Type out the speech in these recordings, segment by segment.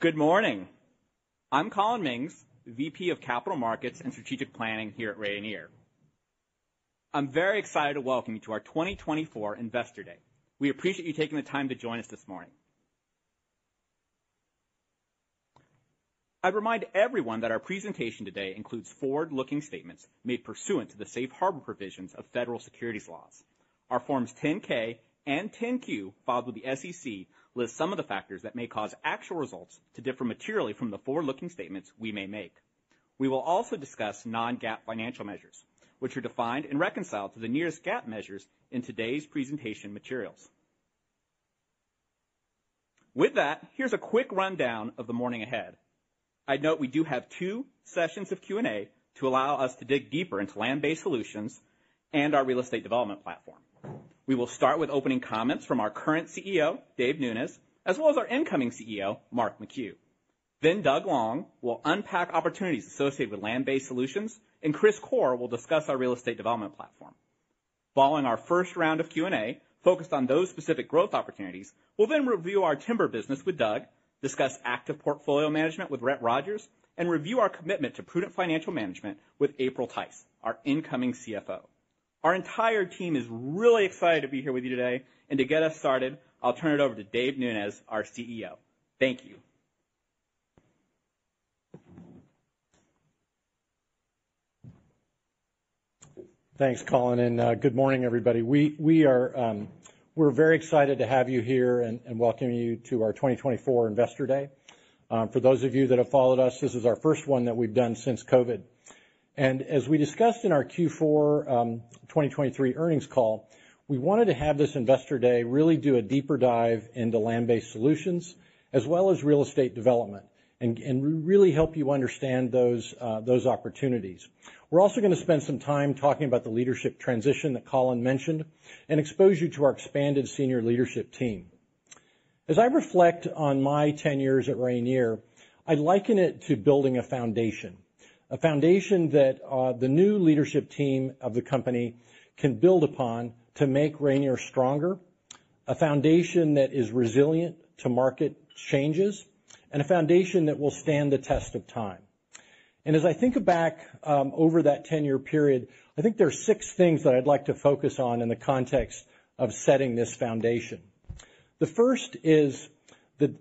Good morning. I'm Collin Mings, VP of Capital Markets and Strategic Planning here at Rayonier. I'm very excited to welcome you to our 2024 Investor Day. We appreciate you taking the time to join us this morning. I'd remind everyone that our presentation today includes forward-looking statements made pursuant to the safe harbor provisions of federal securities laws. Our Forms 10-K and 10-Q, filed with the SEC, list some of the factors that may cause actual results to differ materially from the forward-looking statements we may make. We will also discuss non-GAAP financial measures, which are defined and reconciled to the nearest GAAP measures in today's presentation materials. With that, here's a quick rundown of the morning ahead. I'd note we do have two sessions of Q and A to allow us to dig deeper into Land-Based Solutions and our Real Estate Development platform. We will start with opening comments from our current CEO, Dave Nunes, as well as our incoming CEO, Mark McHugh. Then Doug Long will unpack opportunities associated with Land-Based Solutions, and Chris Corr will discuss our Real Estate Development platform. Following our first round of Q and A, focused on those specific growth opportunities, we'll then review our Timber business with Doug, discuss active portfolio management with Rhett Rogers, and review our commitment to prudent financial management with April Tice, our incoming CFO. Our entire team is really excited to be here with you today, and to get us started, I'll turn it over to Dave Nunes, our CEO. Thank you. Thanks, Collin, and good morning, everybody. We are very excited to have you here and welcome you to our 2024 Investor Day. For those of you that have followed us, this is our first one that we've done since COVID. As we discussed in our Q4 2023 earnings call, we wanted to have this Investor Day really do a deeper dive into Land-Based Solutions, as well as Real Estate Development, and really help you understand those opportunities. We're also gonna spend some time talking about the leadership transition that Collin mentioned, and expose you to our expanded senior leadership team. As I reflect on my 10 years at Rayonier, I liken it to building a foundation, a foundation that the new leadership team of the company can build upon to make Rayonier stronger, a foundation that is resilient to market changes, and a foundation that will stand the test of time. As I think back over that 10-year period, I think there are six things that I'd like to focus on in the context of setting this foundation. The first is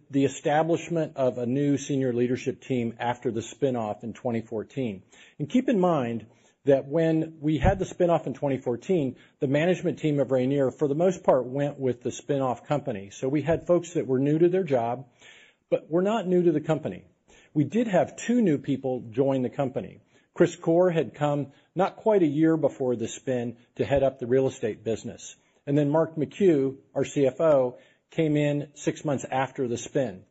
the establishment of a new senior leadership team after the spin-off in 2014. Keep in mind that when we had the spin-off in 2014, the management team of Rayonier, for the most part, went with the spin-off company. We had folks that were new to their job, but were not new to the company. We did have two new people join the company. Chris Corr had come not quite a year before the spin to head up the Real Estate business, and then Mark McHugh, our CFO, came in six months after the spin.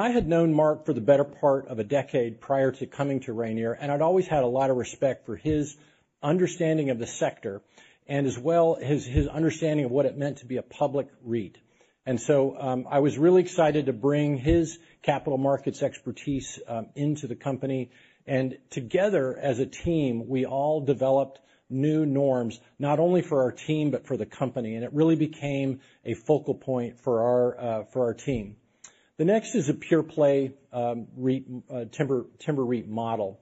I had known Mark for the better part of a decade prior to coming to Rayonier, and I'd always had a lot of respect for his understanding of the sector and as well, his, his understanding of what it meant to be a public REIT. So, I was really excited to bring his capital markets expertise into the company, and together, as a team, we all developed new norms, not only for our team, but for the company, and it really became a focal point for our, for our team. The next is a pure play, REIT, timber, timber REIT model.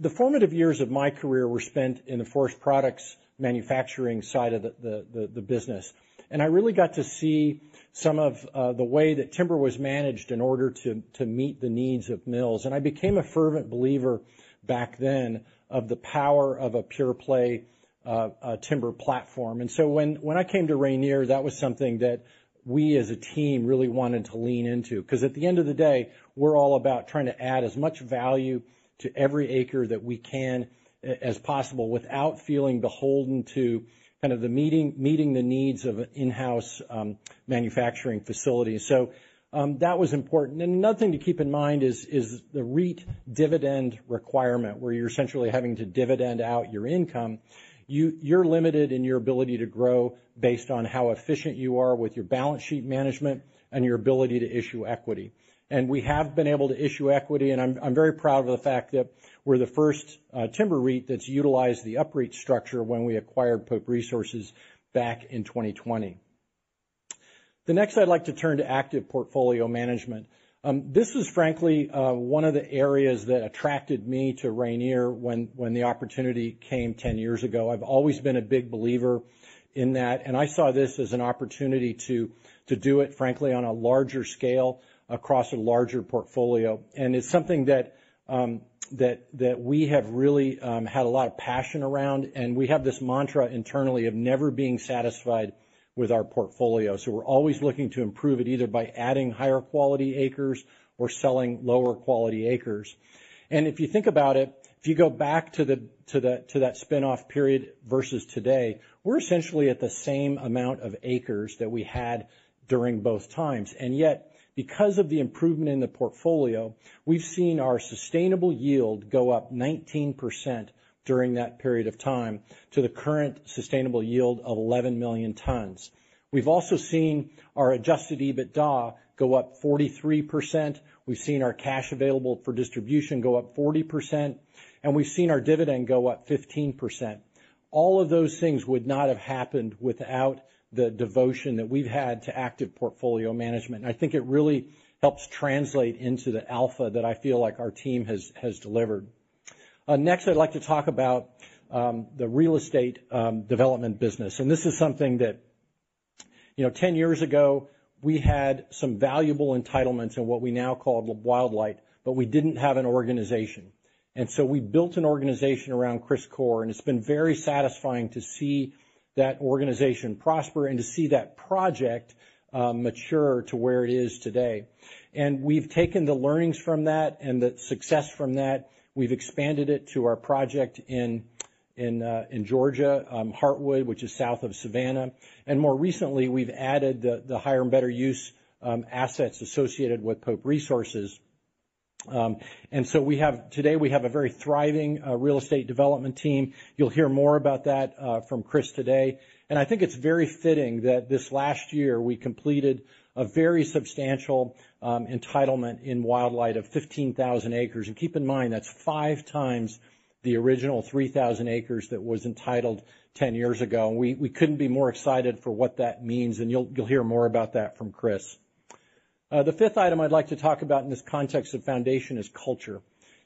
The formative years of my career were spent in the forest products manufacturing side of the business, and I really got to see some of the way that timber was managed in order to meet the needs of mills. And I became a fervent believer back then of the power of a pure play timber platform. And so when I came to Rayonier, that was something that we as a team really wanted to lean into, because at the end of the day, we're all about trying to add as much value to every acre that we can as possible without feeling beholden to kind of the meeting the needs of in-house manufacturing facilities. So, that was important. And another thing to keep in mind is the REIT dividend requirement, where you're essentially having to dividend out your income. You're limited in your ability to grow based on how efficient you are with your balance sheet management and your ability to issue equity. And we have been able to issue equity, and I'm very proud of the fact that we're the first timber REIT that's utilized the UPREIT structure when we acquired Pope Resources back in 2020. The next, I'd like to turn to active portfolio management. This is frankly one of the areas that attracted me to Rayonier when the opportunity came 10 years ago. I've always been a big believer in that, and I saw this as an opportunity to do it, frankly, on a larger scale across a larger portfolio. It's something that we have really had a lot of passion around, and we have this mantra internally of never being satisfied with our portfolio. So we're always looking to improve it, either by adding higher quality acres or selling lower quality acres. And if you think about it, if you go back to that spin-off period versus today, we're essentially at the same amount of acres that we had during both times. And yet, because of the improvement in the portfolio, we've seen our sustainable yield go up 19% during that period of time to the current sustainable yield of 11 million tons. We've also seen our adjusted EBITDA go up 43%. We've seen our cash available for distribution go up 40%, and we've seen our dividend go up 15%. All of those things would not have happened without the devotion that we've had to active portfolio management. I think it really helps translate into the alpha that I feel like our team has, has delivered. Next, I'd like to talk about the Real Estate Development business. And this is something that, you know, 10 years ago, we had some valuable entitlements in what we now call Wildlight, but we didn't have an organization. And so we built an organization around Chris Corr, and it's been very satisfying to see that organization prosper and to see that project mature to where it is today. And we've taken the learnings from that and the success from that. We've expanded it to our project in Georgia, Heartwood, which is south of Savannah. More recently, we've added the higher and better use assets associated with Pope Resources. So today we have a very thriving Real Estate Development team. You'll hear more about that from Chris today. I think it's very fitting that this last year, we completed a very substantial entitlement in Wildlight of 15,000 acres. Keep in mind, that's five times the original 3,000 acres that was entitled 10 years ago, and we couldn't be more excited for what that means, and you'll hear more about that from Chris. The fifth item I'd like to talk about in this context of foundation is culture.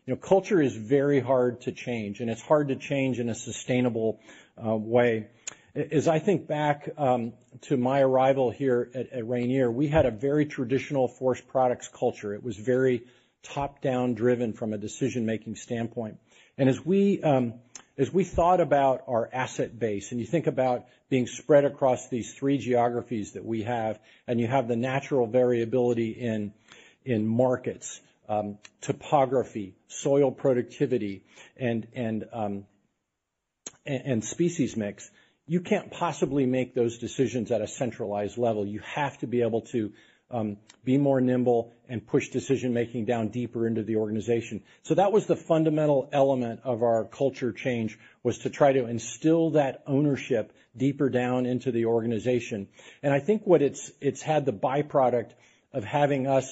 You know, culture is very hard to change, and it's hard to change in a sustainable way. As I think back to my arrival here at Rayonier, we had a very traditional forest products culture. It was very top-down, driven from a decision-making standpoint. And as we thought about our asset base, and you think about being spread across these three geographies that we have, and you have the natural variability in markets, topography, soil productivity, and species mix, you can't possibly make those decisions at a centralized level. You have to be able to be more nimble and push decision-making down deeper into the organization. So that was the fundamental element of our culture change, was to try to instill that ownership deeper down into the organization. And I think what it's had the byproduct of having us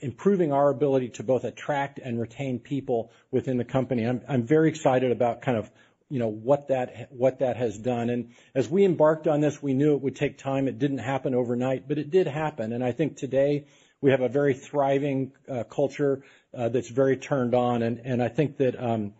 improving our ability to both attract and retain people within the company. I'm very excited about kind of, you know, what that has done. And as we embarked on this, we knew it would take time. It didn't happen overnight, but it did happen. And I think today we have a very thriving culture that's very turned on. And I think that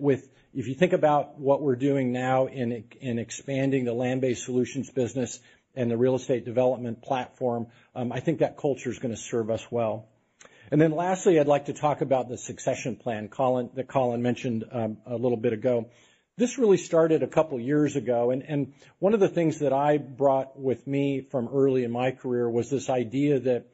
with... If you think about what we're doing now in expanding the Land-Based Solutions business and the Real Estate Development platform, I think that culture is gonna serve us well. And then lastly, I'd like to talk about the succession plan, Collin, that Collin mentioned a little bit ago. This really started a couple of years ago, and one of the things that I brought with me from early in my career was this idea that,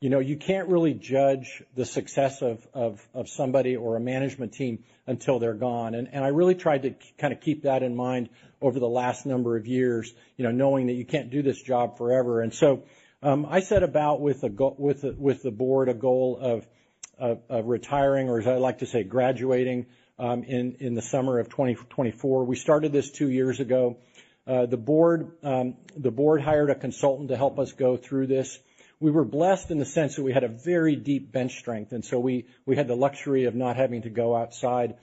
you know, you can't really judge the success of somebody or a management team until they're gone. And I really tried to kinda keep that in mind over the last number of years, you know, knowing that you can't do this job forever. And so, I set about with the board a goal of retiring, or as I like to say, graduating, in the summer of 2024. We started this two years ago. The board hired a consultant to help us go through this. We were blessed in the sense that we had a very deep bench strength, and so we, we had the luxury of not having to go outside.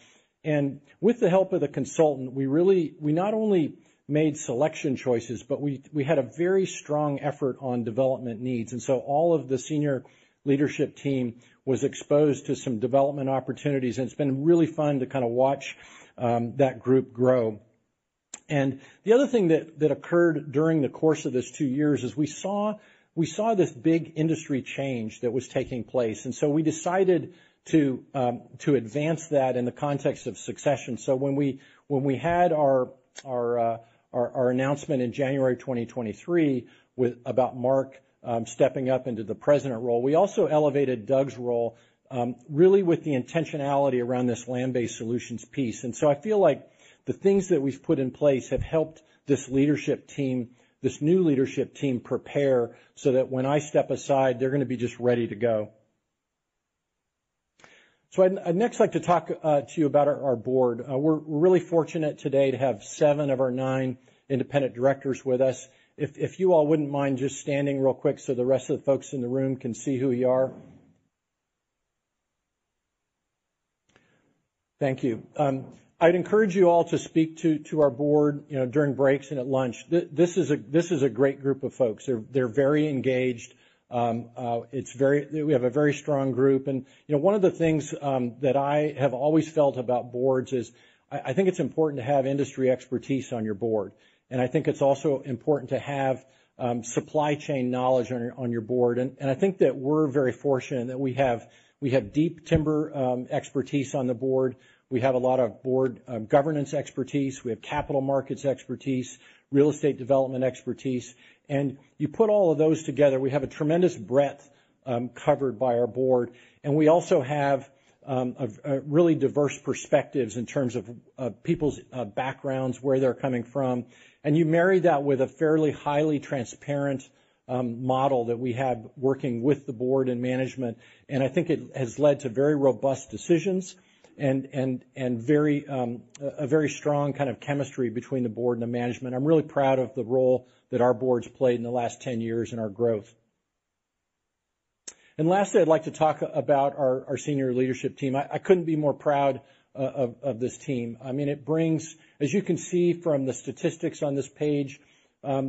And with the help of the consultant, we really, we not only made selection choices, but we, we had a very strong effort on development needs. And so all of the senior leadership team was exposed to some development opportunities, and it's been really fun to kinda watch that group grow. And the other thing that, that occurred during the course of this two years is we saw, we saw this big industry change that was taking place, and so we decided to to advance that in the context of succession. So when we had our announcement in January 2023 about Mark stepping up into the President role, we also elevated Doug's role really with the intentionality around this Land-Based Solutions piece. And so I feel like the things that we've put in place have helped this leadership team, this new leadership team, prepare so that when I step aside, they're gonna be just ready to go. So I'd next like to talk to you about our board. We're really fortunate today to have seven of our nine independent directors with us. If you all wouldn't mind just standing real quick so the rest of the folks in the room can see who you are. Thank you. I'd encourage you all to speak to our board, you know, during breaks and at lunch. This is a great group of folks. They're very engaged. We have a very strong group. You know, one of the things that I have always felt about boards is I think it's important to have industry expertise on your board, and I think it's also important to have supply chain knowledge on your board. I think that we're very fortunate that we have deep timber expertise on the board. We have a lot of board governance expertise, we have capital markets expertise, Real Estate Development expertise. You put all of those together, we have a tremendous breadth covered by our board, and we also have a really diverse perspectives in terms of people's backgrounds, where they're coming from. You marry that with a fairly highly transparent model that we have working with the board and management, and I think it has led to very robust decisions and a very strong kind of chemistry between the board and the management. I'm really proud of the role that our board's played in the last 10 years in our growth.... Lastly, I'd like to talk about our senior leadership team. I couldn't be more proud of this team. I mean, it brings. As you can see from the statistics on this page,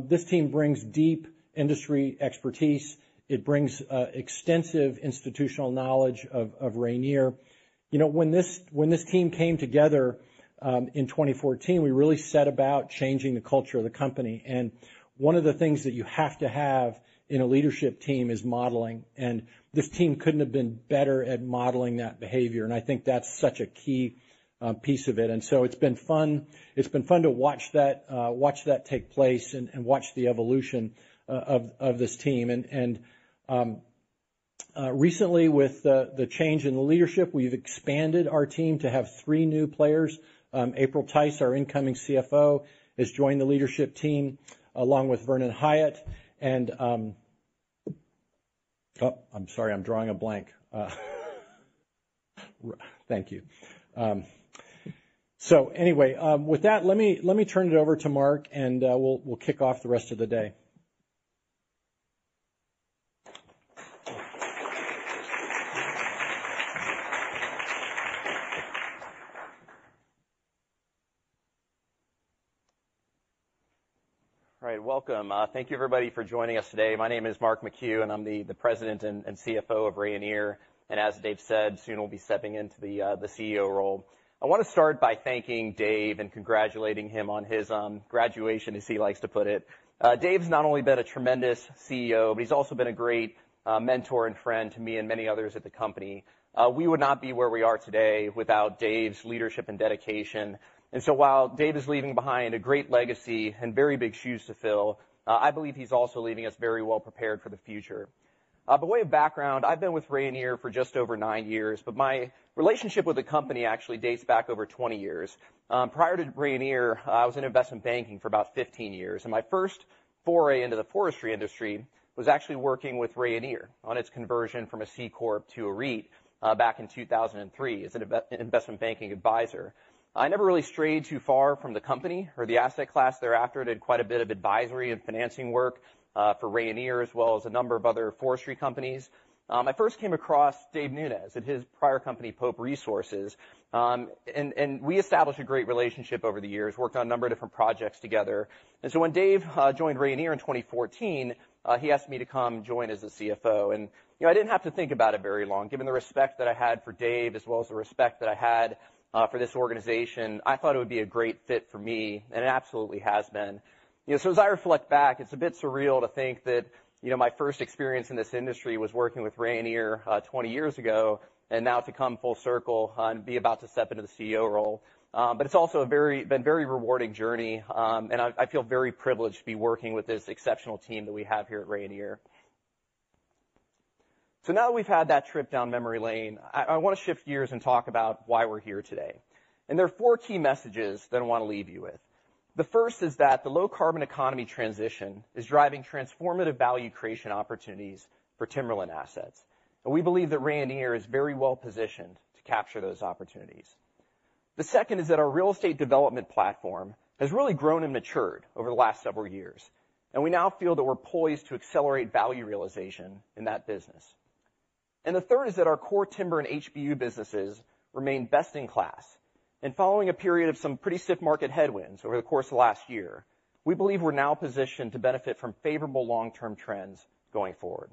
this team brings deep industry expertise. It brings extensive institutional knowledge of Rayonier. You know, when this team came together in 2014, we really set about changing the culture of the company. And one of the things that you have to have in a leadership team is modeling, and this team couldn't have been better at modeling that behavior. And I think that's such a key piece of it. And so it's been fun. It's been fun to watch that take place and recently, with the change in the leadership, we've expanded our team to have three new players. April Tice, our incoming CFO, has joined the leadership team, along with Vernon Hyatt, and... Oh, I'm sorry, I'm drawing a blank. Thank you. So anyway, with that, let me turn it over to Mark, and we'll kick off the rest of the day. All right, welcome. Thank you, everybody, for joining us today. My name is Mark McHugh, and I'm the President and CFO of Rayonier. And as Dave said, soon I'll be stepping into the CEO role. I wanna start by thanking Dave and congratulating him on his graduation, as he likes to put it. Dave's not only been a tremendous CEO, but he's also been a great mentor and friend to me and many others at the company. We would not be where we are today without Dave's leadership and dedication. And so while Dave is leaving behind a great legacy and very big shoes to fill, I believe he's also leaving us very well prepared for the future. By way of background, I've been with Rayonier for just over nine years, but my relationship with the company actually dates back over 20 years. Prior to Rayonier, I was in investment banking for about 15 years, and my first foray into the forestry industry was actually working with Rayonier on its conversion from a C Corp to a REIT, back in 2003 as an investment banking advisor. I never really strayed too far from the company or the asset class thereafter, did quite a bit of advisory and financing work, for Rayonier, as well as a number of other forestry companies. I first came across Dave Nunes at his prior company, Pope Resources, and we established a great relationship over the years, worked on a number of different projects together. When Dave joined Rayonier in 2014, he asked me to come join as the CFO. You know, I didn't have to think about it very long. Given the respect that I had for Dave, as well as the respect that I had for this organization, I thought it would be a great fit for me, and it absolutely has been. You know, so as I reflect back, it's a bit surreal to think that, you know, my first experience in this industry was working with Rayonier 20 years ago, and now to come full circle, and be about to step into the CEO role. But it's also been a very rewarding journey, and I feel very privileged to be working with this exceptional team that we have here at Rayonier. So now that we've had that trip down memory lane, I, I wanna shift gears and talk about why we're here today, and there are four key messages that I wanna leave you with. The first is that the low-carbon economy transition is driving transformative value creation opportunities for timberland assets, and we believe that Rayonier is very well positioned to capture those opportunities. The second is that our Real Estate Development platform has really grown and matured over the last several years, and we now feel that we're poised to accelerate value realization in that business. And the third is that our core timber and HBU businesses remain best in class. And following a period of some pretty stiff market headwinds over the course of last year, we believe we're now positioned to benefit from favorable long-term trends going forward.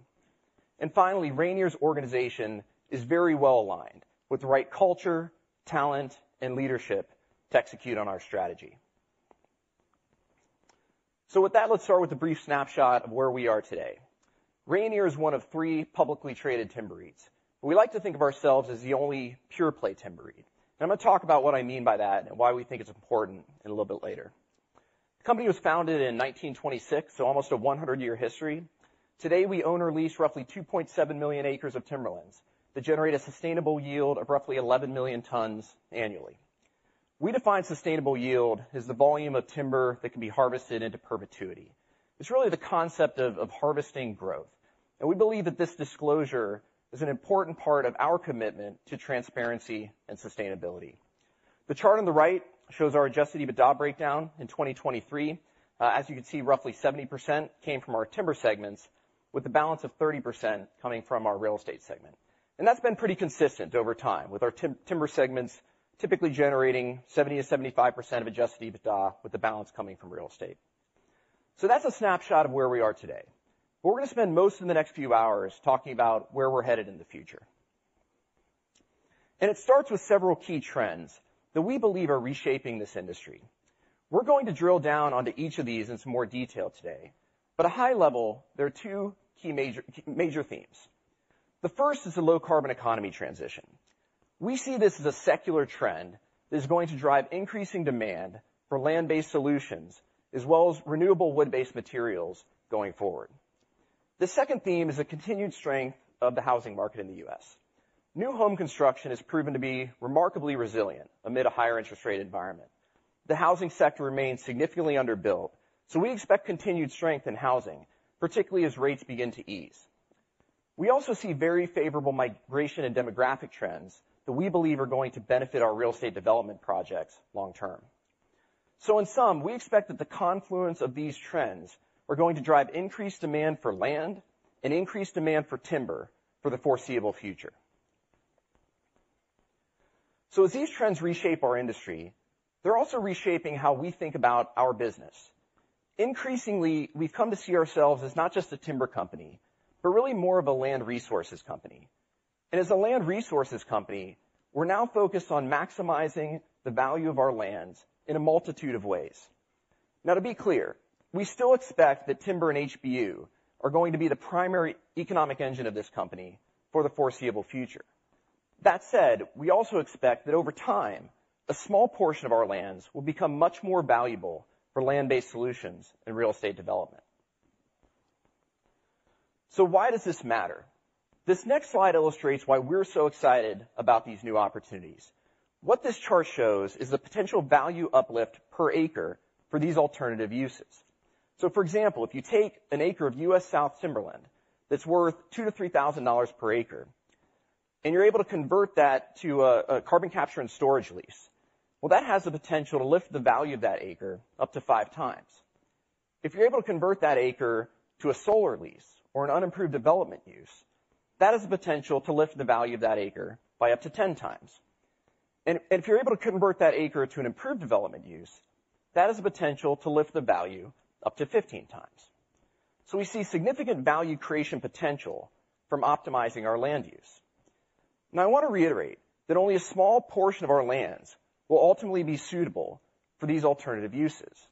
And finally, Rayonier's organization is very well aligned with the right culture, talent, and leadership to execute on our strategy. So with that, let's start with a brief snapshot of where we are today. Rayonier is one of three publicly traded timber REITs, but we like to think of ourselves as the only pure-play timber REIT. I'm gonna talk about what I mean by that and why we think it's important a little bit later. The company was founded in 1926, so almost a 100-year history. Today, we own or lease roughly 2.7 million acres of timberlands that generate a sustainable yield of roughly 11 million tons annually. We define sustainable yield as the volume of timber that can be harvested into perpetuity. It's really the concept of harvesting growth, and we believe that this disclosure is an important part of our commitment to transparency and sustainability. The chart on the right shows our adjusted EBITDA breakdown in 2023. As you can see, roughly 70% came from our Timber segments, with the balance of 30% coming from our Real Estate segment. And that's been pretty consistent over time, with our Timber segments typically generating 70%-75% of adjusted EBITDA, with the balance coming from Real Estate. So that's a snapshot of where we are today, but we're gonna spend most of the next few hours talking about where we're headed in the future. And it starts with several key trends that we believe are reshaping this industry. We're going to drill down onto each of these in some more detail today, but at high level, there are two key major, major themes. The first is the low-carbon economy transition. We see this as a secular trend that is going to drive increasing demand for Land-Based Solutions, as well as renewable wood-based materials going forward. The second theme is the continued strength of the housing market in the U.S. New home construction has proven to be remarkably resilient amid a higher interest rate environment. The housing sector remains significantly underbuilt, so we expect continued strength in housing, particularly as rates begin to ease. We also see very favorable migration and demographic trends that we believe are going to benefit our Real Estate Development projects long term. So in sum, we expect that the confluence of these trends are going to drive increased demand for land and increased demand for timber for the foreseeable future. So as these trends reshape our industry, they're also reshaping how we think about our business. Increasingly, we've come to see ourselves as not just a timber company, but really more of a land resources company. And as a land resources company, we're now focused on maximizing the value of our lands in a multitude of ways. Now, to be clear, we still expect that timber and HBU are going to be the primary economic engine of this company for the foreseeable future. That said, we also expect that over time, a small portion of our lands will become much more valuable for Land-Based Solutions and Real Estate Development. So why does this matter? This next slide illustrates why we're so excited about these new opportunities. What this chart shows is the potential value uplift per acre for these alternative uses. So for example, if you take an acre of U.S. South timberland that's worth $2,000-$3,000 per acre, and you're able to convert that to a carbon capture and storage lease, well, that has the potential to lift the value of that acre up to 5x. If you're able to convert that acre to a solar lease or an unimproved development use, that has the potential to lift the value of that acre by up to 10x. And if you're able to convert that acre to an improved development use, that has the potential to lift the value up to 15x. So we see significant value creation potential from optimizing our land use. Now, I want to reiterate that only a small portion of our lands will ultimately be suitable for these alternative uses.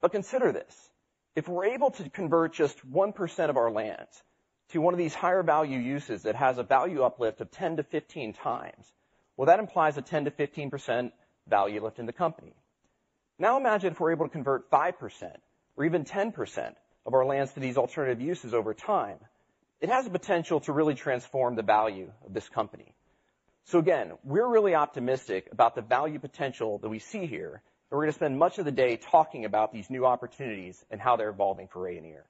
But consider this, if we're able to convert just 1% of our lands to one of these higher value uses that has a value uplift of 10x-15x, well, that implies a 10%-15% value lift in the company. Now, imagine if we're able to convert 5% or even 10% of our lands to these alternative uses over time, it has the potential to really transform the value of this company. So again, we're really optimistic about the value potential that we see here, and we're going to spend much of the day talking about these new opportunities and how they're evolving for Rayonier.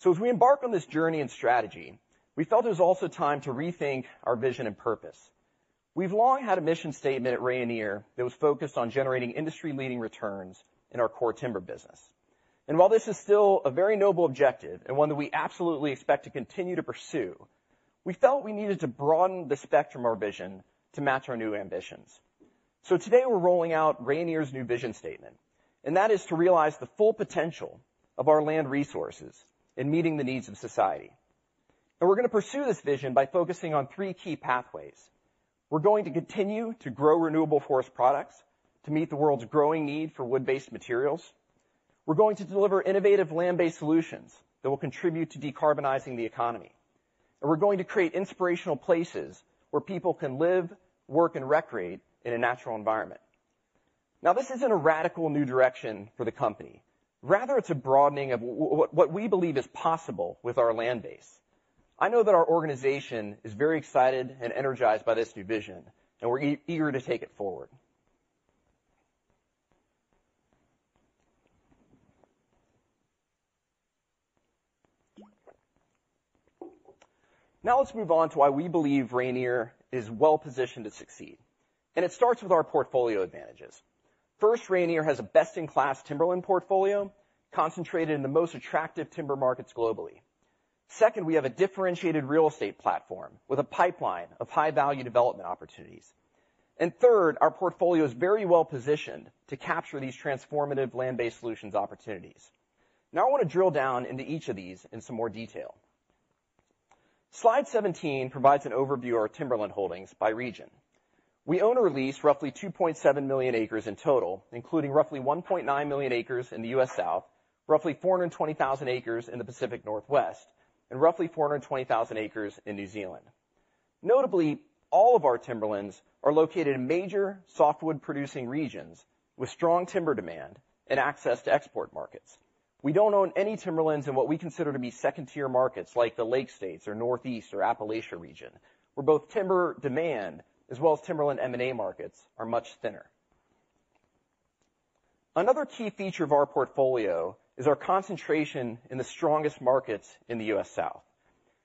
So as we embark on this journey and strategy, we felt it was also time to rethink our vision and purpose. We've long had a mission statement at Rayonier that was focused on generating industry-leading returns in our core Timber business. And while this is still a very noble objective and one that we absolutely expect to continue to pursue, we felt we needed to broaden the spectrum of our vision to match our new ambitions. So today, we're rolling out Rayonier's new vision statement, and that is to realize the full potential of our land resources in meeting the needs of society. And we're going to pursue this vision by focusing on three key pathways. We're going to continue to grow renewable forest products to meet the world's growing need for wood-based materials. We're going to deliver innovative Land-Based Solutions that will contribute to decarbonizing the economy. We're going to create inspirational places where people can live, work, and recreate in a natural environment. Now, this isn't a radical new direction for the company. Rather, it's a broadening of what we believe is possible with our land base. I know that our organization is very excited and energized by this new vision, and we're eager to take it forward. Now, let's move on to why we believe Rayonier is well-positioned to succeed, and it starts with our portfolio advantages. First, Rayonier has a best-in-class timberland portfolio concentrated in the most attractive timber markets globally. Second, we have a differentiated real estate platform with a pipeline of high-value development opportunities. And third, our portfolio is very well-positioned to capture these transformative Land-Based Solutions opportunities. Now, I want to drill down into each of these in some more detail. Slide 17 provides an overview of our timberland holdings by region. We own or lease roughly 2.7 million acres in total, including roughly 1.9 million acres in the U.S. South, roughly 420,000 acres in the Pacific Northwest, and roughly 420,000 acres in New Zealand. Notably, all of our timberlands are located in major softwood-producing regions with strong timber demand and access to export markets. We don't own any timberlands in what we consider to be second-tier markets, like the Lake States or Northeast or Appalachia region, where both timber demand as well as timberland M&A markets are much thinner. Another key feature of our portfolio is our concentration in the strongest markets in the U.S. South.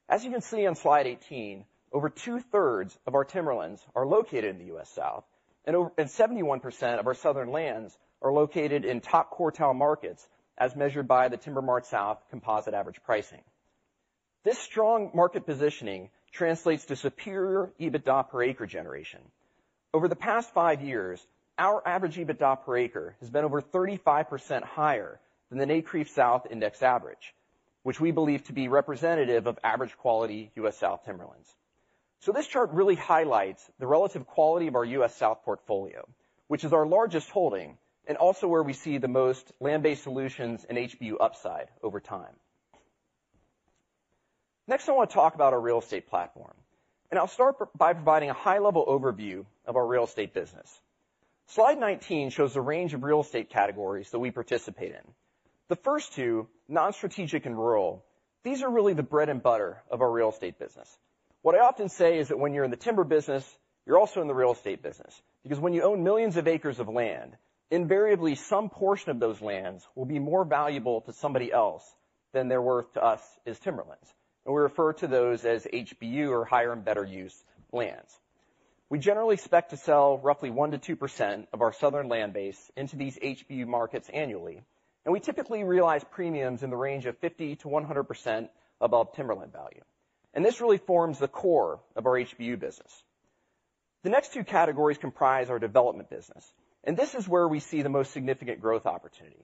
As you can see on slide 18, over two-thirds of our timberlands are located in the U.S. South, and and 71% of our southern lands are located in top quartile markets, as measured by the TimberMart-South composite average pricing. This strong market positioning translates to superior EBITDA per acre generation. Over the past five years, our average EBITDA per acre has been over 35% higher than the NCREIF South Index average, which we believe to be representative of average quality U.S. South timberlands. So this chart really highlights the relative quality of our U.S. South portfolio, which is our largest holding and also where we see the most Land-Based Solutions and HBU upside over time. Next, I want to talk about our real estate platform, and I'll start by providing a high-level overview of our Real Estate business. Slide 19 shows the range of real estate categories that we participate in. The first two, non-strategic and rural, these are really the bread and butter of our Real Estate business. What I often say is that when you're in the Timber business, you're also in the real estate business, because when you own millions of acres of land, invariably, some portion of those lands will be more valuable to somebody else than they're worth to us as timberlands, and we refer to those as HBU, or Higher and Better Use lands. We generally expect to sell roughly 1%-2% of our southern land base into these HBU markets annually, and we typically realize premiums in the range of 50%-100% above timberland value. This really forms the core of our HBU business. The next two categories comprise our development business, and this is where we see the most significant growth opportunity.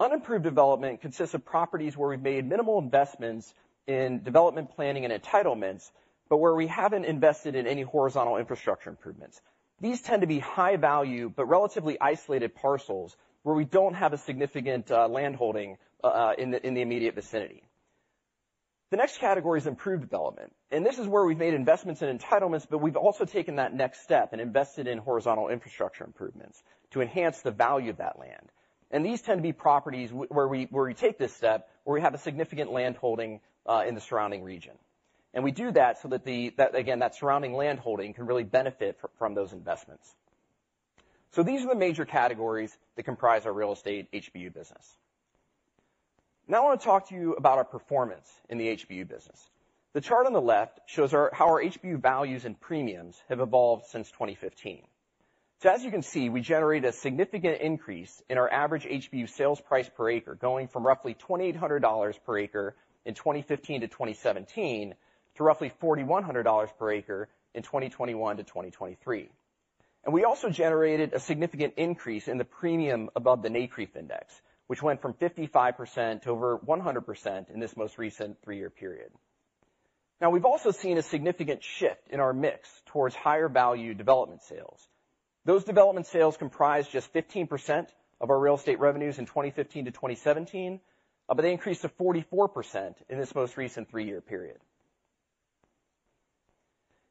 Unimproved development consists of properties where we've made minimal investments in development planning and entitlements, but where we haven't invested in any horizontal infrastructure improvements. These tend to be high value, but relatively isolated parcels, where we don't have a significant land holding in the immediate vicinity. The next category is improved development, and this is where we've made investments in entitlements, but we've also taken that next step and invested in horizontal infrastructure improvements to enhance the value of that land. These tend to be properties where we take this step, where we have a significant land holding in the surrounding region. We do that so that the—that, again, that surrounding land holding can really benefit from those investments. So these are the major categories that comprise our real estate HBU business. Now I want to talk to you about our performance in the HBU business. The chart on the left shows our—how our HBU values and premiums have evolved since 2015. So as you can see, we generate a significant increase in our average HBU sales price per acre, going from roughly $2,800 per acre in 2015-2017, to roughly $4,100 per acre in 2021-2023. And we also generated a significant increase in the premium above the NCREIF index, which went from 55% to over 100% in this most recent three-year period. Now, we've also seen a significant shift in our mix towards higher value development sales. Those development sales comprised just 15% of our real estate revenues in 2015-2017, but they increased to 44% in this most recent three-year period.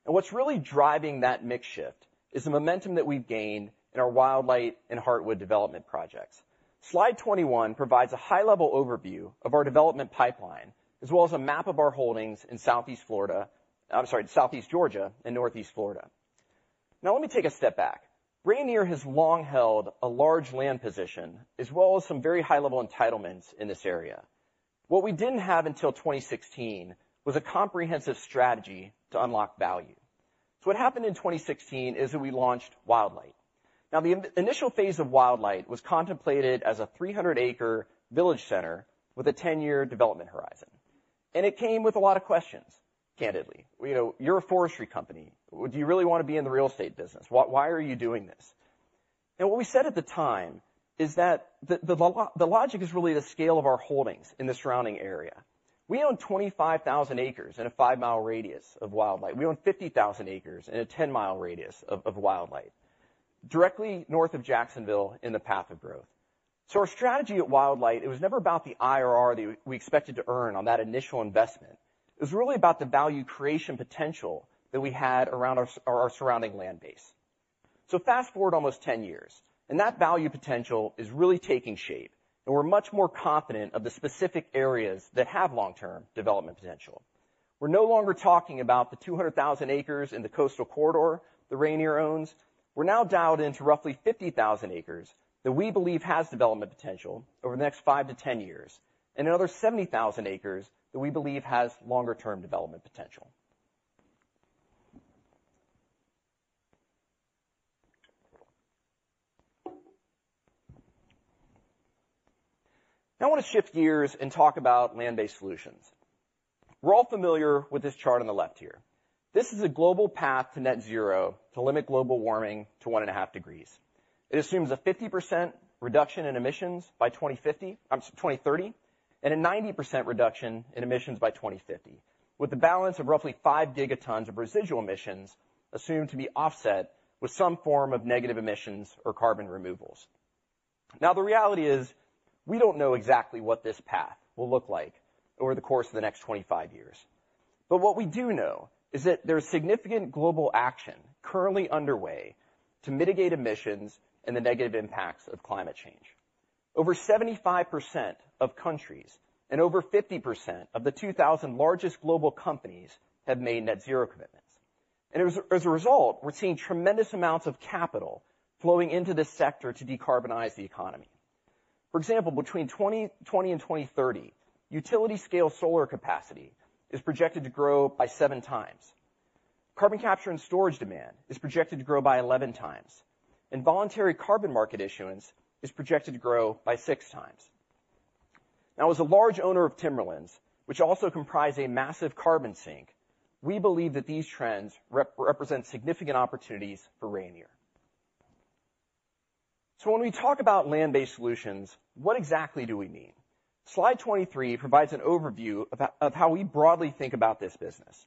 What's really driving that mix shift is the momentum that we've gained in our Wildlight and Heartwood development projects. Slide 21 provides a high-level overview of our development pipeline, as well as a map of our holdings in Southeast Florida - I'm sorry, Southeast Georgia and Northeast Florida. Now let me take a step back. Rayonier has long held a large land position, as well as some very high-level entitlements in this area. What we didn't have until 2016 was a comprehensive strategy to unlock value. What happened in 2016 is that we launched Wildlight. Now, the initial phase of Wildlight was contemplated as a 300-acre village center with a 10-year development horizon. And it came with a lot of questions, candidly. You know, "You're a forestry company. Do you really want to be in the real estate business? Why, why are you doing this?" And what we said at the time is that, the logic is really the scale of our holdings in the surrounding area. We own 25,000 acres in a 5-mile radius of Wildlight. We own 50,000 acres in a 10-mi radius of Wildlight, directly north of Jacksonville in the path of growth. So our strategy at Wildlight, it was never about the IRR that we expected to earn on that initial investment. It was really about the value creation potential that we had around our surrounding land base. So fast-forward almost 10 years, and that value potential is really taking shape, and we're much more confident of the specific areas that have long-term development potential. We're no longer talking about the 200,000 acres in the Coastal Corridor that Rayonier owns. We're now dialed into roughly 50,000 acres that we believe has development potential over the next five-10 years, and another 70,000 acres that we believe has longer-term development potential. Now I want to shift gears and talk about Land-Based Solutions. We're all familiar with this chart on the left here. This is a global path to Net Zero to limit global warming to 1.5 degrees. It assumes a 50% reduction in emissions by 2050, 2030, and a 90% reduction in emissions by 2050, with the balance of roughly 5 Gt of residual emissions assumed to be offset with some form of negative emissions or carbon removals. Now, the reality is, we don't know exactly what this path will look like over the course of the next 25 years. But what we do know is that there's significant global action currently underway to mitigate emissions and the negative impacts of climate change. Over 75% of countries and over 50% of the 2,000 largest global companies have made net zero commitments. And as a result, we're seeing tremendous amounts of capital flowing into this sector to decarbonize the economy. For example, between 2020 and 2030, utility scale solar capacity is projected to grow 7x. Carbon capture and storage demand is projected to grow 11x, and voluntary carbon market issuance is projected to grow 6x. Now, as a large owner of timberlands, which also comprise a massive carbon sink, we believe that these trends represent significant opportunities for Rayonier. So when we talk about Land-Based Solutions, what exactly do we mean? Slide 23 provides an overview of how we broadly think about this business.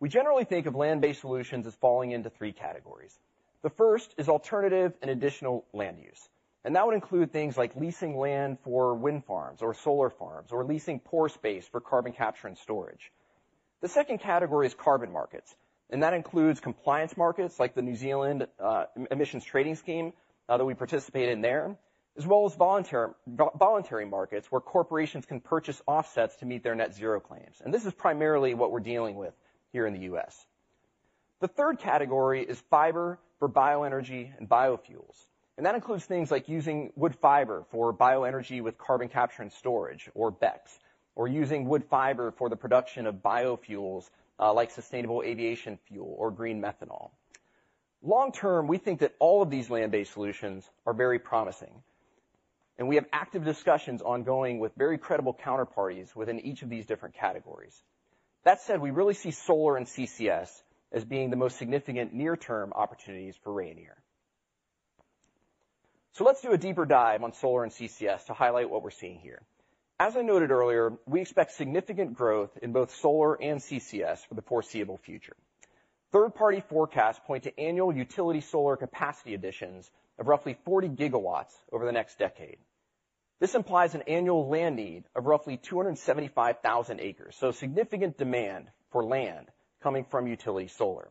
We generally think of Land-Based Solutions as falling into three categories. The first is alternative and additional land use, and that would include things like leasing land for wind farms or solar farms, or leasing pore space for carbon capture and storage. The second category is carbon markets, and that includes compliance markets like the New Zealand Emissions Trading Scheme that we participate in there, as well as voluntary markets, where corporations can purchase offsets to meet their net zero claims. This is primarily what we're dealing with here in the U.S. The third category is fiber for bioenergy and biofuels, and that includes things like using wood fiber for bioenergy with carbon capture and storage, or BECCS, or using wood fiber for the production of biofuels, like sustainable aviation fuel or green methanol. Long term, we think that all of these Land-Based Solutions are very promising, and we have active discussions ongoing with very credible counterparties within each of these different categories. That said, we really see solar and CCS as being the most significant near-term opportunities for Rayonier. So let's do a deeper dive on solar and CCS to highlight what we're seeing here. As I noted earlier, we expect significant growth in both solar and CCS for the foreseeable future. Third-party forecasts point to annual utility solar capacity additions of roughly 40 GW over the next decade. This implies an annual land need of roughly 275,000 acres, so significant demand for land coming from utility solar.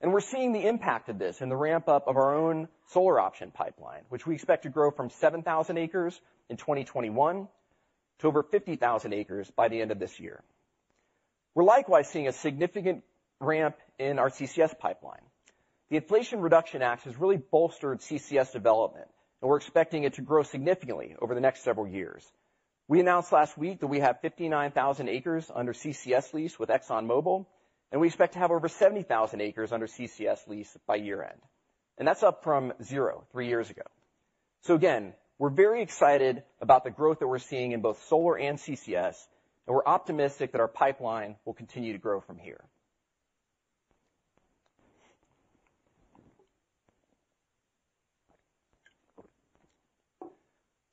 And we're seeing the impact of this in the ramp-up of our own solar option pipeline, which we expect to grow from 7,000 acres in 2021 to over 50,000 acres by the end of this year. We're likewise seeing a significant ramp in our CCS pipeline. The Inflation Reduction Act has really bolstered CCS development, and we're expecting it to grow significantly over the next several years. We announced last week that we have 59,000 acres under CCS lease with ExxonMobil, and we expect to have over 70,000 acres under CCS lease by year-end. That's up from zero, three years ago. So again, we're very excited about the growth that we're seeing in both solar and CCS, and we're optimistic that our pipeline will continue to grow from here.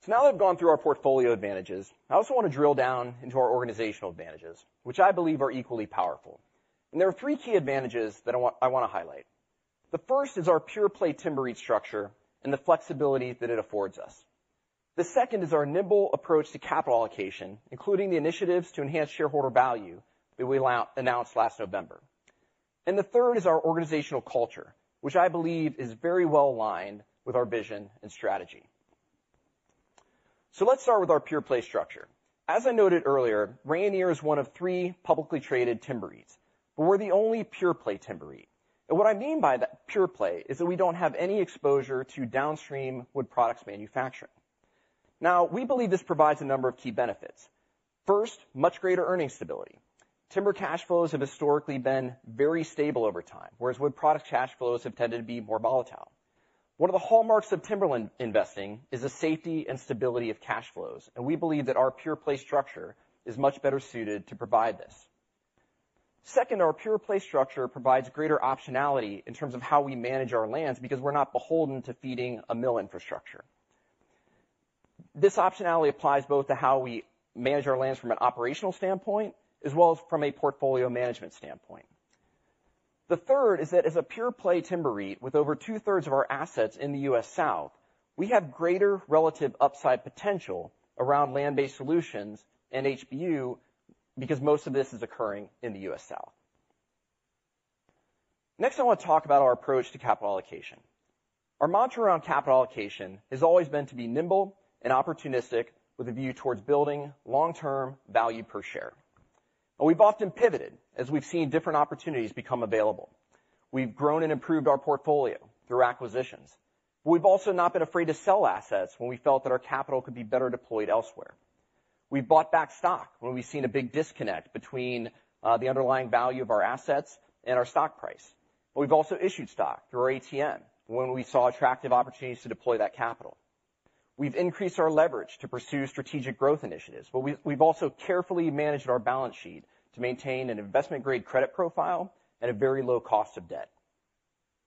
So now that I've gone through our portfolio advantages, I also want to drill down into our organizational advantages, which I believe are equally powerful. There are three key advantages that I want, I wanna highlight. The first is our pure-play timber REIT structure and the flexibility that it affords us. The second is our nimble approach to capital allocation, including the initiatives to enhance shareholder value that we announced last November. The third is our organizational culture, which I believe is very well aligned with our vision and strategy. Let's start with our pure-play structure. As I noted earlier, Rayonier is one of three publicly traded timber REITs, but we're the only pure-play timber REIT. What I mean by that pure-play is that we don't have any exposure to downstream wood products manufacturing. Now, we believe this provides a number of key benefits. First, much greater earning stability. Timber cash flows have historically been very stable over time, whereas wood product cash flows have tended to be more volatile. One of the hallmarks of timberland investing is the safety and stability of cash flows, and we believe that our pure-play structure is much better suited to provide this. Second, our pure-play structure provides greater optionality in terms of how we manage our lands, because we're not beholden to feeding a mill infrastructure. This optionality applies both to how we manage our lands from an operational standpoint, as well as from a portfolio management standpoint. The third is that as a pure-play timber REIT, with over two-thirds of our assets in the U.S. South, we have greater relative upside potential around Land-Based Solutions and HBU because most of this is occurring in the U.S. South. Next, I want to talk about our approach to capital allocation. Our mantra around capital allocation has always been to be nimble and opportunistic, with a view towards building long-term value per share. We've often pivoted as we've seen different opportunities become available. We've grown and improved our portfolio through acquisitions, but we've also not been afraid to sell assets when we felt that our capital could be better deployed elsewhere. We've bought back stock when we've seen a big disconnect between the underlying value of our assets and our stock price. But we've also issued stock through our ATM when we saw attractive opportunities to deploy that capital. We've increased our leverage to pursue strategic growth initiatives, but we, we've also carefully managed our balance sheet to maintain an investment-grade credit profile at a very low cost of debt.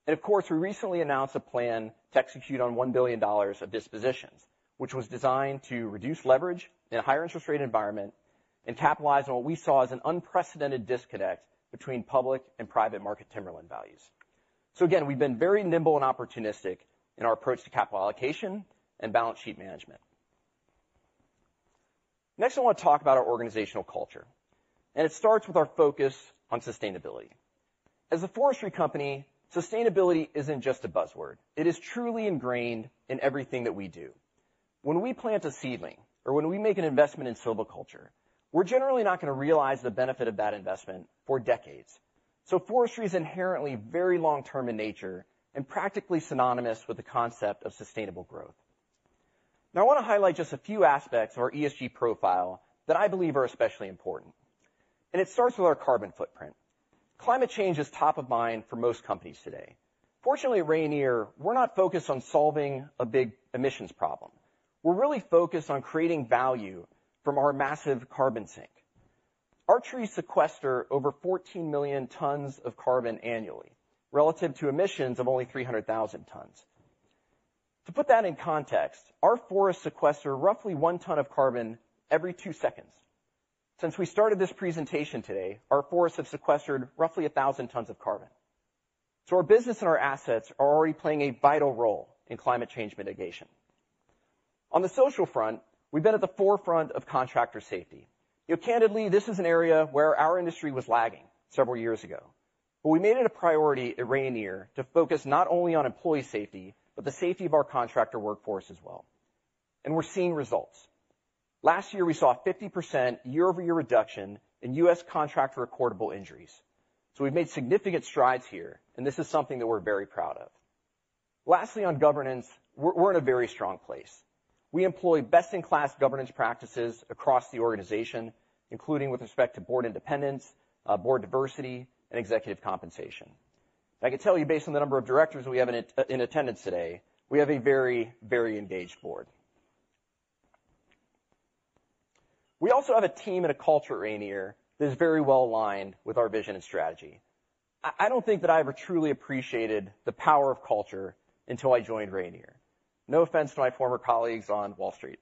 And of course, we recently announced a plan to execute on $1 billion of dispositions, which was designed to reduce leverage in a higher interest rate environment and capitalize on what we saw as an unprecedented disconnect between public and private market timberland values. So again, we've been very nimble and opportunistic in our approach to capital allocation and balance sheet management. Next, I want to talk about our organizational culture, and it starts with our focus on sustainability. As a forestry company, sustainability isn't just a buzzword. It is truly ingrained in everything that we do. When we plant a seedling or when we make an investment in silviculture, we're generally not gonna realize the benefit of that investment for decades. So forestry is inherently very long-term in nature and practically synonymous with the concept of sustainable growth. Now, I want to highlight just a few aspects of our ESG profile that I believe are especially important, and it starts with our carbon footprint. Climate change is top of mind for most companies today. Fortunately, at Rayonier, we're not focused on solving a big emissions problem. We're really focused on creating value from our massive carbon sink. Our trees sequester over 14 million tons of carbon annually, relative to emissions of only 300,000 tons. To put that in context, our forests sequester roughly one ton of carbon every two seconds. Since we started this presentation today, our forests have sequestered roughly 1,000 tons of carbon. So our business and our assets are already playing a vital role in climate change mitigation. On the social front, we've been at the forefront of contractor safety. You know, candidly, this is an area where our industry was lagging several years ago, but we made it a priority at Rayonier to focus not only on employee safety, but the safety of our contractor workforce as well, and we're seeing results. Last year, we saw a 50% year-over-year reduction in U.S. contractor recordable injuries. So we've made significant strides here, and this is something that we're very proud of. Lastly, on governance, we're in a very strong place. We employ best-in-class governance practices across the organization, including with respect to board independence, board diversity, and executive compensation. I can tell you based on the number of directors we have in attendance today, we have a very, very engaged board. We also have a team and a culture at Rayonier that is very well aligned with our vision and strategy. I don't think that I ever truly appreciated the power of culture until I joined Rayonier. No offense to my former colleagues on Wall Street.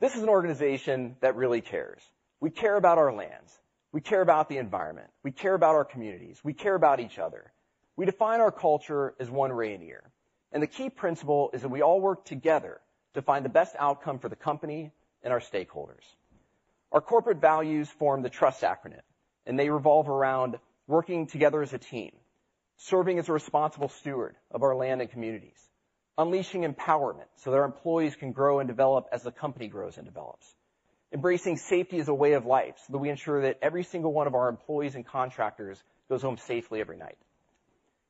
This is an organization that really cares. We care about our lands, we care about the environment, we care about our communities, we care about each other. We define our culture as One Rayonier, and the key principle is that we all work together to find the best outcome for the company and our stakeholders. Our corporate values form the TRUST acronym, and they revolve around working together as a team, serving as a responsible steward of our land and communities, unleashing empowerment so that our employees can grow and develop as the company grows and develops. Embracing safety as a way of life, so that we ensure that every single one of our employees and contractors goes home safely every night.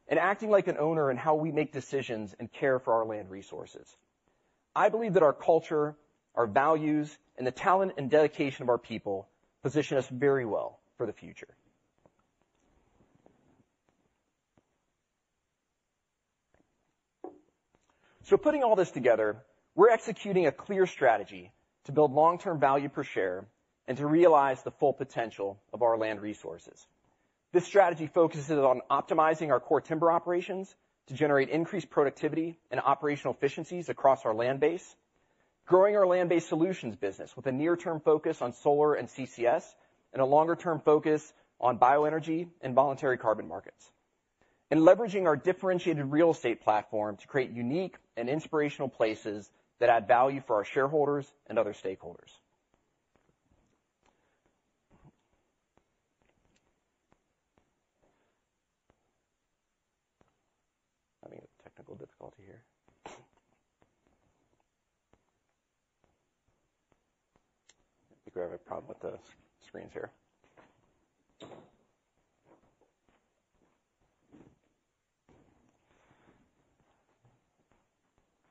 And acting like an owner in how we make decisions and care for our land resources. I believe that our culture, our values, and the talent and dedication of our people position us very well for the future. So putting all this together, we're executing a clear strategy to build long-term value per share and to realize the full potential of our land resources. This strategy focuses on optimizing our core timber operations to generate increased productivity and operational efficiencies across our land base. Growing our Land-Based Solutions business with a near-term focus on solar and CCS, and a longer-term focus on bioenergy and voluntary carbon markets. And leveraging our differentiated real estate platform to create unique and inspirational places that add value for our shareholders and other stakeholders. Having a technical difficulty here. We have a problem with the screens here.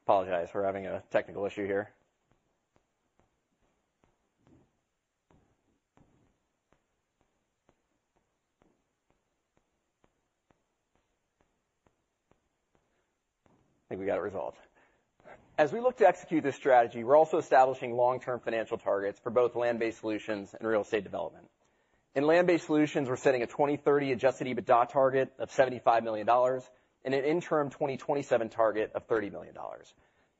Apologize, we're having a technical issue here. I think we got it resolved. As we look to execute this strategy, we're also establishing long-term financial targets for both Land-Based Solutions and Real Estate Development. In Land-Based Solutions, we're setting a 2030 adjusted EBITDA target of $75 million and an interim 2027 target of $30 million.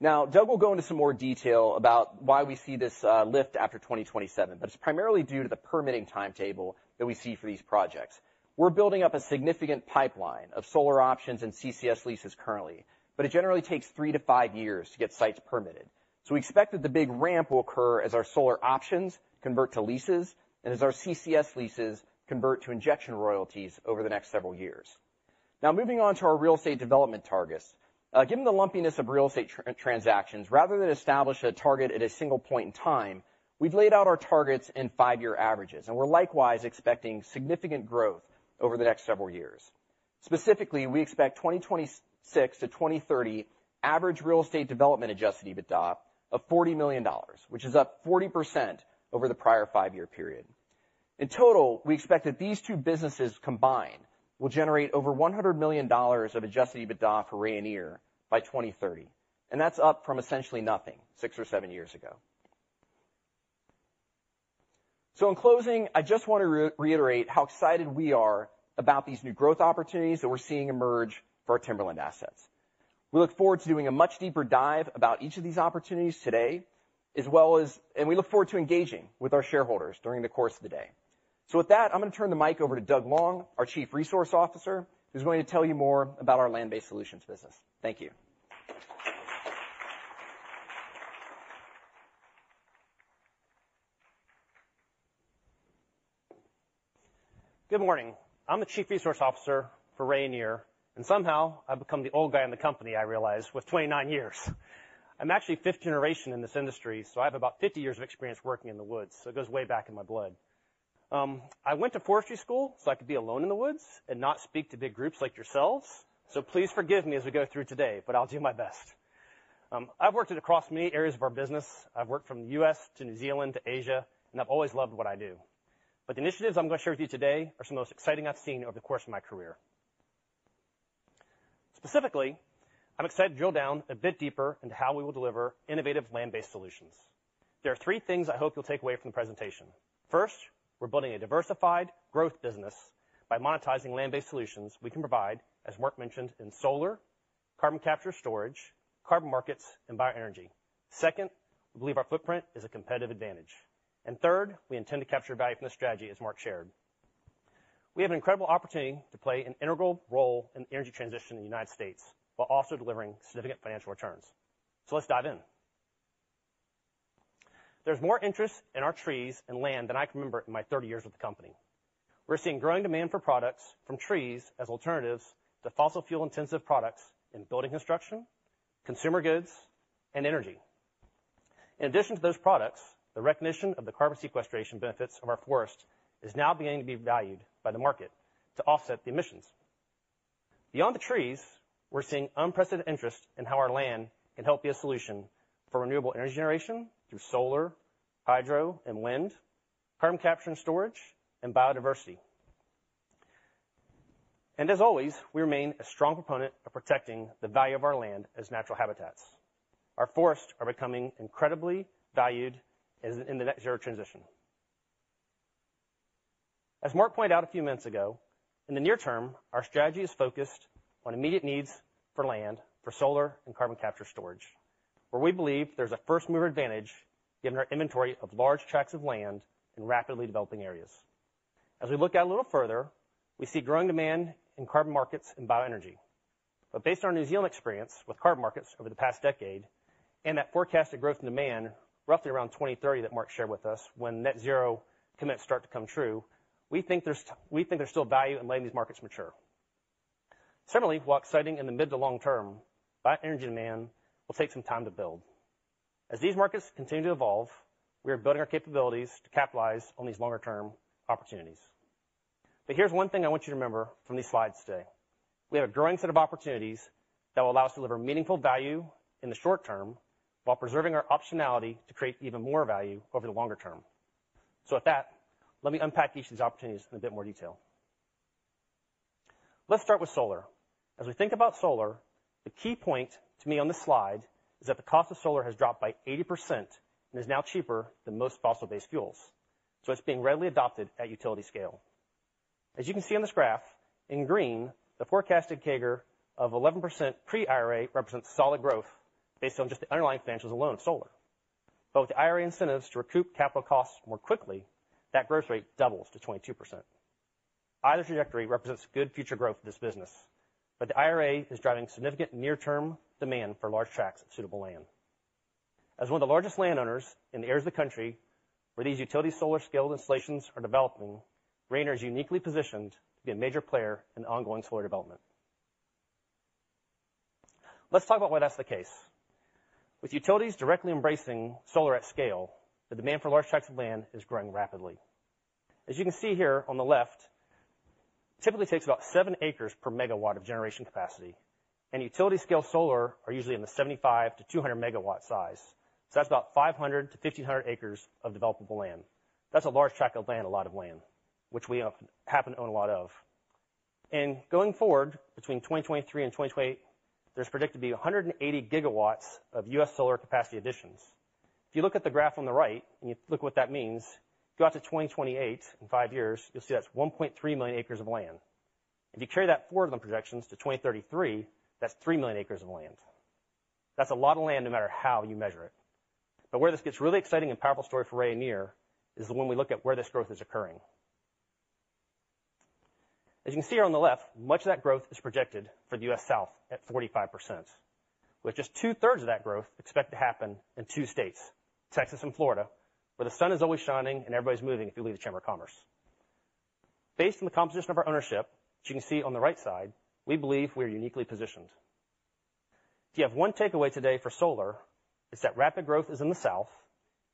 Now, Doug will go into some more detail about why we see this, lift after 2027, but it's primarily due to the permitting timetable that we see for these projects. We're building up a significant pipeline of solar options and CCS leases currently, but it generally takes three-five years to get sites permitted. So we expect that the big ramp will occur as our solar options convert to leases and as our CCS leases convert to injection royalties over the next several years. Now, moving on to our Real Estate Development targets. Given the lumpiness of Real Estate transactions, rather than establish a target at a single point in time, we've laid out our targets in five-year averages, and we're likewise expecting significant growth over the next several years. Specifically, we expect 2026-2030 average Real Estate Development adjusted EBITDA of $40 million, which is up 40% over the prior five-year period. In total, we expect that these two businesses combined will generate over $100 million of adjusted EBITDA for Rayonier by 2030, and that's up from essentially nothing six or seven years ago. So in closing, I just want to reiterate how excited we are about these new growth opportunities that we're seeing emerge for our timberland assets. We look forward to doing a much deeper dive about each of these opportunities today, as well as, and we look forward to engaging with our shareholders during the course of the day. So with that, I'm gonna turn the mic over to Doug Long, our Chief Resource Officer, who's going to tell you more about our Land-Based Solutions business. Thank you. Good morning. I'm the Chief Resource Officer for Rayonier, and somehow I've become the old guy in the company, I realize, with 29 years. I'm actually fifth generation in this industry, so I have about 50 years of experience working in the woods, so it goes way back in my blood. I went to forestry school, so I could be alone in the woods and not speak to big groups like yourselves. So please forgive me as we go through today, but I'll do my best. I've worked across many areas of our business. I've worked from the U.S. to New Zealand to Asia, and I've always loved what I do. But the initiatives I'm gonna share with you today are some of the most exciting I've seen over the course of my career. Specifically, I'm excited to drill down a bit deeper into how we will deliver innovative Land-Based Solutions. There are three things I hope you'll take away from the presentation. First, we're building a diversified growth business by monetizing Land-Based Solutions we can provide, as Mark mentioned, in solar, carbon capture storage, carbon markets, and bioenergy. Second, we believe our footprint is a competitive advantage. Third, we intend to capture value from this strategy, as Mark shared. We have an incredible opportunity to play an integral role in energy transition in the United States, while also delivering significant financial returns. So let's dive in. There's more interest in our trees and land than I can remember in my 30 years with the company.... We're seeing growing demand for products from trees as alternatives to fossil fuel-intensive products in building construction, consumer goods, and energy. In addition to those products, the recognition of the carbon sequestration benefits of our forests is now beginning to be valued by the market to offset the emissions. Beyond the trees, we're seeing unprecedented interest in how our land can help be a solution for renewable energy generation through solar, hydro, and wind, carbon capture and storage, and biodiversity. As always, we remain a strong proponent of protecting the value of our land as natural habitats. Our forests are becoming incredibly valued in the Net Zero transition. As Mark pointed out a few minutes ago, in the near term, our strategy is focused on immediate needs for land, for solar and carbon capture storage, where we believe there's a first-mover advantage, given our inventory of large tracts of land in rapidly developing areas. As we look out a little further, we see growing demand in carbon markets and bioenergy. Based on our New Zealand experience with carbon markets over the past decade, and that forecasted growth in demand, roughly around 2030 that Mark shared with us, when net zero commits start to come true, we think there's, we think there's still value in letting these markets mature. Certainly, while exciting in the mid to long term, bioenergy demand will take some time to build. As these markets continue to evolve, we are building our capabilities to capitalize on these longer-term opportunities. But here's one thing I want you to remember from these slides today: we have a growing set of opportunities that will allow us to deliver meaningful value in the short term, while preserving our optionality to create even more value over the longer term. With that, let me unpack each of these opportunities in a bit more detail. Let's start with solar. As we think about solar, the key point to me on this slide is that the cost of solar has dropped by 80% and is now cheaper than most fossil-based fuels, so it's being readily adopted at utility scale. As you can see on this graph, in green, the forecasted CAGR of 11% pre-IRA represents solid growth based on just the underlying financials alone, solar. But with the IRA incentives to recoup capital costs more quickly, that growth rate doubles to 22%. Either trajectory represents good future growth of this business, but the IRA is driving significant near-term demand for large tracts of suitable land. As one of the largest landowners in the areas of the country where these utility solar scale installations are developing, Rayonier is uniquely positioned to be a major player in ongoing solar development. Let's talk about why that's the case. With utilities directly embracing solar at scale, the demand for large tracts of land is growing rapidly. As you can see here on the left, typically takes about 7 acres per megawatt of generation capacity, and utility-scale solar are usually in the 75 MW-200 MW size. So that's about 500 acres-1,500 acres of developable land. That's a large tract of land, a lot of land, which we happen to own a lot of. And going forward, between 2023 and 2028, there's predicted to be 180 GW of U.S. solar capacity additions. If you look at the graph on the right, and you look what that means, go out to 2028, in five years, you'll see that's 1.3 million acres of land. If you carry that forward on projections to 2033, that's 3 million acres of land. That's a lot of land, no matter how you measure it. But where this gets really exciting and powerful story for Rayonier is when we look at where this growth is occurring. As you can see here on the left, much of that growth is projected for the U.S. South at 45%, with just two-thirds of that growth expected to happen in two states, Texas and Florida, where the sun is always shining and everybody's moving, if you believe the Chamber of Commerce. Based on the composition of our ownership, as you can see on the right side, we believe we are uniquely positioned. If you have one takeaway today for solar, it's that rapid growth is in the South,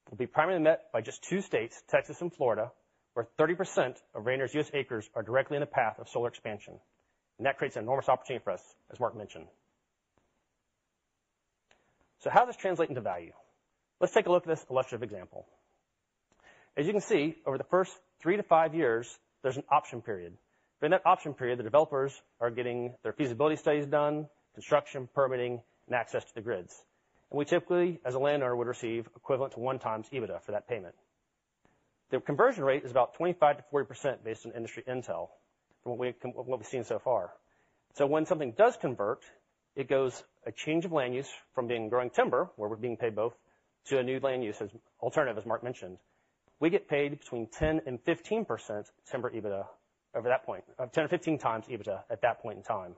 it will be primarily met by just two states, Texas and Florida, where 30% of Rayonier's U.S. acres are directly in the path of solar expansion, and that creates an enormous opportunity for us, as Mark mentioned. So how does this translate into value? Let's take a look at this illustrative example. As you can see, over the first three-five years, there's an option period. During that option period, the developers are getting their feasibility studies done, construction, permitting, and access to the grids. And we typically, as a landowner, would receive equivalent to 1x EBITDA for that payment. The conversion rate is about 25%-40% based on industry intel from what we've, what we've seen so far. So when something does convert, it goes a change of land use from being growing timber, where we're being paid both, to a new land use as alternative, as Mark mentioned. We get paid between 10% and 15% timber EBITDA over that point. 10x-15x EBITDA at that point in time.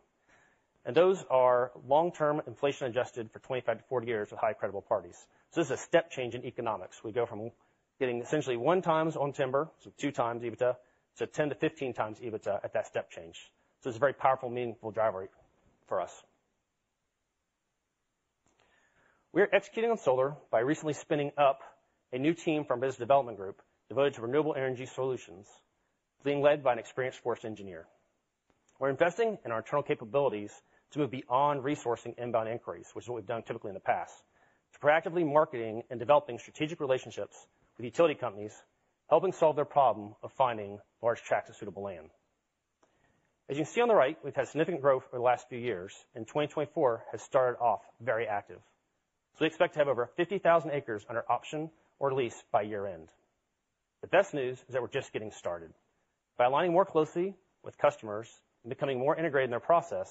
And those are long-term, inflation-adjusted for 25-40 years with high credible parties. So this is a step change in economics. We go from getting essentially 1x on timber, so 2x EBITDA, to 10x-15x EBITDA at that step change. So this is a very powerful, meaningful driver for us. We are executing on solar by recently spinning up a new team from our business development group, devoted to renewable energy solutions, being led by an experienced forest engineer. We're investing in our internal capabilities to move beyond resourcing inbound inquiries, which is what we've done typically in the past, to proactively marketing and developing strategic relationships with utility companies, helping solve their problem of finding large tracts of suitable land. As you can see on the right, we've had significant growth over the last few years, and 2024 has started off very active. So we expect to have over 50,000 acres under option or lease by year-end. The best news is that we're just getting started. By aligning more closely with customers and becoming more integrated in their process,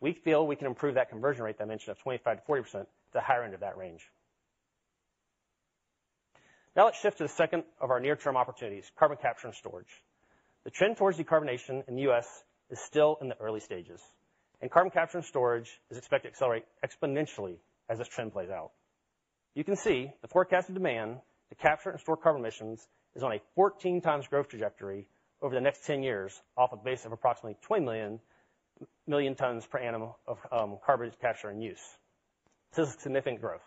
we feel we can improve that conversion rate I mentioned of 25%-40% to the higher end of that range. Now, let's shift to the second of our near-term opportunities, carbon capture and storage. The trend towards decarbonization in the U.S. is still in the early stages, and carbon capture and storage is expected to accelerate exponentially as this trend plays out... You can see the forecasted demand to capture and store carbon emissions is on a 14x growth trajectory over the next 10 years, off a base of approximately 20 million tons per annum of carbon capture and use. This is significant growth,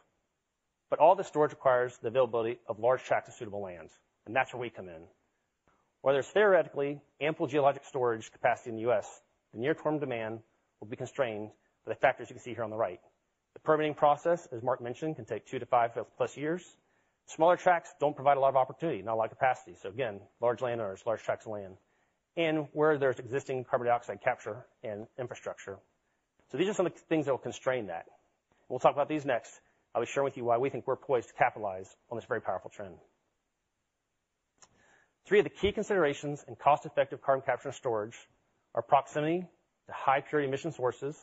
but all the storage requires the availability of large tracts of suitable land, and that's where we come in. While there's theoretically ample geologic storage capacity in the U.S., the near-term demand will be constrained by the factors you can see here on the right. The permitting process, as Mark mentioned, can take two-5+ years. Smaller tracts don't provide a lot of opportunity, not a lot of capacity. So again, large landowners, large tracts of land, and where there's existing carbon dioxide capture and infrastructure. So these are some of the things that will constrain that. We'll talk about these next. I'll be sharing with you why we think we're poised to capitalize on this very powerful trend. Three of the key considerations in cost-effective carbon capture and storage are proximity to high-purity emission sources,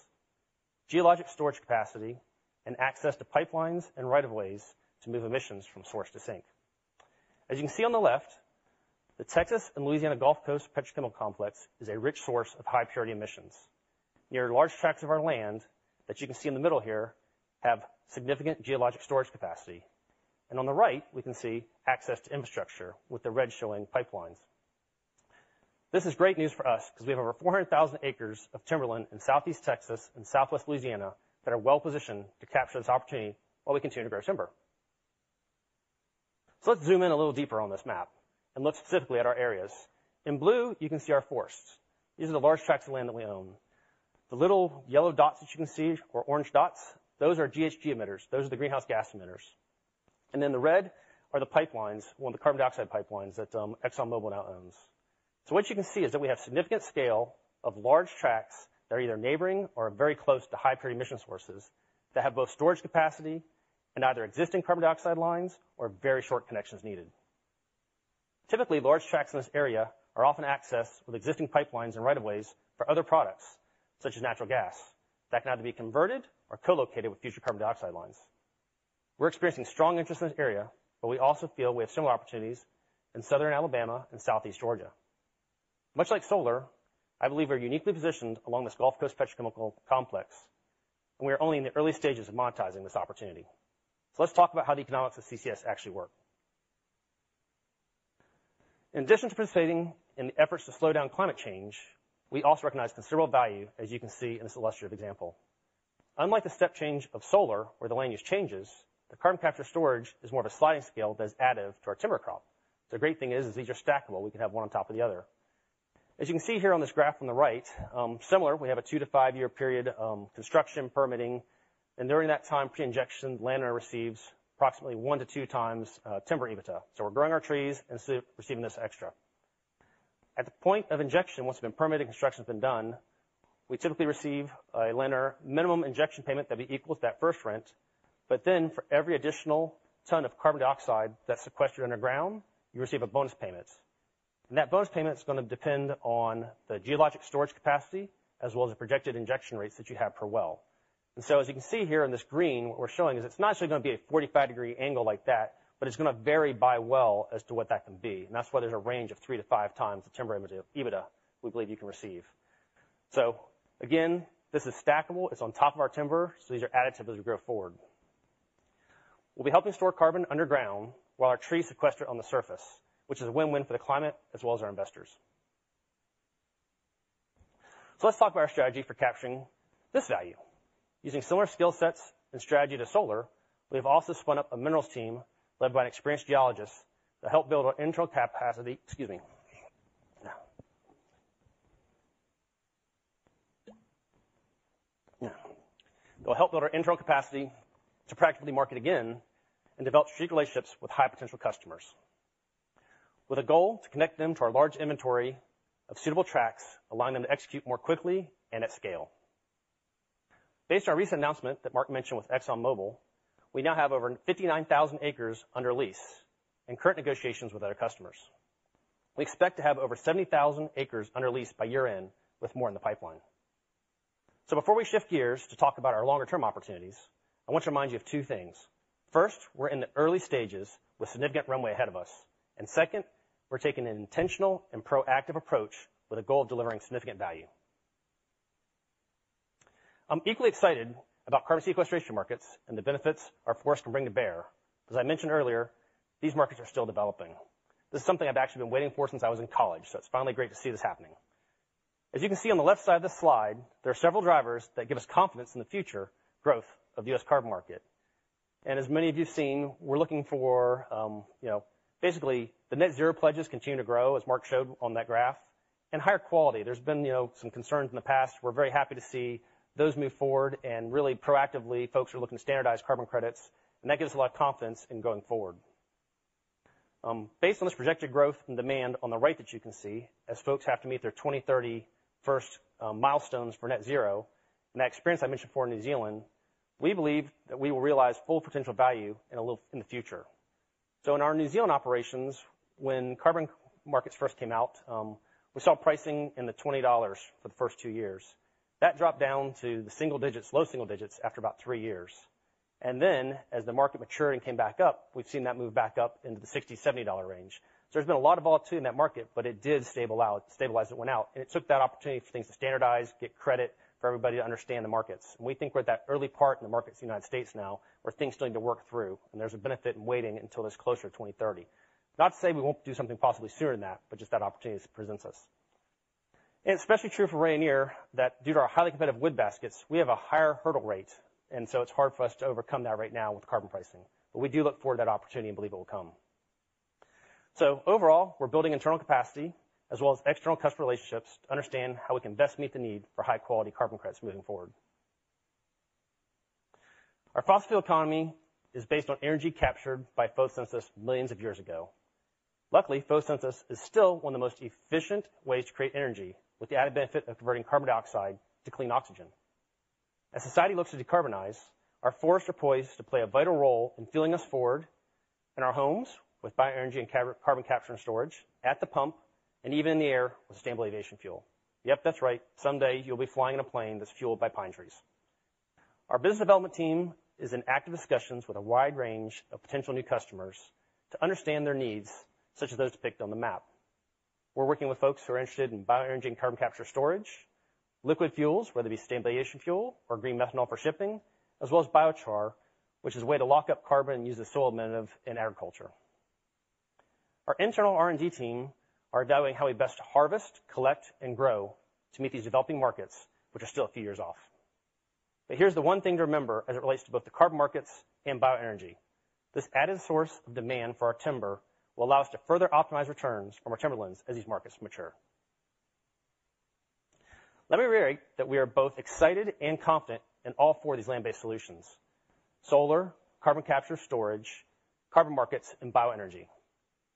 geologic storage capacity, and access to pipelines and rights of way to move emissions from source to sink. As you can see on the left, the Texas and Louisiana Gulf Coast petrochemical complex is a rich source of high-purity emissions. Near large tracts of our land, that you can see in the middle here, have significant geologic storage capacity. And on the right, we can see access to infrastructure, with the red showing pipelines. This is great news for us because we have over 400,000 acres of timberland in Southeast Texas and Southwest Louisiana that are well positioned to capture this opportunity while we continue to grow timber. So let's zoom in a little deeper on this map and look specifically at our areas. In blue, you can see our forests. These are the large tracts of land that we own. The little yellow dots that you can see, or orange dots, those are GHG emitters. Those are the greenhouse gas emitters. And then the red are the pipelines, well, the carbon dioxide pipelines that ExxonMobil now owns. So what you can see is that we have significant scale of large tracts that are either neighboring or very close to high-purity emission sources that have both storage capacity and either existing carbon dioxide lines or very short connections needed. Typically, large tracts in this area are often accessed with existing pipelines and right of ways for other products, such as natural gas, that can either be converted or co-located with future carbon dioxide lines. We're experiencing strong interest in this area, but we also feel we have similar opportunities in southern Alabama and southeast Georgia. Much like solar, I believe we're uniquely positioned along this Gulf Coast petrochemical complex, and we are only in the early stages of monetizing this opportunity. So let's talk about how the economics of CCS actually work. In addition to participating in the efforts to slow down climate change, we also recognize considerable value, as you can see in this illustrative example. Unlike the step change of solar, where the land use changes, the carbon capture storage is more of a sliding scale that is additive to our timber crop. The great thing is, is these are stackable. We can have one on top of the other. As you can see here on this graph on the right, similar, we have a two- to five-year period, construction, permitting, and during that time, pre-injection, the landowner receives approximately 1x-2x timber EBITDA. So we're growing our trees and receiving this extra. At the point of injection, once the permitting construction has been done, we typically receive a lender minimum injection payment that equals that first rent, but then for every additional ton of carbon dioxide that's sequestered underground, you receive a bonus payment. And that bonus payment is going to depend on the geologic storage capacity, as well as the projected injection rates that you have per well. As you can see here in this green, what we're showing is it's not actually going to be a 45-degree angle like that, but it's going to vary by well as to what that can be. That's why there's a range of 3x-5x the timber EBITDA we believe you can receive. Again, this is stackable. It's on top of our timber, so these are added to as we go forward. We'll be helping store carbon underground while our trees sequester on the surface, which is a win-win for the climate as well as our investors. Let's talk about our strategy for capturing this value. Using similar skill sets and strategy to solar, we have also spun up a minerals team led by an experienced geologist to help build our internal capacity... Excuse me. They'll help build our internal capacity to practically market again and develop strategic relationships with high-potential customers, with a goal to connect them to our large inventory of suitable tracts, allowing them to execute more quickly and at scale. Based on our recent announcement that Mark mentioned with ExxonMobil, we now have over 59,000 acres under lease and current negotiations with other customers. We expect to have over 70,000 acres under lease by year-end, with more in the pipeline. So before we shift gears to talk about our longer-term opportunities, I want to remind you of two things. First, we're in the early stages with significant runway ahead of us. And second, we're taking an intentional and proactive approach with the goal of delivering significant value. I'm equally excited about carbon sequestration markets and the benefits our forest can bring to bear. As I mentioned earlier, these markets are still developing. This is something I've actually been waiting for since I was in college, so it's finally great to see this happening. As you can see on the left side of this slide, there are several drivers that give us confidence in the future growth of the U.S. carbon market. As many of you’ve seen, we're looking for, you know, basically, the net zero pledges continue to grow, as Mark showed on that graph, and higher quality. There's been, you know, some concerns in the past. We're very happy to see those move forward and really proactively, folks are looking to standardize carbon credits, and that gives us a lot of confidence in going forward. Based on this projected growth and demand on the right that you can see, as folks have to meet their 2030 first milestones for net zero, and that experience I mentioned before in New Zealand, we believe that we will realize full potential value in the future. So in our New Zealand operations, when carbon markets first came out, we saw pricing in the 20 dollars for the first two years. That dropped down to the single digits, low single digits, after about three years. Then as the market matured and came back up, we've seen that move back up into the 60-70 dollar range. So there's been a lot of volatility in that market, but it did stabilize. It went out, and it took that opportunity for things to standardize, get credit, for everybody to understand the markets. We think we're at that early part in the markets in the United States now, where things still need to work through, and there's a benefit in waiting until it's closer to 2030. Not to say we won't do something possibly sooner than that, but just that opportunity presents us. Especially true for Rayonier that, due to our highly competitive wood baskets, we have a higher hurdle rate, and so it's hard for us to overcome that right now with carbon pricing. We do look forward to that opportunity and believe it will come. Overall, we're building internal capacity as well as external customer relationships to understand how we can best meet the need for high-quality carbon credits moving forward. Our fossil economy is based on energy captured by photosynthesis millions of years ago. Luckily, photosynthesis is still one of the most efficient ways to create energy, with the added benefit of converting carbon dioxide to clean oxygen. As society looks to decarbonize, our forests are poised to play a vital role in fueling us forward in our homes with bioenergy and carbon capture and storage, at the pump, and even in the air with sustainable aviation fuel. Yep, that's right. Someday you'll be flying in a plane that's fueled by pine trees. Our business development team is in active discussions with a wide range of potential new customers to understand their needs, such as those depicted on the map. We're working with folks who are interested in bioenergy and carbon capture storage, liquid fuels, whether it be sustainable aviation fuel or green methanol for shipping, as well as biochar, which is a way to lock up carbon and use as soil amendment in agriculture. Our internal R and D team are evaluating how we best harvest, collect, and grow to meet these developing markets, which are still a few years off. But here's the one thing to remember as it relates to both the carbon markets and bioenergy. This added source of demand for our timber will allow us to further optimize returns from our timberlands as these markets mature. Let me reiterate that we are both excited and confident in all four of these Land-Based Solutions: solar, carbon capture storage, carbon markets, and bioenergy.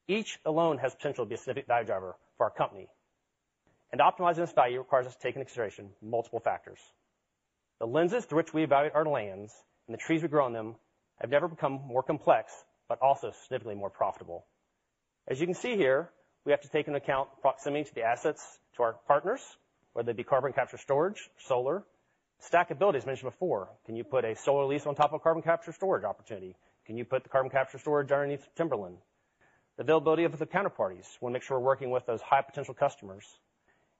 Each alone has potential to be a significant value driver for our company, and optimizing this value requires us to take into consideration multiple factors. The lenses through which we evaluate our lands and the trees we grow on them have never become more complex, but also significantly more profitable. As you can see here, we have to take into account proximity to the assets, to our partners, whether they be carbon capture storage, solar. Stackability, as mentioned before, can you put a solar lease on top of carbon capture storage opportunity? Can you put the carbon capture storage underneath timberland? Availability of the counterparties. We'll make sure we're working with those high-potential customers,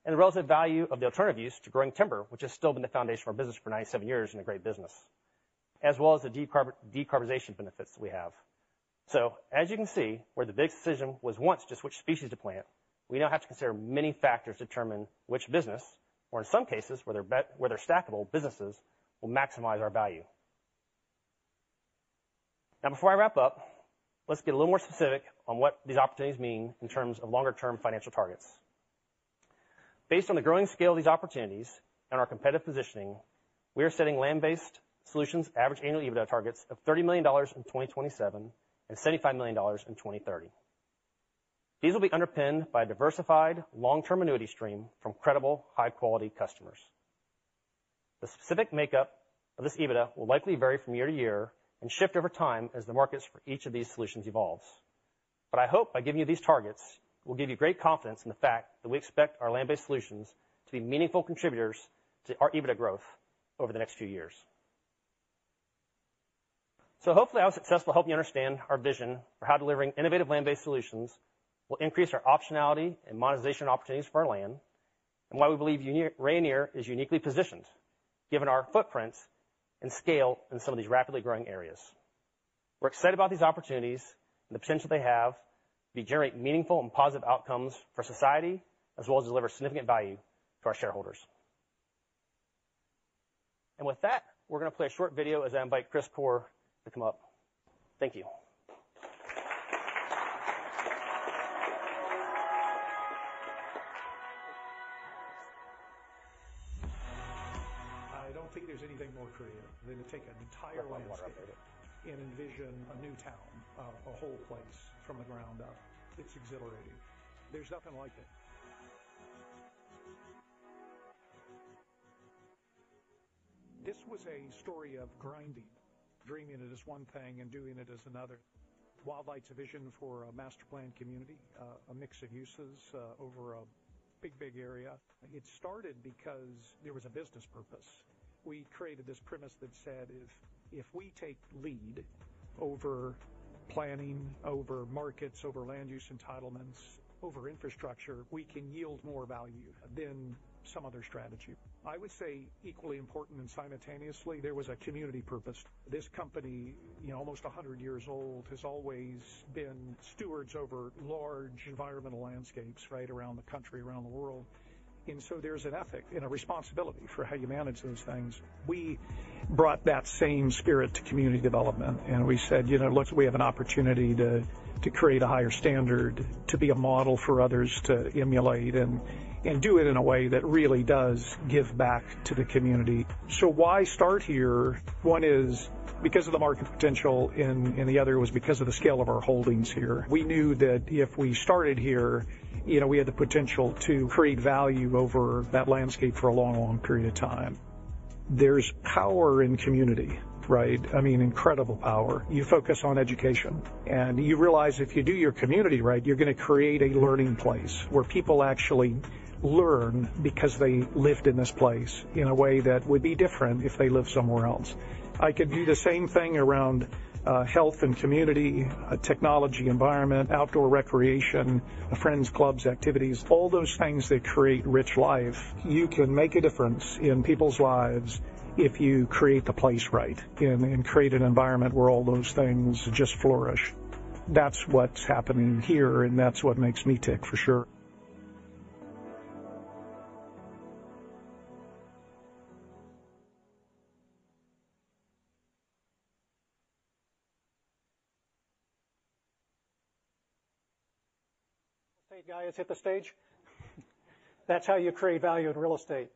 and the relative value of the alternative use to growing timber, which has still been the foundation of our business for 97 years in a great business, as well as the decarb-decarbonization benefits that we have. So as you can see, where the big decision was once just which species to plant, we now have to consider many factors to determine which business, or in some cases, where they're stackable businesses, will maximize our value. Now, before I wrap up, let's get a little more specific on what these opportunities mean in terms of longer-term financial targets. Based on the growing scale of these opportunities and our competitive positioning, we are setting Land-Based Solutions average annual EBITDA targets of $30 million in 2027 and $75 million in 2030. These will be underpinned by a diversified, long-term annuity stream from credible, high-quality customers. The specific makeup of this EBITDA will likely vary from year to year and shift over time as the markets for each of these solutions evolves. But I hope by giving you these targets, we'll give you great confidence in the fact that we expect our Land-Based Solutions to be meaningful contributors to our EBITDA growth over the next few years. So hopefully, I was successful in helping you understand our vision for how delivering innovative Land-Based Solutions will increase our optionality and monetization opportunities for our land, and why we believe Rayonier is uniquely positioned given our footprint and scale in some of these rapidly growing areas. We're excited about these opportunities and the potential they have to generate meaningful and positive outcomes for society, as well as deliver significant value to our shareholders. And with that, we're going to play a short video as I invite Chris Corr to come up. Thank you. I don't think there's anything more creative than to take an entire landscape and envision a new town, a whole place from the ground up. It's exhilarating. There's nothing like it. This was a story of grinding, dreaming it as one thing, and doing it as another. Wildlight's a vision for a master-planned community, a mix of uses, over a big, big area. It started because there was a business purpose. We created this premise that said, if we take lead over planning, over markets, over land use entitlements, over infrastructure, we can yield more value than some other strategy. I would say equally important and simultaneously, there was a community purpose. This company, you know, almost a hundred years old, has always been stewards over large environmental landscapes, right? Around the country, around the world. And so there's an ethic and a responsibility for how you manage those things. We brought that same spirit to community development, and we said, "You know, look, we have an opportunity to create a higher standard, to be a model for others to emulate and do it in a way that really does give back to the community." So why start here? One is because of the market potential, and the other was because of the scale of our holdings here. We knew that if we started here, you know, we had the potential to create value over that landscape for a long, long period of time... There's power in community, right? I mean, incredible power. You focus on education, and you realize if you do your community right, you're going to create a learning place where people actually learn because they lived in this place in a way that would be different if they lived somewhere else. I could do the same thing around health and community, technology, environment, outdoor recreation, friends, clubs, activities, all those things that create rich life. You can make a difference in people's lives if you create the place right and create an environment where all those things just flourish. That's what's happening here, and that's what makes me tick for sure. State guy has hit the stage. That's how you create value in real estate.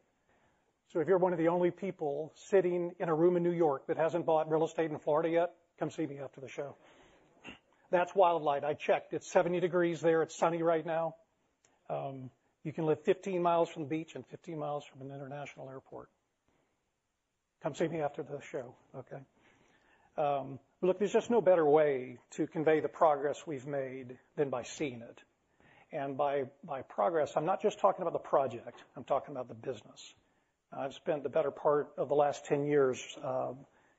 So if you're one of the only people sitting in a room in New York that hasn't bought real estate in Florida yet, come see me after the show. That's Wildlight. I checked. It's 70 degrees there. It's sunny right now. You can live 15 mi from the beach and 15 mi from an international airport. Come see me after the show, okay? Look, there's just no better way to convey the progress we've made than by seeing it. And by progress, I'm not just talking about the project, I'm talking about the business. I've spent the better part of the last 10 years,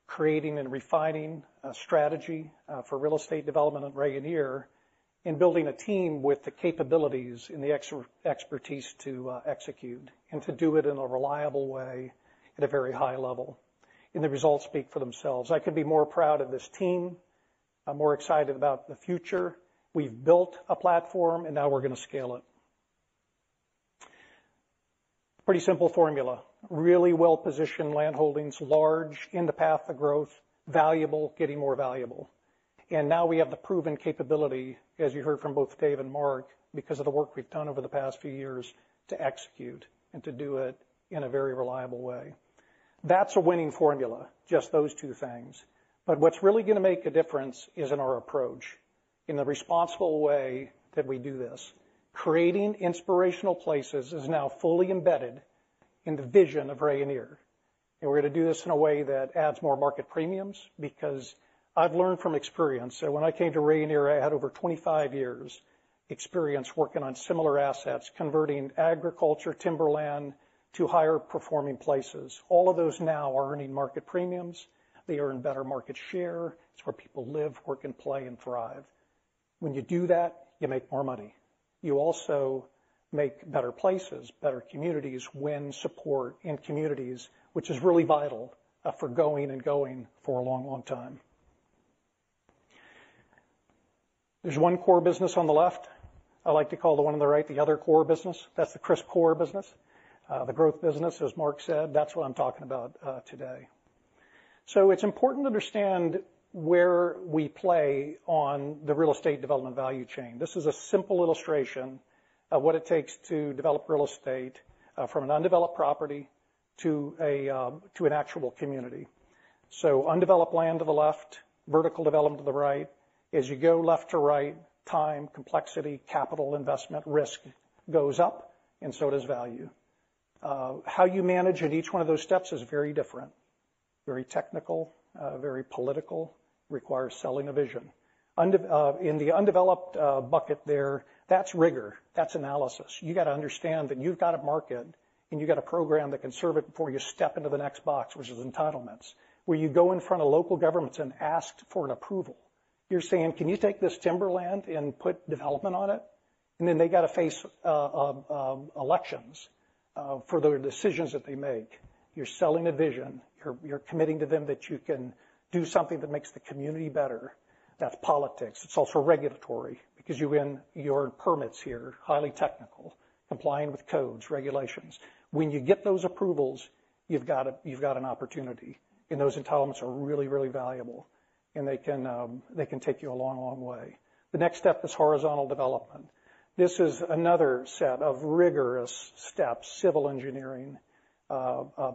creating and refining a strategy, for Real Estate Development at Rayonier and building a team with the capabilities and the expertise to, execute, and to do it in a reliable way at a very high level, and the results speak for themselves. I could be more proud of this team. I'm more excited about the future. We've built a platform, and now we're going to scale it. Pretty simple formula, really well-positioned land holdings, large, in the path to growth, valuable, getting more valuable. And now we have the proven capability, as you heard from both Dave and Mark, because of the work we've done over the past few years, to execute and to do it in a very reliable way. That's a winning formula, just those two things. But what's really going to make a difference is in our approach, in the responsible way that we do this. Creating inspirational places is now fully embedded in the vision of Rayonier, and we're going to do this in a way that adds more market premiums because I've learned from experience, that when I came to Rayonier, I had over 25 years experience working on similar assets, converting agriculture, timberland to higher performing places. All of those now are earning market premiums. They earn better market share. It's where people live, work, and play, and thrive. When you do that, you make more money. You also make better places, better communities, win support in communities, which is really vital, for going and going for a long, long time. There's one core business on the left. I like to call the one on the right, the other core business. That's the Chris Corr business. The growth business, as Mark said, that's what I'm talking about today. It's important to understand where we play on the Real Estate Development value chain. This is a simple illustration of what it takes to develop real estate from an undeveloped property to an actual community. Undeveloped land to the left, vertical development to the right. As you go left to right, time, complexity, capital, investment, risk goes up and so does value. How you manage at each one of those steps is very different, very technical, very political, requires selling a vision. In the undeveloped bucket there, that's rigor, that's analysis. You got to understand that you've got a market, and you've got a program that can serve it before you step into the next box, which is entitlements, where you go in front of local governments and ask for an approval. You're saying, "Can you take this timberland and put development on it?" And then they got to face elections for the decisions that they make. You're selling a vision. You're committing to them that you can do something that makes the community better. That's politics. It's also regulatory because you win your permits here, highly technical, complying with codes, regulations. When you get those approvals, you've got an opportunity, and those entitlements are really, really valuable, and they can take you a long, long way. The next step is horizontal development. This is another set of rigorous steps, civil engineering,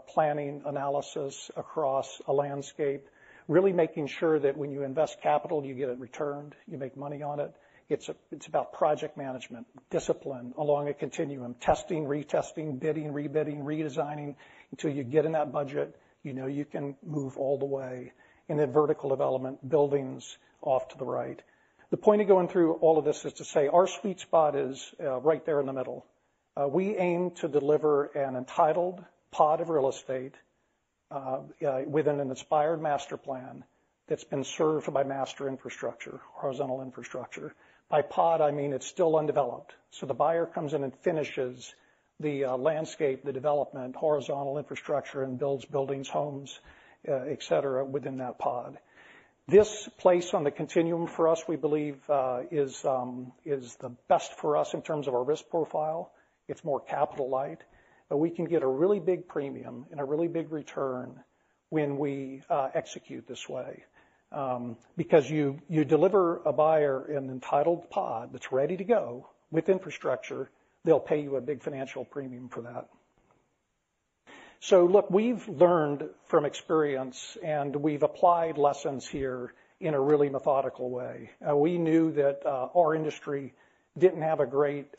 planning, analysis across a landscape, really making sure that when you invest capital, you get it returned, you make money on it. It's about project management, discipline along a continuum, testing, retesting, bidding, rebidding, redesigning until you get in that budget. You know you can move all the way in a vertical development, buildings off to the right. The point of going through all of this is to say our sweet spot is right there in the middle. We aim to deliver an entitled pod of real estate within an inspired master plan that's been served by master infrastructure, horizontal infrastructure. By pod, I mean, it's still undeveloped. So the buyer comes in and finishes the landscape, the development, horizontal infrastructure, and builds buildings, homes, et cetera, within that pod. This place on the continuum for us, we believe, is the best for us in terms of our risk profile. It's more capital light, but we can get a really big premium and a really big return when we execute this way. Because you deliver a buyer an entitled pod that's ready to go with infrastructure, they'll pay you a big financial premium for that. So look, we've learned from experience, and we've applied lessons here in a really methodical way. We knew that our industry didn't have a great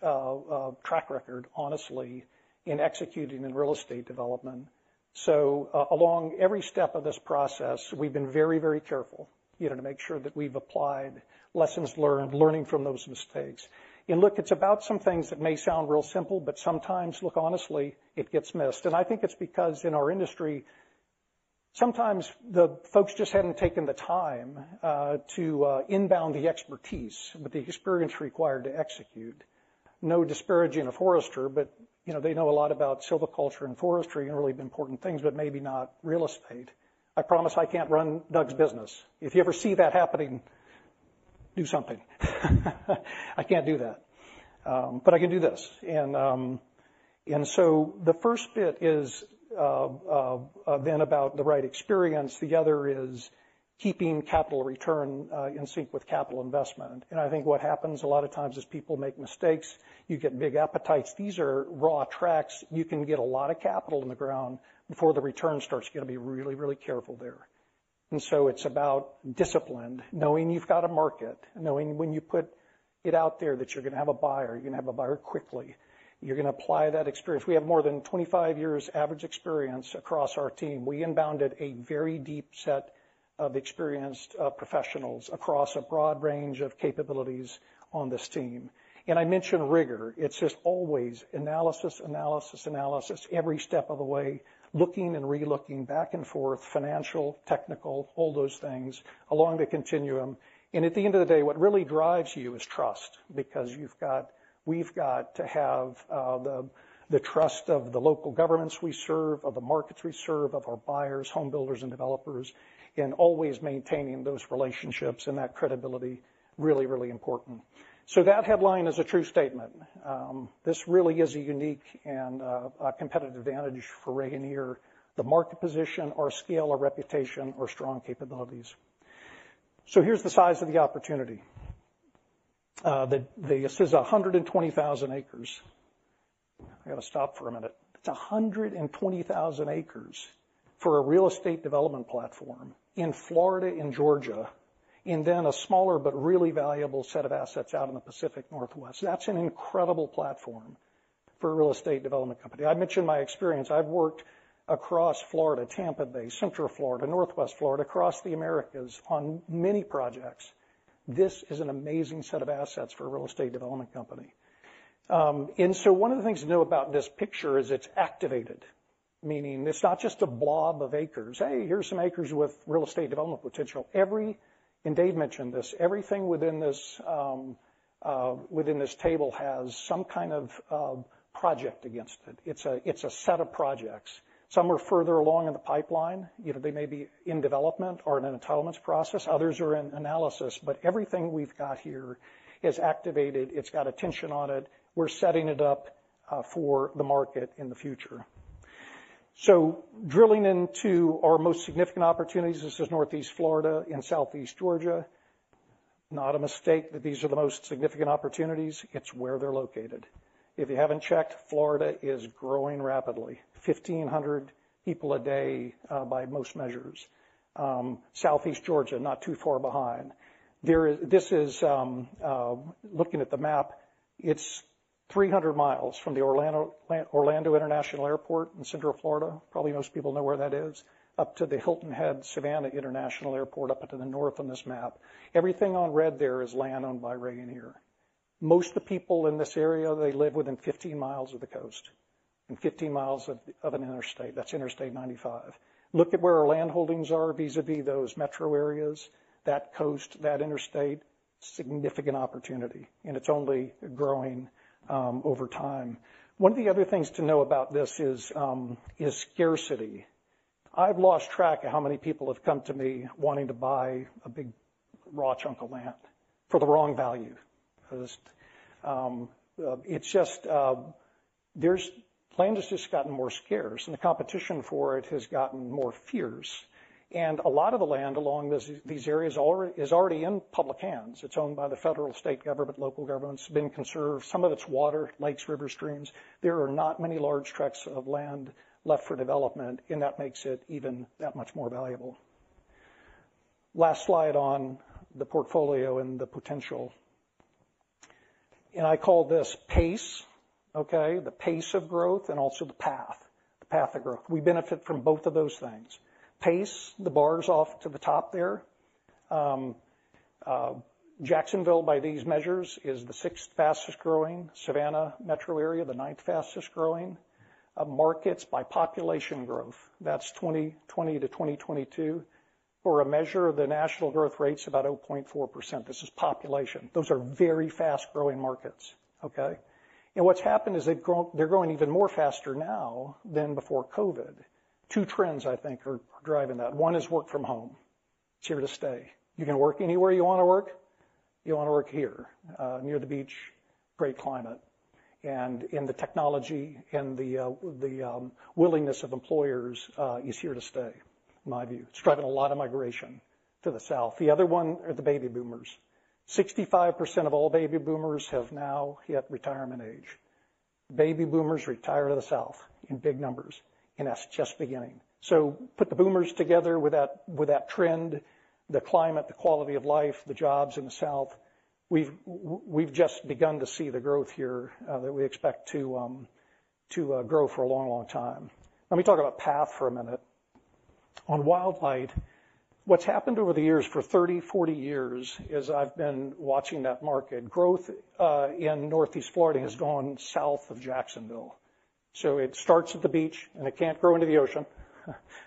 track record, honestly, in executing in Real Estate Development. So along every step of this process, we've been very, very careful, you know, to make sure that we've applied lessons learned, learning from those mistakes. Look, it's about some things that may sound real simple, but sometimes, look, honestly, it gets missed. I think it's because, in our industry, sometimes the folks just haven't taken the time to inbound the expertise with the experience required to execute. No disparaging of foresters, but, you know, they know a lot about silviculture and forestry and really important things, but maybe not real estate. I promise I can't run Doug's business. If you ever see that happening, do something. I can't do that. But I can do this. And so the first bit is then about the right experience. The other is keeping capital return in sync with capital investment. I think what happens a lot of times is people make mistakes. You get big appetites. These are raw tracts. You can get a lot of capital in the ground before the return starts. You gotta be really, really careful there. And so it's about discipline, knowing you've got a market, knowing when you put it out there, that you're gonna have a buyer, you're gonna have a buyer quickly. You're gonna apply that experience. We have more than 25 years average experience across our team. We inbounded a very deep set of experienced professionals across a broad range of capabilities on this team. And I mention rigor. It's just always analysis, analysis, analysis, every step of the way, looking and relooking back and forth, financial, technical, all those things along the continuum. At the end of the day, what really drives you is trust, because you've got—we've got to have the trust of the local governments we serve, of the markets we serve, of our buyers, home builders, and developers, and always maintaining those relationships and that credibility, really, really important. That headline is a true statement. This really is a unique and a competitive advantage for Rayonier, the market position, our scale, our reputation, our strong capabilities. Here's the size of the opportunity. This is 120,000 acres. I gotta stop for a minute. It's 120,000 acres for a Real Estate Development platform in Florida and Georgia, and then a smaller but really valuable set of assets out in the Pacific Northwest. That's an incredible platform for a Real Estate Development company. I mentioned my experience. I've worked across Florida, Tampa Bay, Central Florida, Northwest Florida, across the Americas on many projects. This is an amazing set of assets for a Real Estate Development company. And so one of the things to know about this picture is it's activated, meaning it's not just a blob of acres. "Hey, here's some acres with Real Estate Development potential." Dave mentioned this, everything within this within this table has some kind of project against it. It's a, it's a set of projects. Some are further along in the pipeline, you know, they may be in development or in an entitlements process. Others are in analysis. But everything we've got here is activated. It's got attention on it. We're setting it up for the market in the future. So drilling into our most significant opportunities, this is Northeast Florida and Southeast Georgia. Not a mistake that these are the most significant opportunities. It's where they're located. If you haven't checked, Florida is growing rapidly, 1,500 people a day, by most measures. Southeast Georgia, not too far behind. This is, looking at the map, it's 300 miles from the Orlando International Airport in Central Florida, probably most people know where that is, up to the Hilton Head Savannah International Airport, up into the north on this map. Everything on red there is land owned by Rayonier. Most of the people in this area, they live within 15 mi of the coast and 15 mi of an interstate. That's Interstate 95. Look at where our land holdings are vis-à-vis those metro areas, that coast, that interstate, significant opportunity, and it's only growing over time. One of the other things to know about this is scarcity. I've lost track of how many people have come to me wanting to buy a big raw chunk of land for the wrong value. It's just, there's- land has just gotten more scarce, and the competition for it has gotten more fierce. And a lot of the land along these, these areas already, is already in public hands. It's owned by the federal, state government, local governments, been conserved. Some of it's water, lakes, rivers, streams. There are not many large tracts of land left for development, and that makes it even that much more valuable. Last slide on the portfolio and the potential. And I call this pace, okay? The pace of growth and also the path, the path of growth. We benefit from both of those things. Pace, the bars off to the top there. Jacksonville, by these measures, is the sixth fastest-growing. Savannah metro area, the ninth fastest-growing. Markets by population growth, that's 2020 to 2022. For a measure of the national growth rate's about 0.4%. This is population. Those are very fast-growing markets, okay? And what's happened is they've grown. They're growing even more faster now than before COVID. Two trends, I think, are driving that. One is work from home. It's here to stay. You can work anywhere you wanna work. You wanna work here, near the beach, great climate. And the technology and the willingness of employers is here to stay, in my view. It's driving a lot of migration to the South. The other one are the baby boomers. 65% of all baby boomers have now hit retirement age. Baby boomers retire to the South in big numbers, and that's just beginning. So put the boomers together with that, with that trend, the climate, the quality of life, the jobs in the South, we've just begun to see the growth here, that we expect to grow for a long, long time. Let me talk about the past for a minute. On Wildlight, what's happened over the years, for 30, 40 years, as I've been watching that market, growth in Northeast Florida has gone south of Jacksonville. So it starts at the beach, and it can't grow into the ocean.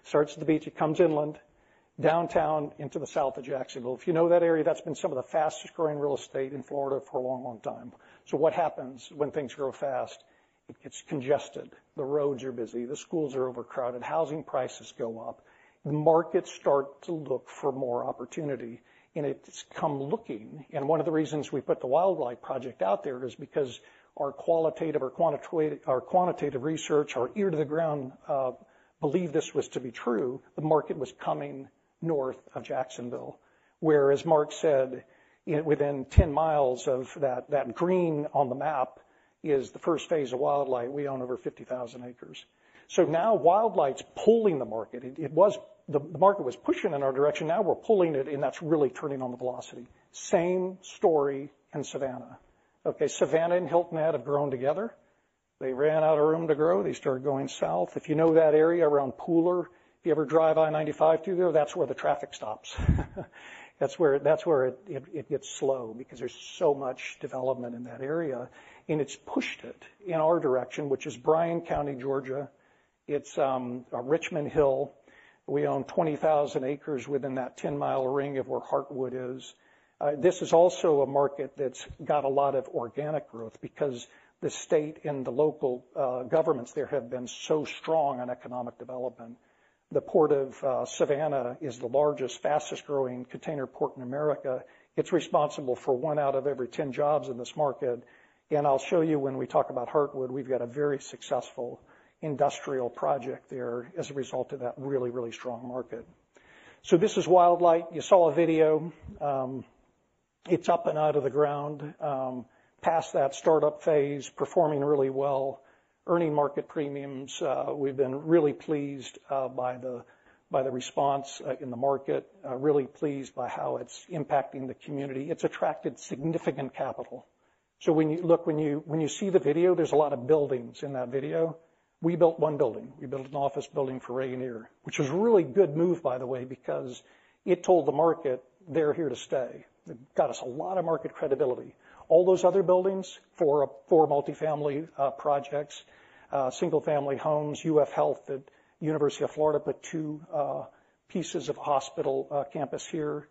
Starts at the beach, it comes inland, downtown, into the south of Jacksonville. If you know that area, that's been some of the fastest growing real estate in Florida for a long, long time. So what happens when things grow fast? It gets congested. The roads are busy, the schools are overcrowded, housing prices go up, the markets start to look for more opportunity, and it's come looking. And one of the reasons we put the Wildlight project out there is because our qualitative or quantitative research, our ear to the ground, believed this was to be true, the market was coming north of Jacksonville. Where, as Mark said, within 10 mi of that, that green on the map is the first phase of Wildlight. We own over 50,000 acres. So now Wildlight's pulling the market. It was the market was pushing in our direction, now we're pulling it, and that's really turning on the velocity. Same story in Savannah. Okay, Savannah and Hilton Head have grown together. They ran out of room to grow, they started going south. If you know that area around Pooler, if you ever drive I-95 through there, that's where the traffic stops. That's where it gets slow, because there's so much development in that area, and it's pushed it in our direction, which is Bryan County, Georgia. It's Richmond Hill. We own 20,000 acres within that 10-mi ring of where Heartwood is. This is also a market that's got a lot of organic growth, because the state and the local governments there have been so strong on economic development. The Port of Savannah is the largest, fastest growing container port in America. It's responsible for one out of every ten jobs in this market, and I'll show you when we talk about Heartwood, we've got a very successful industrial project there as a result of that really, really strong market. So this is Wildlight. You saw a video. It's up and out of the ground, past that startup phase, performing really well, earning market premiums. We've been really pleased by the response in the market, really pleased by how it's impacting the community. It's attracted significant capital. So when you see the video, there's a lot of buildings in that video. We built one building. We built an office building for Rayonier, which was a really good move, by the way, because it told the market they're here to stay. It got us a lot of market credibility. All those other buildings, four multifamily projects, single-family homes, UF Health at University of Florida put two pieces of hospital campus here,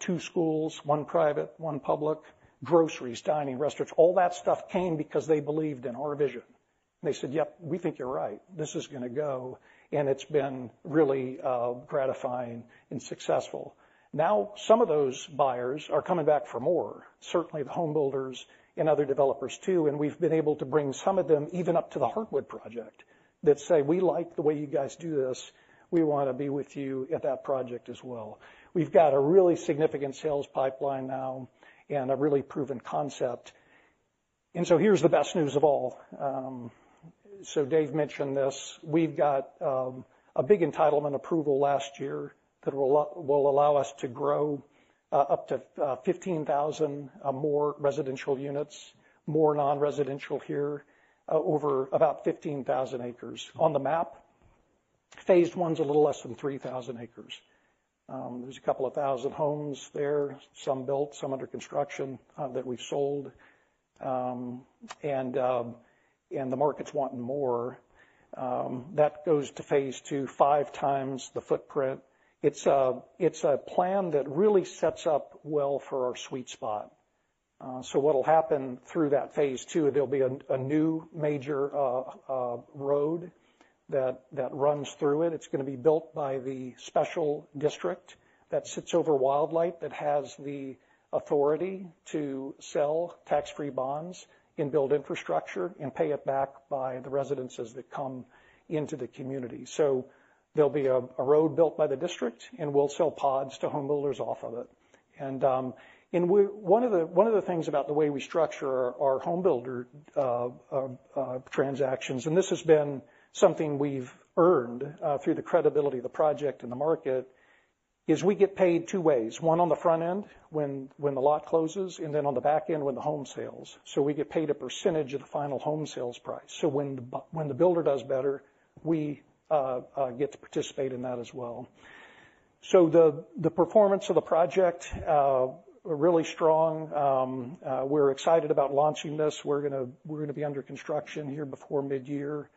two schools, one private, one public, groceries, dining, restaurants, all that stuff came because they believed in our vision. They said, "Yep, we think you're right. This is gonna go." And it's been really gratifying and successful. Now, some of those buyers are coming back for more, certainly the home builders and other developers, too, and we've been able to bring some of them even up to the Heartwood project, that say, "We like the way you guys do this. We want to be with you at that project as well." We've got a really significant sales pipeline now, and a really proven concept. And so here's the best news of all. So Dave mentioned this. We've got a big entitlement approval last year that will allow us to grow up to 15,000 more residential units, more non-residential here, over about 15,000 acres. On the map, Phase I's a little less than 3,000 acres. There's a couple of thousand homes there, some built, some under construction, that we've sold. And the market's wanting more. That goes to phase II, 5x the footprint. It's a plan that really sets up well for our sweet spot. So what'll happen through that phase II, there'll be a new major road that runs through it. It's gonna be built by the special district that sits over Wildlight, that has the authority to sell tax-free bonds and build infrastructure, and pay it back by the residences that come into the community. So there'll be a road built by the district, and we'll sell pods to home builders off of it. And we one of the things about the way we structure our home builder transactions, and this has been something we've earned through the credibility of the project and the market, is we get paid two ways. One, on the front end, when the lot closes, and then on the back end, when the home sells. So we get paid a percentage of the final home sales price. So when the builder does better, we get to participate in that as well. So the performance of the project really strong. We're excited about launching this. We're gonna be under construction here before mid-year.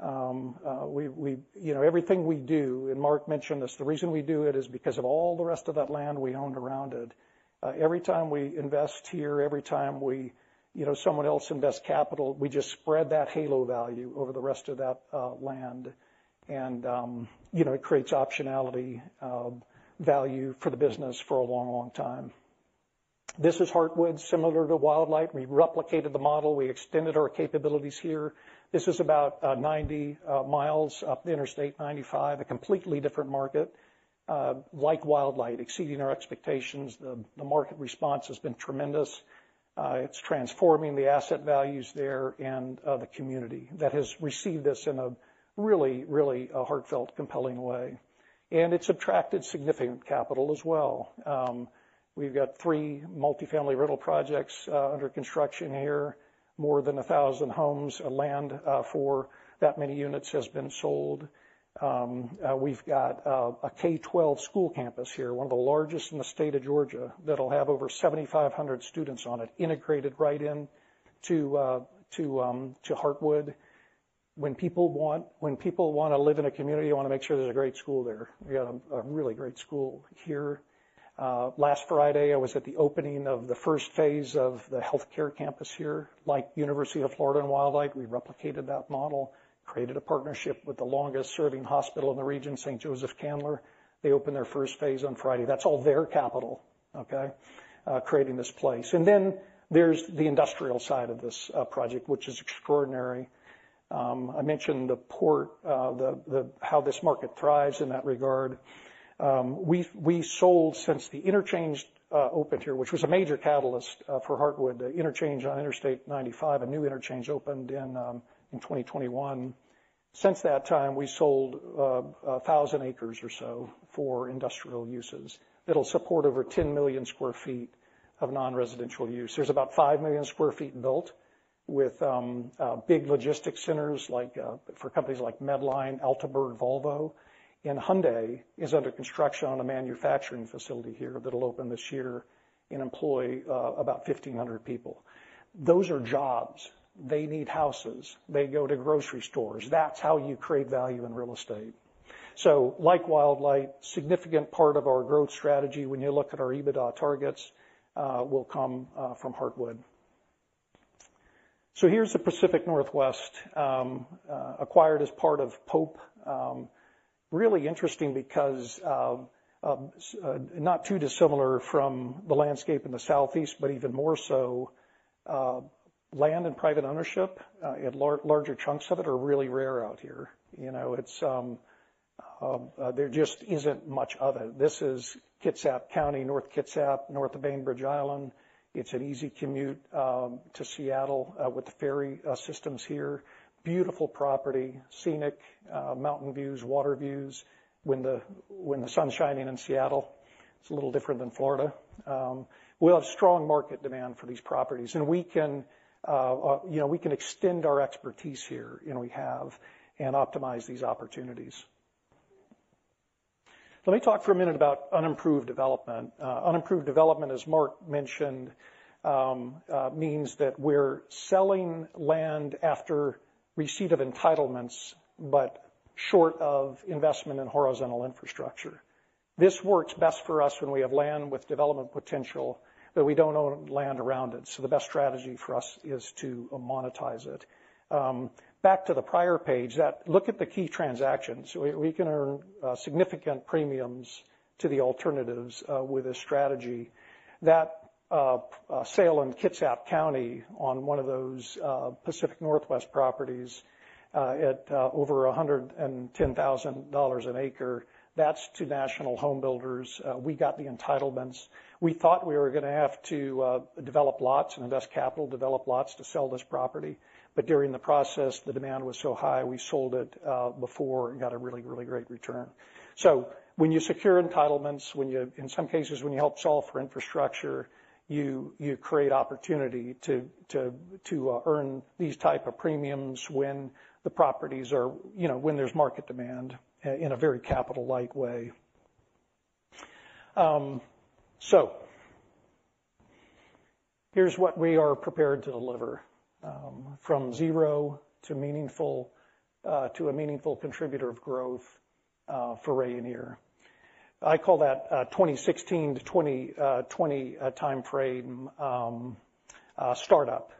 You know, everything we do, and Mark mentioned this, the reason we do it is because of all the rest of that land we own around it. Every time we invest here, you know, someone else invests capital, we just spread that halo value over the rest of that land, and you know, it creates optionality value for the business for a long, long time. This is Heartwood, similar to Wildlight. We replicated the model. We extended our capabilities here. This is about 90 mi up the Interstate 95, a completely different market... like Wildlight, exceeding our expectations. The market response has been tremendous. It's transforming the asset values there, and the community that has received this in a really, really heartfelt, compelling way. And it's attracted significant capital as well. We've got three multifamily rental projects under construction here, more than 1,000 homes. Land for that many units has been sold. We've got a K-12 school campus here, one of the largest in the state of Georgia, that'll have over 7,500 students on it, integrated right into Heartwood. When people want to live in a community, they want to make sure there's a great school there. We've got a really great school here. Last Friday, I was at the opening of the first phase of the healthcare campus here. Like University of Florida and Wildlight, we replicated that model, created a partnership with the longest-serving hospital in the region, St. Joseph's/Candler. They opened their first phase on Friday. That's all their capital, okay, creating this place. And then there's the industrial side of this project, which is extraordinary. I mentioned the port, how this market thrives in that regard. We sold since the interchange opened here, which was a major catalyst for Heartwood. The interchange on Interstate 95, a new interchange, opened in 2021. Since that time, we sold 1,000 acres or so for industrial uses that'll support over 10 million sq ft of non-residential use. There's about 5 million sq ft built with big logistics centers, like, for companies like Medline, Aalberts, Volvo, and Hyundai is under construction on a manufacturing facility here that'll open this year and employ about 1,500 people. Those are jobs. They need houses. They go to grocery stores. That's how you create value in real estate. So like Wildlight, significant part of our growth strategy, when you look at our EBITDA targets, will come from Heartwood. So here's the Pacific Northwest, acquired as part of Pope. Really interesting because not too dissimilar from the landscape in the Southeast, but even more so, land and private ownership in larger chunks of it, are really rare out here. You know, it's there just isn't much of it. This is Kitsap County, North Kitsap, north of Bainbridge Island. It's an easy commute to Seattle with the ferry systems here. Beautiful property, scenic mountain views, water views. When the sun's shining in Seattle, it's a little different than Florida. We'll have strong market demand for these properties, and we can, you know, we can extend our expertise here, you know, we have, and optimize these opportunities. Let me talk for a minute about unimproved development. Unimproved development, as Mark mentioned, means that we're selling land after receipt of entitlements but short of investment in horizontal infrastructure. This works best for us when we have land with development potential, but we don't own land around it, so the best strategy for us is to monetize it. Back to the prior page, look at the key transactions. We can earn significant premiums to the alternatives with this strategy. That sale in Kitsap County, on one of those Pacific Northwest properties at over $110,000 an acre, that's to national home builders. We got the entitlements. We thought we were going to have to develop lots and invest capital to sell this property. But during the process, the demand was so high, we sold it before and got a really, really great return. So when you secure entitlements, in some cases, when you help solve for infrastructure, you create opportunity to earn these type of premiums when the properties are, you know, when there's market demand in a very capital-like way. So here's what we are prepared to deliver, from 0 to meaningful, to a meaningful contributor of growth, for Rayonier. I call that, 2016-2020 time frame, startup,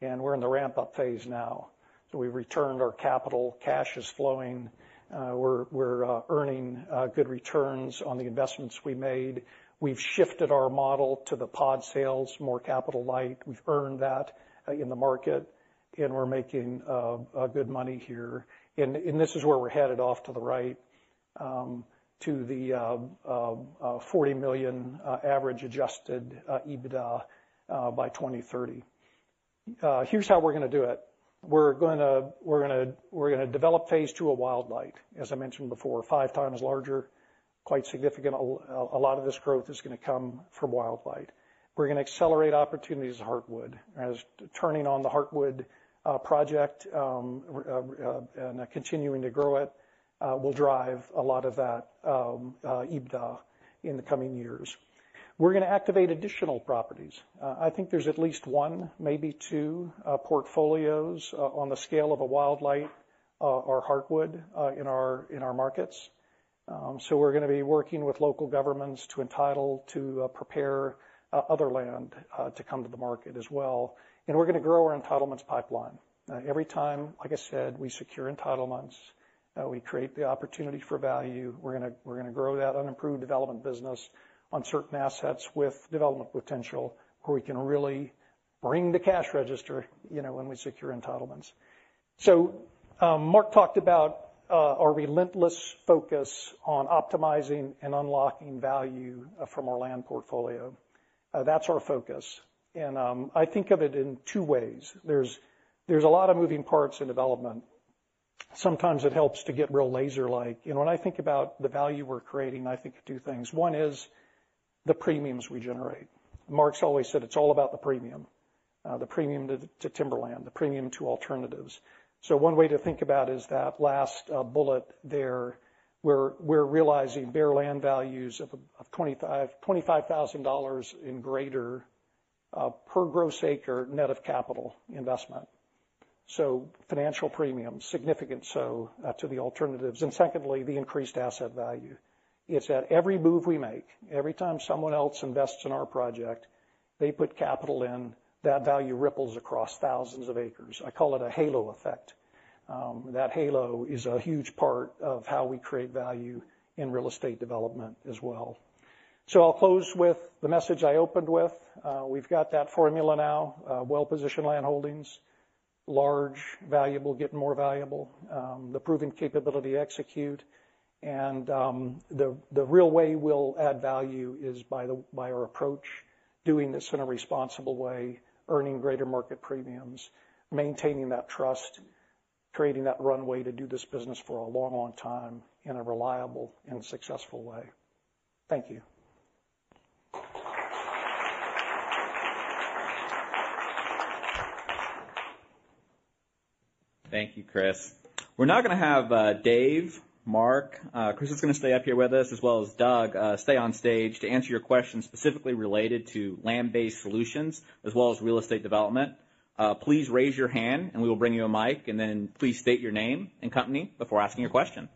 and we're in the ramp-up phase now. So we've returned our capital. Cash is flowing. We're earning good returns on the investments we made. We've shifted our model to the pod sales, more capital light. We've earned that in the market, and we're making good money here. This is where we're headed, off to the right, to the $40 million average adjusted EBITDA by 2030. Here's how we're going to do it. We're going to develop phase II of Wildlight, as I mentioned before, 5x larger, quite significant. A lot of this growth is going to come from Wildlight. We're going to accelerate opportunities at Heartwood, as turning on the Heartwood project and continuing to grow it will drive a lot of that EBITDA in the coming years. We're going to activate additional properties. I think there's at least one, maybe two, portfolios on the scale of a Wildlight or Heartwood in our markets. So we're going to be working with local governments to entitle, to prepare other land to come to the market as well, and we're going to grow our entitlements pipeline. Every time, like I said, we secure entitlements, we create the opportunity for value. We're gonna grow that unimproved development business on certain assets with development potential, where we can really ring the cash register, you know, when we secure entitlements. So, Mark talked about our relentless focus on optimizing and unlocking value from our land portfolio. That's our focus, and I think of it in two ways. There's a lot of moving parts in development. Sometimes it helps to get real laser-like. You know, when I think about the value we're creating, I think of two things. One is the premiums we generate. Mark's always said, "It's all about the premium." The premium to timberland, the premium to alternatives. So one way to think about is that last bullet there, we're realizing bare land values of $25,000 or greater per gross acre, net of capital investment. So financial premium, significant so, to the alternatives, and secondly, the increased asset value. It's at every move we make, every time someone else invests in our project, they put capital in, that value ripples across thousands of acres. I call it a halo effect. That halo is a huge part of how we create value in Real Estate Development as well. So I'll close with the message I opened with. We've got that formula now, well-positioned land holdings, large, valuable, getting more valuable, the proven capability to execute. And, the real way we'll add value is by our approach, doing this in a responsible way, earning greater market premiums, maintaining that trust, creating that runway to do this business for a long, long time in a reliable and successful way. Thank you. Thank you, Chris. We're now gonna have Dave, Mark, Chris is gonna stay up here with us, as well as Doug, stay on stage to answer your questions specifically related to Land-Based Solutions as well as Real Estate Development. Please raise your hand, and we will bring you a mic, and then please state your name and company before asking your question.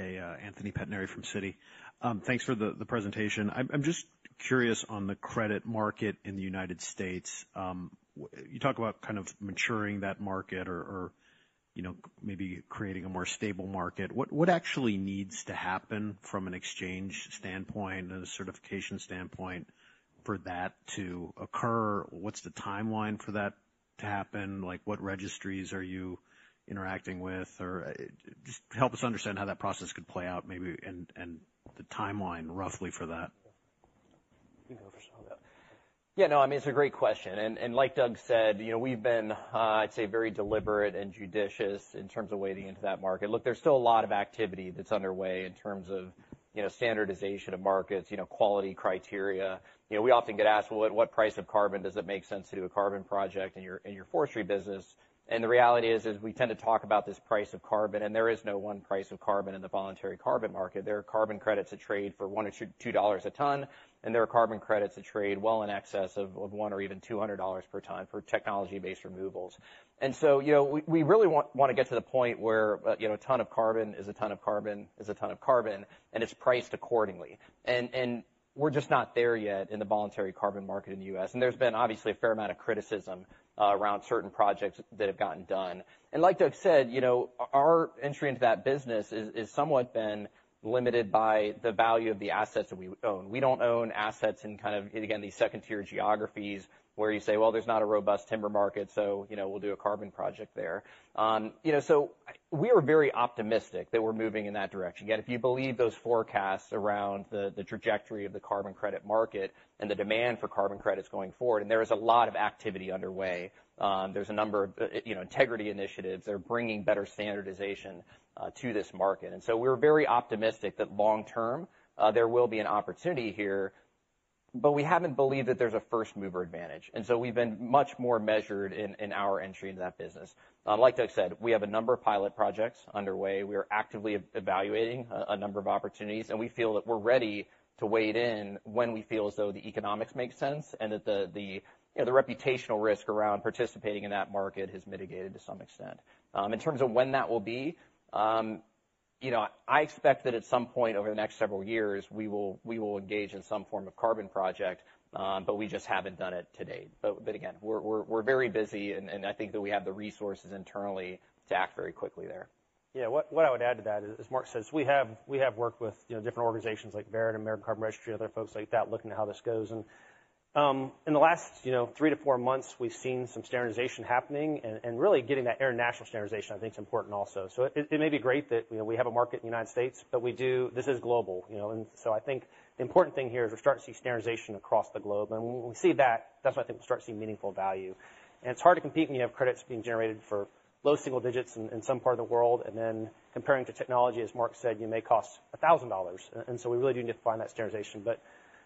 [inaudible] Hey, Anthony Pettinari from Citi. Thanks for the presentation. I'm just curious on the credit market in the United States. You talk about kind of maturing that market or, you know, maybe creating a more stable market. What actually needs to happen from an exchange standpoint and a certification standpoint for that to occur? What's the timeline for that to happen? Like, what registries are you interacting with? Or, just help us understand how that process could play out, maybe, and the timeline, roughly, for that. You can go first on that. Yeah, no, I mean, it's a great question. Like Doug said, you know, we've been, I'd say, very deliberate and judicious in terms of wading into that market. Look, there's still a lot of activity that's underway in terms of, you know, standardization of markets, you know, quality criteria. You know, we often get asked: Well, at what price of carbon does it make sense to do a carbon project in your, in your forestry business? And the reality is, we tend to talk about this price of carbon, and there is no one price of carbon in the voluntary carbon market. There are carbon credits that trade for $1-$2 a ton, and there are carbon credits that trade well in excess of $100 or even $200 per ton for technology-based removals. And so, you know, we really want to get to the point where, you know, a ton of carbon is a ton of carbon, is a ton of carbon, and it's priced accordingly. And we're just not there yet in the voluntary carbon market in the U.S. And there's been, obviously, a fair amount of criticism around certain projects that have gotten done. And like Doug said, you know, our entry into that business is somewhat been limited by the value of the assets that we own. We don't own assets in kind of, again, these second-tier geographies where you say: Well, there's not a robust timber market, so, you know, we'll do a carbon project there. You know, so we are very optimistic that we're moving in that direction. Again, if you believe those forecasts around the trajectory of the carbon credit market and the demand for carbon credits going forward, and there is a lot of activity underway. There's a number of, you know, integrity initiatives that are bringing better standardization to this market. And so we're very optimistic that long term, there will be an opportunity here, but we haven't believed that there's a first-mover advantage. And so we've been much more measured in our entry into that business. Like Doug said, we have a number of pilot projects underway. We are actively evaluating a number of opportunities, and we feel that we're ready to wade in when we feel as though the economics make sense and that the, you know, the reputational risk around participating in that market has mitigated to some extent. In terms of when that will be, you know, I expect that at some point over the next several years, we will engage in some form of carbon project, but we just haven't done it to date. But again, we're very busy, and I think that we have the resources internally to act very quickly there. Yeah. What I would add to that is, as Mark says, we have worked with, you know, different organizations like Verra and American Carbon Registry, other folks like that, looking at how this goes. And in the last, you know, three-four months, we've seen some standardization happening and really getting that international standardization, I think, is important also. So it may be great that, you know, we have a market in the United States, but we do... This is global, you know, and so I think the important thing here is we're starting to see standardization across the globe. And when we see that, that's when I think we'll start to see meaningful value. It's hard to compete when you have credits being generated for low single digits in some part of the world, and then comparing to technology, as Mark said, you may cost $1,000. And so we really do need to find that standardization. But, you know,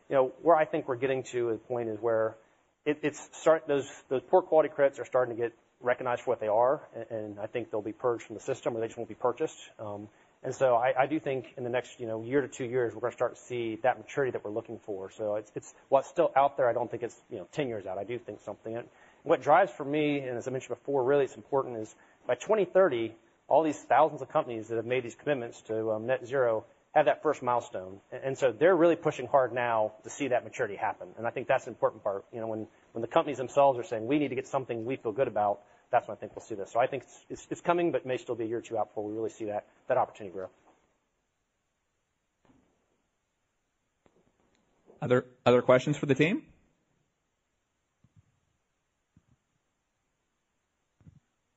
where I think we're getting to a point is where those poor quality credits are starting to get recognized for what they are, and I think they'll be purged from the system, or they just won't be purchased. So I do think in the next, you know, year to two years, we're gonna start to see that maturity that we're looking for. So it's what's still out there, I don't think it's, you know, 10 years out. I do think something, and what drives for me, and as I mentioned before, really it's important, is by 2030, all these thousands of companies that have made these commitments to Net Zero, have that first milestone. And, and so they're really pushing hard now to see that maturity happen, and I think that's an important part. You know, when, when the companies themselves are saying, "We need to get something we feel good about," that's when I think we'll see this. So I think it's, it's coming, but may still be a year or two out before we really see that, that opportunity grow. Other, other questions for the team?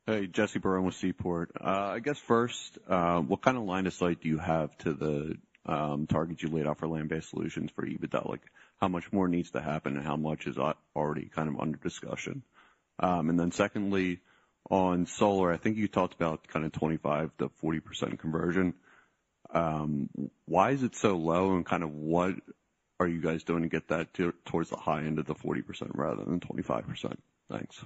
Hey, Jesse Barone with Seaport. I guess first, what kind of line of sight do you have to the targets you laid out for Land-Based Solutions for you? But like, how much more needs to happen, and how much is already kind of under discussion? And then secondly, on solar, I think you talked about kind of 25%-40% conversion. Why is it so low, and kind of what are you guys doing to get that towards the high end of the 40% rather than 25%? Thanks.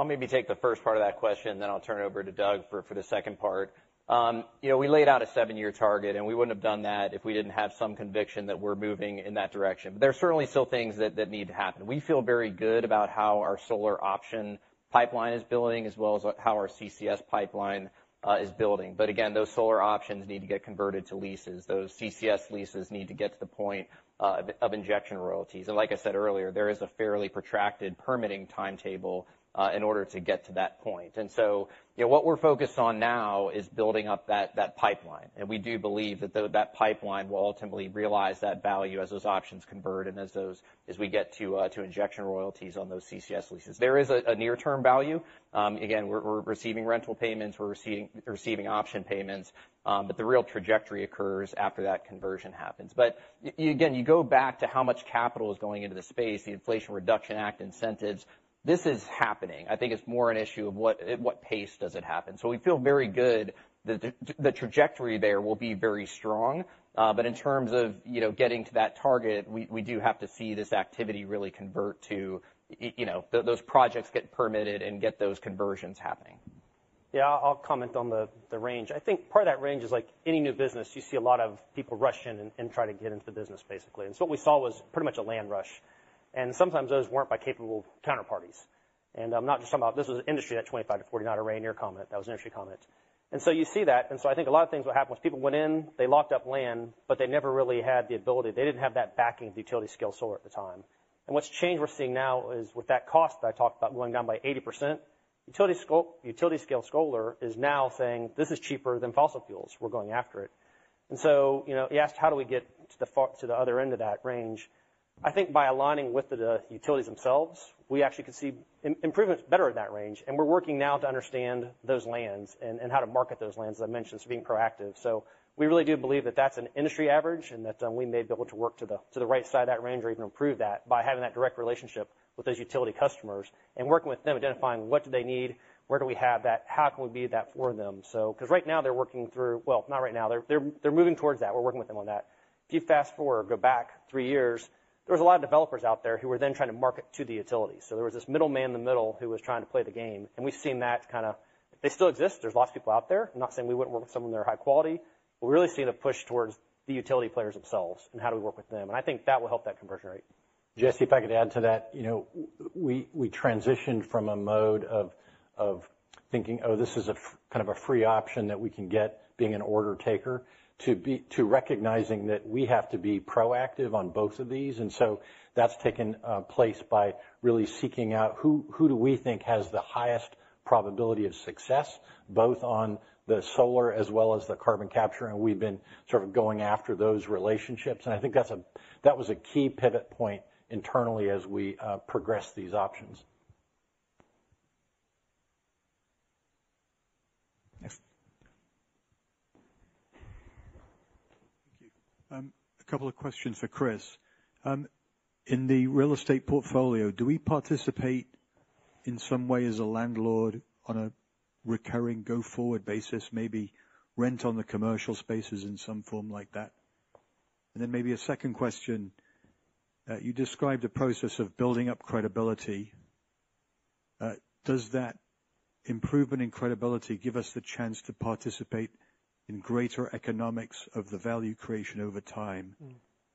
I'll maybe take the first part of that question, and then I'll turn it over to Doug for the second part. You know, we laid out a seven-year target, and we wouldn't have done that if we didn't have some conviction that we're moving in that direction. But there are certainly still things that need to happen. We feel very good about how our solar option pipeline is building, as well as how our CCS pipeline is building. But again, those solar options need to get converted to leases. Those CCS leases need to get to the point of injection royalties. And like I said earlier, there is a fairly protracted permitting timetable in order to get to that point. And so, you know, what we're focused on now is building up that pipeline, and we do believe that the pipeline will ultimately realize that value as those options convert and as we get to injection royalties on those CCS leases. There is a near-term value. Again, we're receiving rental payments, we're receiving option payments, but the real trajectory occurs after that conversion happens. But again, you go back to how much capital is going into the space, the Inflation Reduction Act incentives, this is happening. I think it's more an issue of at what pace does it happen. So we feel very good that the trajectory there will be very strong. But in terms of, you know, getting to that target, we do have to see this activity really convert to... You know, those projects get permitted and get those conversions happening. Yeah, I'll comment on the range. I think part of that range is like any new business, you see a lot of people rush in and try to get into the business, basically. And so what we saw was pretty much a land rush, and sometimes those weren't by capable counterparties. And I'm not just talking about—this was industry at 25%-40%, not a Rayonier comment. That was an industry comment. And so you see that, and so I think a lot of things what happened was people went in, they locked up land, but they never really had the ability. They didn't have that backing of utility-scale solar at the time. And what's changed, we're seeing now is with that cost that I talked about going down by 80%, utility-scale solar is now saying, "This is cheaper than fossil fuels. We're going after it." And so, you know, you asked how do we get to the far end, to the other end of that range? I think by aligning with the utilities themselves, we actually could see improvements better in that range, and we're working now to understand those lands and how to market those lands, as I mentioned, so being proactive. So we really do believe that that's an industry average, and that we may be able to work to the right side of that range or even improve that by having that direct relationship with those utility customers and working with them, identifying what do they need, where do we have that, how can we be that for them? So, because right now they're working through well, not right now. They're moving towards that. We're working with them on that. If you fast-forward or go back three years, there was a lot of developers out there who were then trying to market to the utilities. So there was this middleman in the middle who was trying to play the game, and we've seen that kind of... They still exist. There's lots of people out there. I'm not saying we wouldn't work with some of them that are high quality, but we're really seeing a push towards the utility players themselves and how do we work with them. And I think that will help that conversion rate. Jesse, if I could add to that, you know, we transitioned from a mode of thinking, oh, this is a kind of a free option that we can get, being an order taker, to recognizing that we have to be proactive on both of these. And so that's taken place by really seeking out who do we think has the highest probability of success, both on the solar as well as the carbon capture? And we've been sort of going after those relationships, and I think that was a key pivot point internally as we progress these options. Next. Thank you. A couple of questions for Chris. In the real estate portfolio, do we participate in some way as a landlord on a recurring, go-forward basis, maybe rent on the commercial spaces in some form like that? And then maybe a second question. You described a process of building up credibility. Does that improvement in credibility give us the chance to participate in greater economics of the value creation over time-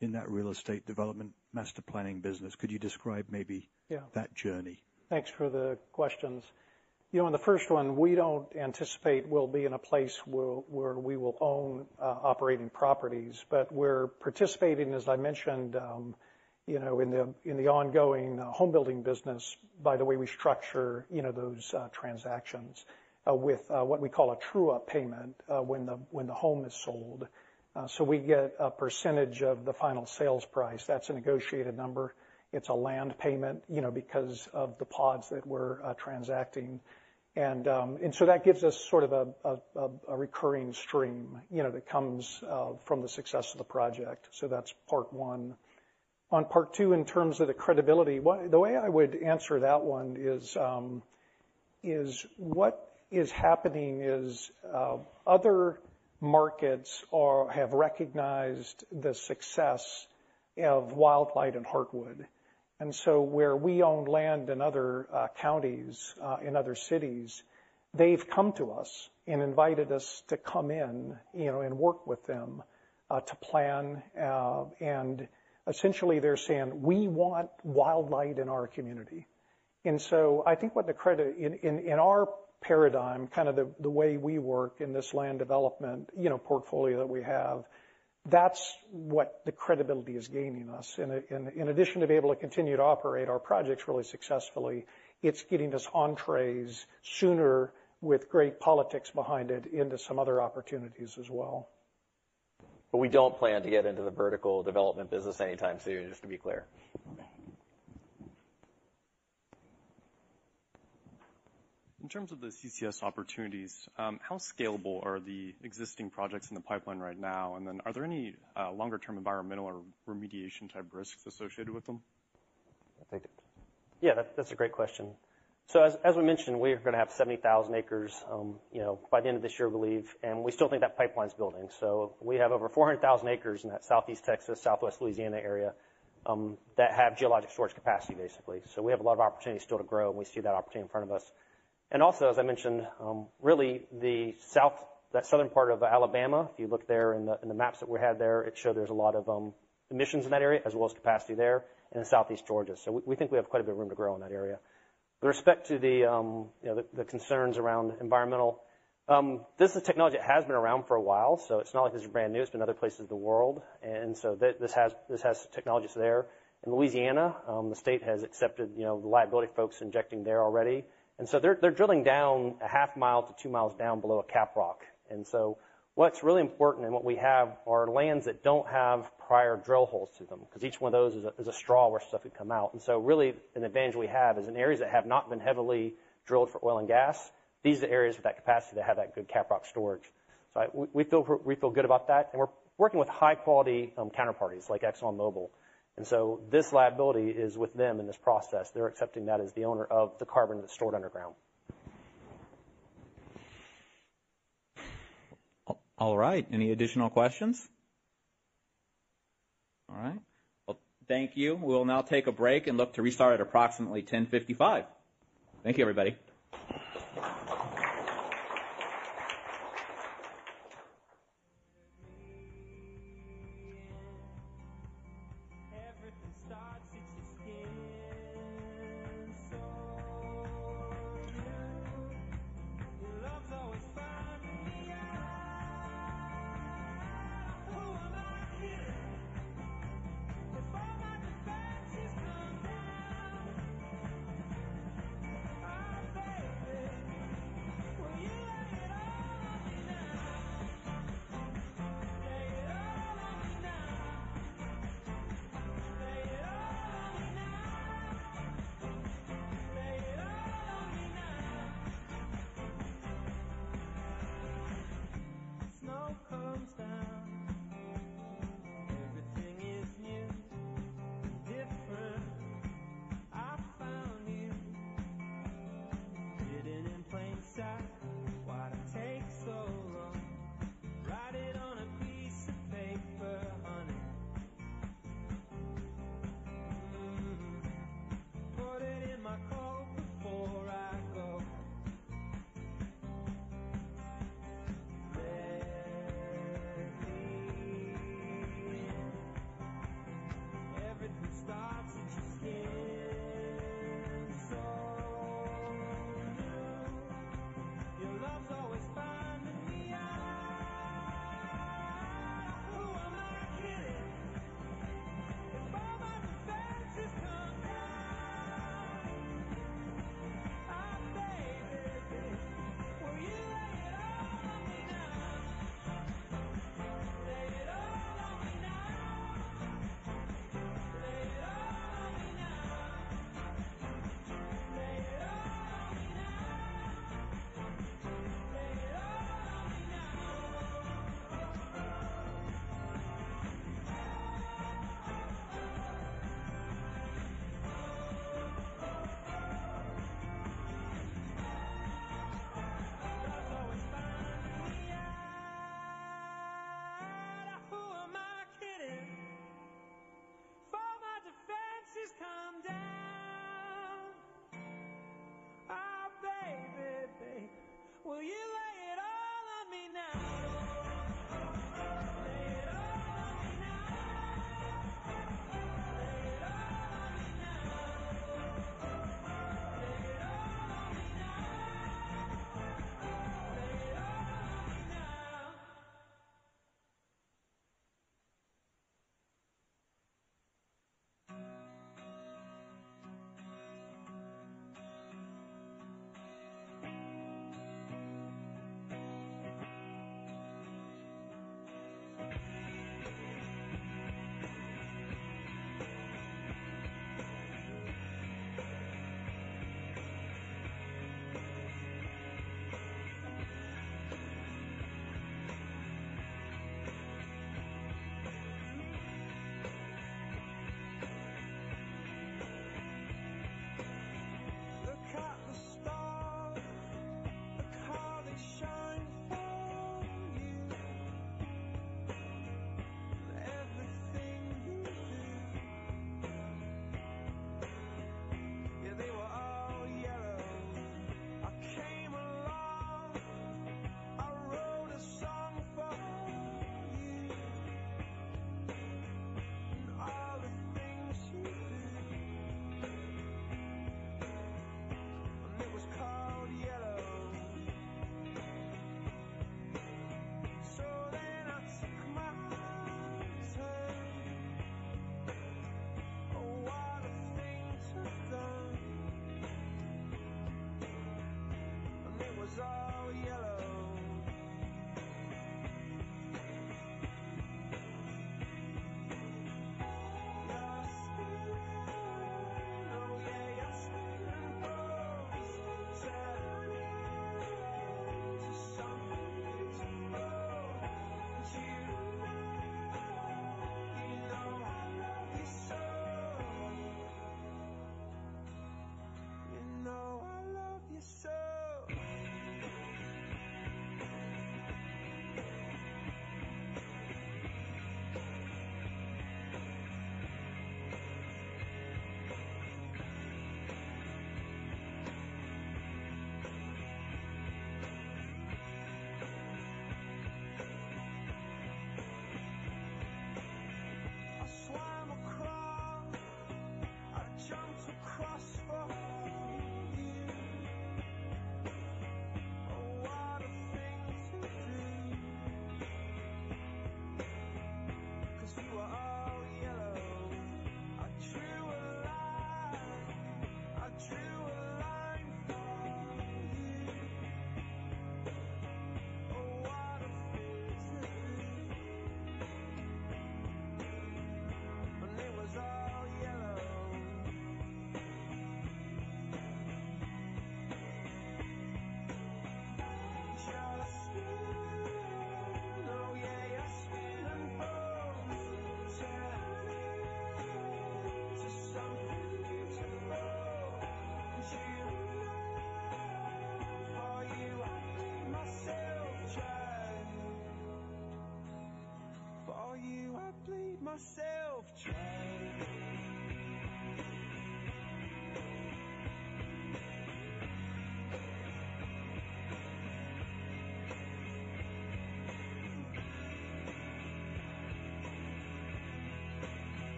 In that Real Estate Development, master planning business? Could you describe maybe- Yeah. -that journey? Thanks for the questions. You know, on the first one, we don't anticipate we'll be in a place where we will own operating properties, but we're participating, as I mentioned, you know, in the ongoing home building business, by the way we structure, you know, those transactions with what we call a true-up payment when the home is sold. So we get a percentage of the final sales price. That's a negotiated number. It's a land payment, you know, because of the pods that we're transacting. And so that gives us sort of a recurring stream, you know, that comes from the success of the project. So that's part one. On part two, in terms of the credibility, the way I would answer that one is... is what is happening is, other markets are have recognized the success of Wildlight and Heartwood. And so where we own land in other, counties, in other cities, they've come to us and invited us to come in, you know, and work with them, to plan. And essentially they're saying, "We want Wildlight in our community." And so I think what the credit in, in, in our paradigm, kind of the, the way we work in this land development, you know, portfolio that we have, that's what the credibility is gaining us. And in, in addition to be able to continue to operate our projects really successfully, it's getting us entrées sooner with great politics behind it into some other opportunities as well. But we don't plan to get into the vertical development business anytime soon, just to be clear. In terms of the CCS opportunities, how scalable are the existing projects in the pipeline right now? And then are there any longer-term environmental or remediation-type risks associated with them? I'll take it. Yeah, that's a great question. So as we mentioned, we are gonna have 70,000 acres, you know, by the end of this year, we believe, and we still think that pipeline's building. So we have over 400,000 acres in that Southeast Texas, Southwest Louisiana area, that have geologic storage capacity, basically. So we have a lot of opportunities still to grow, and we see that opportunity in front of us. And also, as I mentioned, really, the south, that southern part of Alabama, if you look there in the maps that we had there, it showed there's a lot of emissions in that area as well as capacity there and in Southeast Georgia. So we think we have quite a bit of room to grow in that area. With respect to the, you know, the concerns around environmental, this is technology that has been around for a while, so it's not like this is brand new. It's been in other places in the world, and so this has technologies there. In Louisiana, the state has accepted, you know, the liability of folks injecting there already. And so they're drilling down a half mile to two miles down below a caprock. And so what's really important, and what we have are lands that don't have prior drill holes to them, 'cause each one of those is a straw where stuff could come out. And so really, an advantage we have is in areas that have not been heavily drilled for oil and gas, these are the areas with that capacity to have that good caprock storage. So we feel good about that, and we're working with high-quality counterparties like ExxonMobil. And so this liability is with them in this process. They're accepting that as the owner of the carbon that's stored underground. All right. Any additional questions? All right. Well, thank you. We'll now take a break and look to restart at approximately 10:55 AM. Thank you, everybody.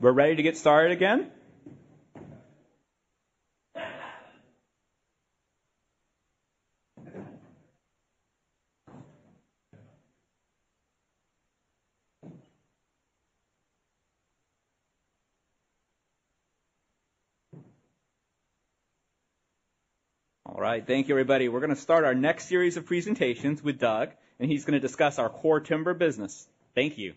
We're ready to get started again? All right, thank you, everybody. We're gonna start our next series of presentations with Doug, and he's gonna discuss our core Timber business. Thank you.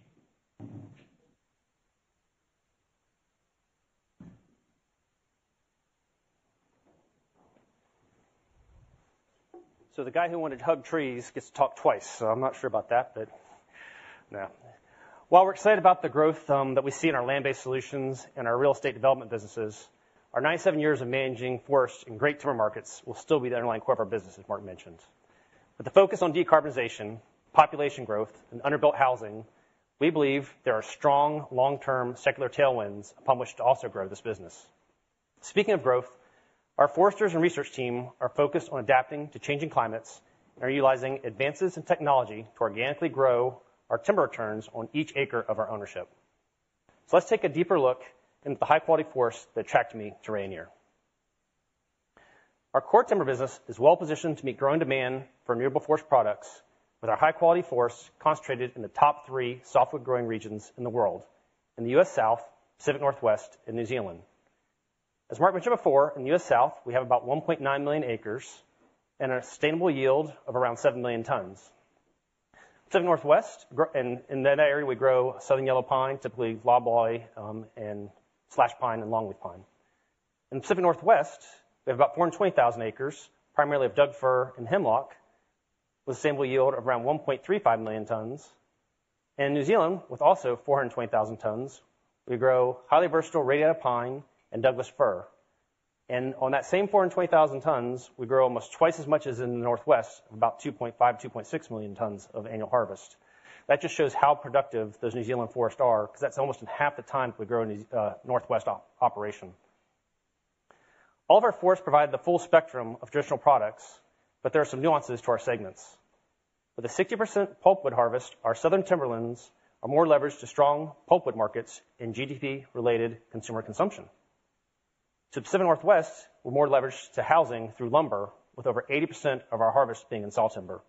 So the guy who wanted to hug trees gets to talk twice, so I'm not sure about that, but now, while we're excited about the growth that we see in our Land-Based Solutions and our Real Estate Development businesses, our 97 years of managing forests in great timber markets will still be the underlying core of our business, as Mark mentioned. But the focus on decarbonization, population growth, and under-built housing, we believe there are strong long-term secular tailwinds upon which to also grow this business. Speaking of growth, our foresters and research team are focused on adapting to changing climates and are utilizing advances in technology to organically grow our timber returns on each acre of our ownership. So let's take a deeper look into the high-quality forests that attracted me to Rayonier. Our core Timber business is well positioned to meet growing demand for renewable forest products, with our high-quality forests concentrated in the top three softwood-growing regions in the world: in the U.S. South, Pacific Northwest, and New Zealand. As Mark mentioned before, in the U.S. South, we have about 1.9 million acres and a sustainable yield of around 7 million tons. Pacific Northwest, that area, we grow southern yellow pine, typically loblolly, and slash pine and longleaf pine. In the Pacific Northwest, we have about 420,000 acres, primarily of Douglas fir and hemlock, with a sustainable yield of around 1.35 million tons. In New Zealand, with also 420,000 tons, we grow highly versatile radiata pine and Douglas fir. On that same 420,000 tons, we grow almost twice as much as in the Northwest, about 2.5 million tons-2.6 million tons of annual harvest. That just shows how productive those New Zealand forests are, because that's almost in half the time we grow in these Northwest operation. All of our forests provide the full spectrum of traditional products, but there are some nuances to our segments. With a 60% pulpwood harvest, our southern timberlands are more leveraged to strong pulpwood markets in GDP-related consumer consumption. To the Pacific Northwest, we're more leveraged to housing through lumber, with over 80% of our harvest being in sawtimber.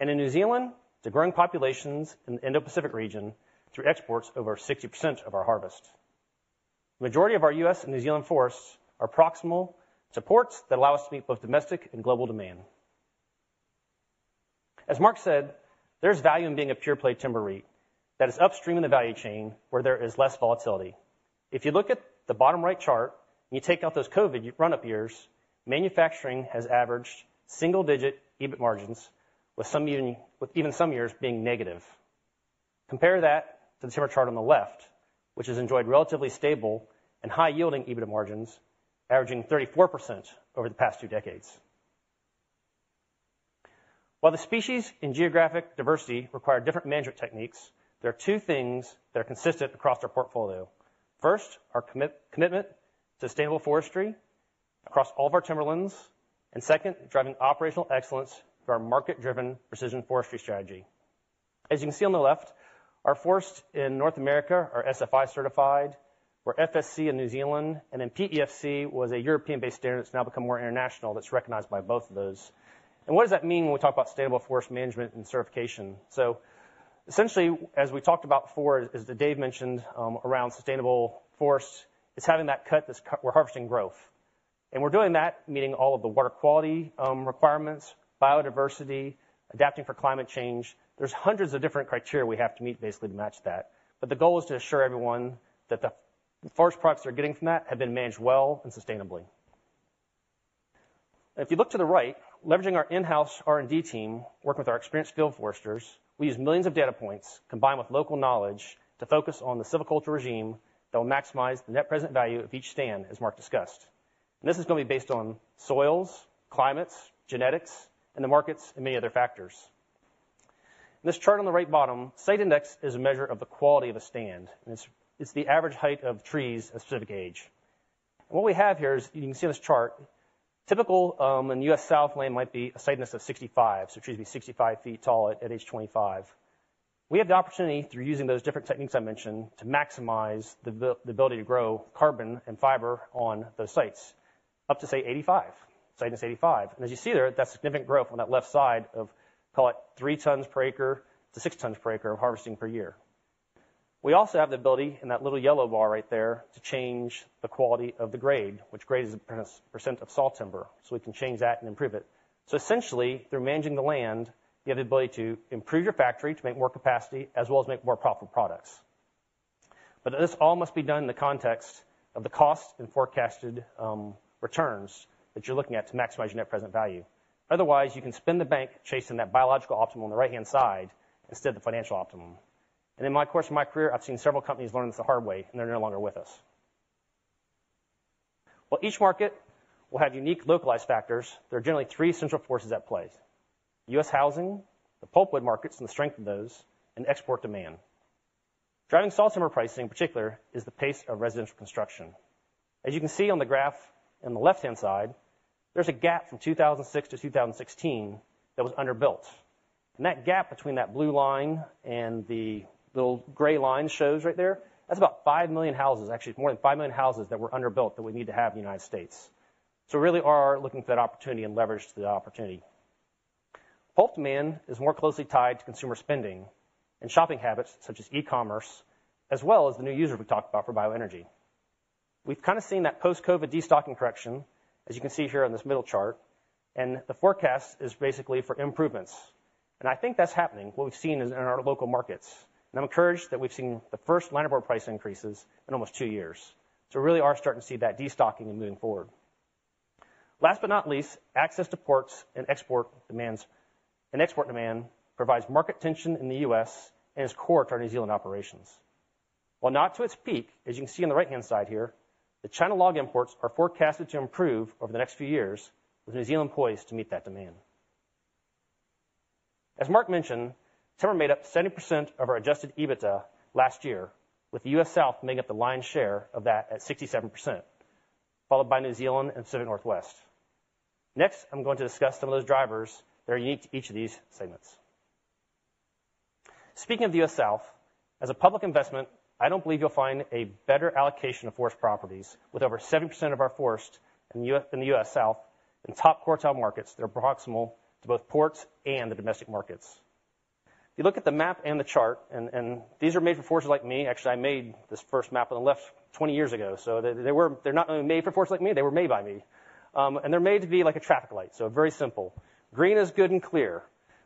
And in New Zealand, to growing populations in the Indo-Pacific region through exports over 60% of our harvest. The majority of our U.S. and New Zealand forests are proximal to ports that allow us to meet both domestic and global demand. As Mark said, there's value in being a pure-play timber REIT that is upstream in the value chain where there is less volatility. If you look at the bottom right chart, and you take out those COVID year run-up years, manufacturing has averaged single-digit EBIT margins, with some even, with even some years being negative. Compare that to the timber chart on the left, which has enjoyed relatively stable and high-yielding EBITDA margins, averaging 34% over the past two decades. While the species and geographic diversity require different management techniques, there are two things that are consistent across our portfolio. First, our commitment to sustainable forestry across all of our timberlands, and second, driving operational excellence through our market-driven precision forestry strategy. As you can see on the left, our forests in North America are SFI certified, we're FSC in New Zealand, and then PEFC was a European-based standard. It's now become more international, that's recognized by both of those. And what does that mean when we talk about sustainable forest management and certification? So essentially, as we talked about before, as, as Dave mentioned, around sustainable forests, it's having that cut, this cut—we're harvesting growth. And we're doing that, meeting all of the water quality, requirements, biodiversity, adapting for climate change. There's hundreds of different criteria we have to meet, basically, to match that. But the goal is to assure everyone that the forest products they're getting from that have been managed well and sustainably. If you look to the right, leveraging our in-house R and D team, working with our experienced field foresters, we use millions of data points combined with local knowledge to focus on the silviculture regime that will maximize the net present value of each stand, as Mark discussed. This is going to be based on soils, climates, genetics, and the markets, and many other factors. This chart on the right bottom, site index is a measure of the quality of a stand, and it's the average height of trees at a specific age. What we have here is, you can see on this chart, typical, in the U.S. South land might be a site index of 65, so trees be 65 ft tall at age 25. We have the opportunity, through using those different techniques I mentioned, to maximize the abi- the ability to grow carbon and fiber on those sites up to, say, 85, site index 85. And as you see there, that's significant growth on that left side of, call it 3 tons-6 tons per acre of harvesting per year. We also have the ability, in that little yellow bar right there, to change the quality of the grade, which grade is a percentage of sawtimber, so we can change that and improve it. So essentially, through managing the land, you have the ability to improve your factory, to make more capacity, as well as make more profitable products. But this all must be done in the context of the costs and forecasted returns that you're looking at to maximize your net present value. Otherwise, you can go bankrupt chasing that biological optimum on the right-hand side instead of the financial optimum. In the course of my career, I've seen several companies learn this the hard way, and they're no longer with us. While each market will have unique localized factors, there are generally three central forces at play: U.S. housing, the pulpwood markets and the strength of those, and export demand. Driving sawtimber pricing, in particular, is the pace of residential construction. As you can see on the graph on the left-hand side, there's a gap from 2006 to 2016 that was underbuilt. That gap between that blue line and the little gray line shows right there, that's about 5 million houses. Actually, more than 5 million houses that we need to have in the United States. We really are looking for that opportunity and leverage the opportunity. Pulp demand is more closely tied to consumer spending and shopping habits, such as e-commerce, as well as the new users we talked about for bioenergy. We've kind of seen that post-COVID destocking correction, as you can see here on this middle chart, and the forecast is basically for improvements. I think that's happening, what we've seen is in our local markets. I'm encouraged that we've seen the first lumber price increases in almost two years. We really are starting to see that destocking and moving forward. Last but not least, access to ports and export demands and export demand provides market tension in the U.S. and is core to our New Zealand operations. While not to its peak, as you can see on the right-hand side here, the China log imports are forecasted to improve over the next few years, with New Zealand poised to meet that demand. As Mark mentioned, timber made up 70% of our adjusted EBITDA last year, with the U.S. South making up the lion's share of that at 67%, followed by New Zealand and Pacific Northwest. Next, I'm going to discuss some of those drivers that are unique to each of these segments. Speaking of U.S. South, as a public investment, I don't believe you'll find a better allocation of forest properties with over 70% of our forest in the U.S. South in top quartile markets that are proximal to both ports and the domestic markets. If you look at the map and the chart, these are made for forests like me. Actually, I made this first map on the left 20 years ago, so they were. They're not only made for forests like me, they were made by me. They're made to be like a traffic light, so very simple. Green is good and clear,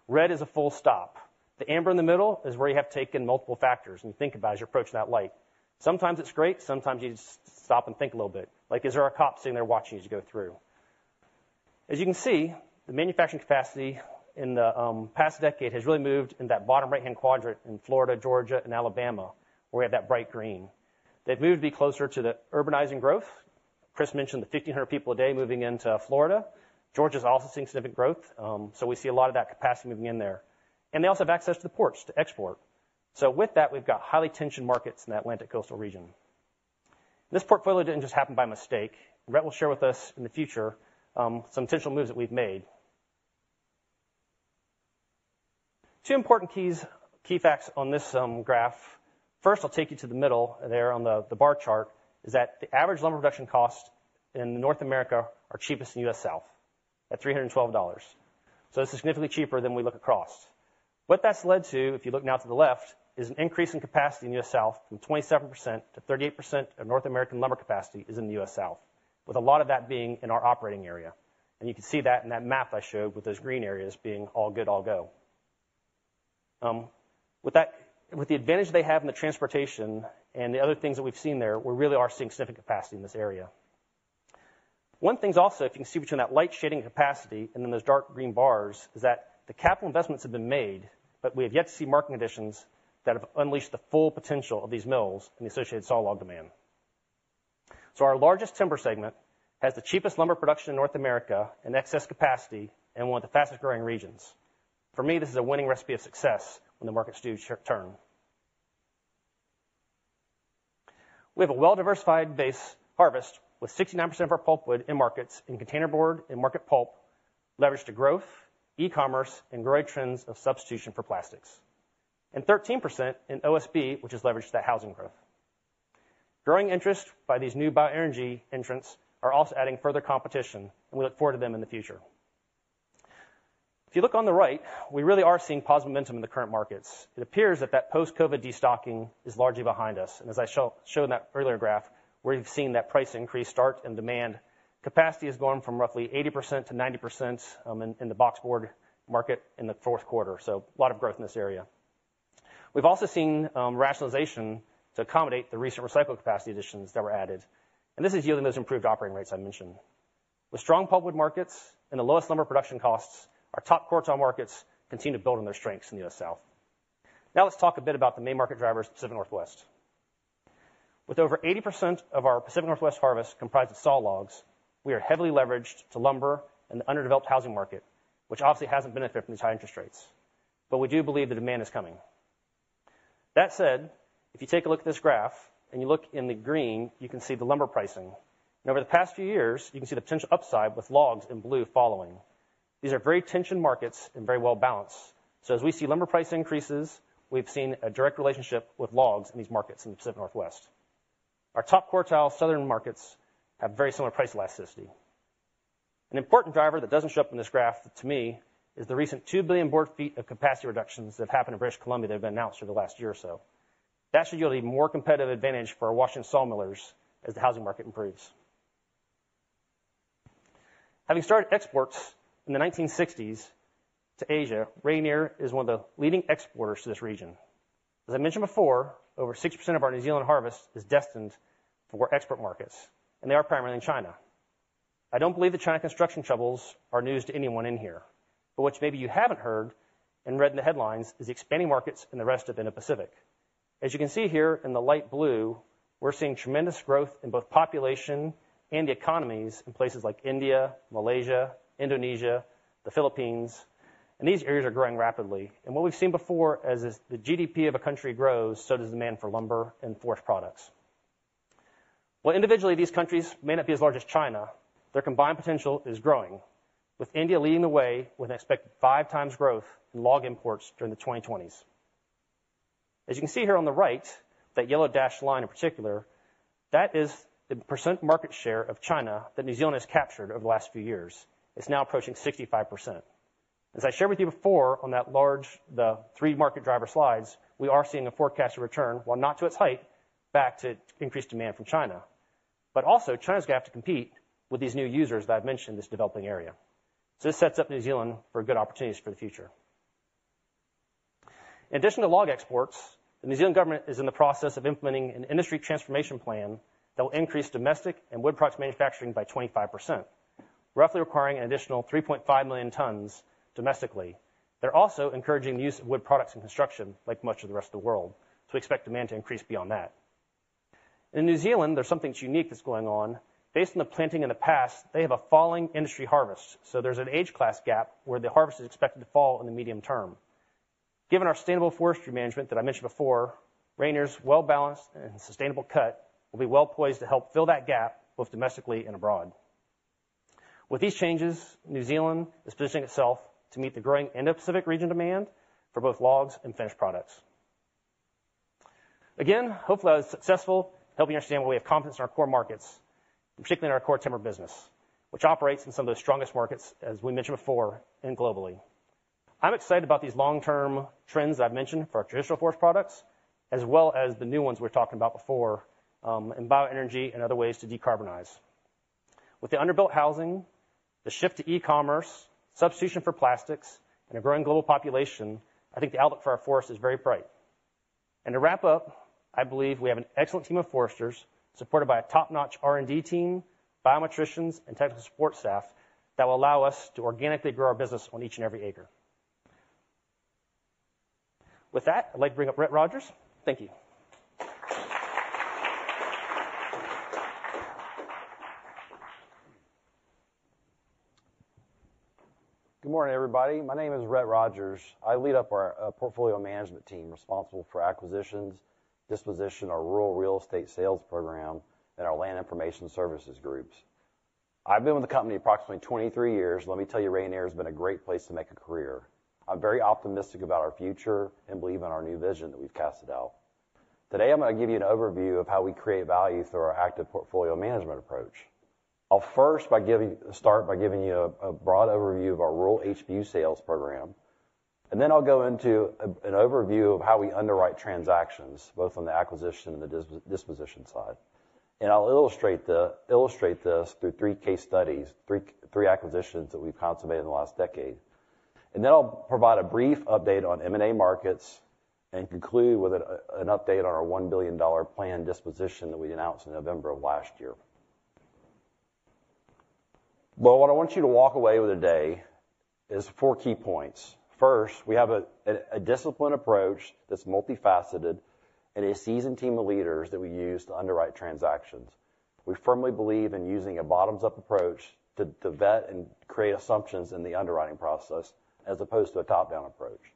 red is a full stop. The amber in the middle is where you have taken multiple factors, and you think about as you approach that light. Sometimes it's great, sometimes you just stop and think a little bit, like, is there a cop sitting there watching you as you go through? As you can see, the manufacturing capacity in the past decade has really moved in that bottom right-hand quadrant in Florida, Georgia, and Alabama, where we have that bright green. They've moved to be closer to the urbanizing growth. Chris mentioned the 1,500 people a day moving into Florida. Georgia is also seeing significant growth, so we see a lot of that capacity moving in there. And they also have access to the ports to export. So with that, we've got highly tensioned markets in the Atlantic coastal region. This portfolio didn't just happen by mistake. Rhett will share with us in the future, some intentional moves that we've made. Two important key facts on this graph. First, I'll take you to the middle there on the bar chart, is that the average lumber production cost in North America are cheapest in the U.S. South, at $312. So this is significantly cheaper than we look across. What that's led to, if you look now to the left, is an increase in capacity in the U.S. South from 27% to 38% of North American lumber capacity is in the U.S. South, with a lot of that being in our operating area. And you can see that in that map I showed with those green areas being all good, all go. With the advantage they have in the transportation and the other things that we've seen there, we really are seeing significant capacity in this area. One thing is also, if you can see between that light shading capacity and then those dark green bars, is that the capital investments have been made, but we have yet to see market conditions that have unleashed the full potential of these mills and the associated sawlog demand. So our largest Timber segment has the cheapest lumber production in North America and excess capacity, and one of the fastest-growing regions. For me, this is a winning recipe of success when the markets do turn. We have a well-diversified base harvest, with 69% of our pulpwood in markets, in containerboard and market pulp, leveraged to growth, e-commerce, and growing trends of substitution for plastics. And 13% in OSB, which is leveraged to housing growth. Growing interest by these new bioenergy entrants are also adding further competition, and we look forward to them in the future. If you look on the right, we really are seeing positive momentum in the current markets. It appears that post-COVID destocking is largely behind us, and as I showed in that earlier graph, where you've seen that price increase start and demand, capacity has gone from roughly 80% to 90% in the boxboard market in the fourth quarter. So a lot of growth in this area. We've also seen rationalization to accommodate the recent recycled capacity additions that were added, and this is yielding those improved operating rates I mentioned. With strong public markets and the lowest lumber production costs, our top quartile markets continue to build on their strengths in the U.S. South. Now let's talk a bit about the main market drivers, Pacific Northwest. With over 80% of our Pacific Northwest harvest comprised of sawlogs, we are heavily leveraged to lumber and the underdeveloped housing market, which obviously hasn't benefited from these high interest rates, but we do believe the demand is coming. That said, if you take a look at this graph and you look in the green, you can see the lumber pricing. Over the past few years, you can see the potential upside with logs in blue following. These are very tensioned markets and very well balanced. So as we see lumber price increases, we've seen a direct relationship with logs in these markets in the Pacific Northwest. Our top quartile Southern markets have very similar price elasticity. An important driver that doesn't show up in this graph, to me, is the recent 2 billion board feet of capacity reductions that have happened in British Columbia, that have been announced over the last year or so. That should yield a more competitive advantage for our Washington sawmillers as the housing market improves. Having started exports in the 1960s to Asia, Rayonier is one of the leading exporters to this region. As I mentioned before, over 60% of our New Zealand harvest is destined for export markets, and they are primarily in China. I don't believe the China construction troubles are news to anyone in here, but what maybe you haven't heard and read in the headlines is the expanding markets in the rest of the Pacific. As you can see here in the light blue, we're seeing tremendous growth in both population and the economies in places like India, Malaysia, Indonesia, the Philippines, and these areas are growing rapidly. What we've seen before, as the GDP of a country grows, so does demand for lumber and forest products. While individually, these countries may not be as large as China, their combined potential is growing, with India leading the way with an expected 5x growth in log imports during the 2020s. As you can see here on the right, that yellow dashed line in particular, that is the percent market share of China that New Zealand has captured over the last few years. It's now approaching 65%. As I shared with you before, on that large... The three market driver slides, we are seeing a forecasted return, while not to its height, back to increased demand from China. But also, China's going to have to compete with these new users that I've mentioned in this developing area. So this sets up New Zealand for good opportunities for the future. In addition to log exports, the New Zealand government is in the process of implementing an industry transformation plan that will increase domestic and wood products manufacturing by 25%, roughly requiring an additional 3.5 million tons domestically. They're also encouraging the use of wood products in construction, like much of the rest of the world, so we expect demand to increase beyond that. In New Zealand, there's something unique that's going on. Based on the planting in the past, they have a falling industry harvest, so there's an age class gap where the harvest is expected to fall in the medium term. Given our sustainable forestry management that I mentioned before, Rayonier's well-balanced and sustainable cut will be well-poised to help fill that gap, both domestically and abroad. With these changes, New Zealand is positioning itself to meet the growing Indo-Pacific region demand for both logs and finished products. Again, hopefully, I was successful helping you understand why we have confidence in our core markets, particularly in our core Timber business, which operates in some of the strongest markets, as we mentioned before, and globally. I'm excited about these long-term trends I've mentioned for our traditional forest products, as well as the new ones we were talking about before, in bioenergy and other ways to decarbonize. With the underbuilt housing, the shift to e-commerce, substitution for plastics, and a growing global population, I think the outlook for our forest is very bright. To wrap up, I believe we have an excellent team of foresters, supported by a top-notch R and D team, biometricians, and technical support staff, that will allow us to organically grow our business on each and every acre. With that, I'd like to bring up Rhett Rogers. Thank you. Good morning, everybody. My name is Rhett Rogers. I lead up our portfolio management team, responsible for acquisitions, disposition, our rural real estate sales program, and our land information services groups. I've been with the company approximately 23 years. Let me tell you, Rayonier has been a great place to make a career. I'm very optimistic about our future and believe in our new vision that we've casted out. Today, I'm gonna give you an overview of how we create value through our active portfolio management approach. I'll start by giving you a broad overview of our rural HBU sales program, and then I'll go into an overview of how we underwrite transactions, both on the acquisition and the disposition side. And I'll illustrate this through three case studies, three acquisitions that we've consummated in the last decade. Then I'll provide a brief update on M&A markets and conclude with an update on our $1 billion planned disposition that we announced in November of last year. Well, what I want you to walk away with today is four key points. First, we have a disciplined approach that's multifaceted and a seasoned team of leaders that we use to underwrite transactions. We firmly believe in using a bottoms-up approach to vet and create assumptions in the underwriting process, as opposed to a top-down approach.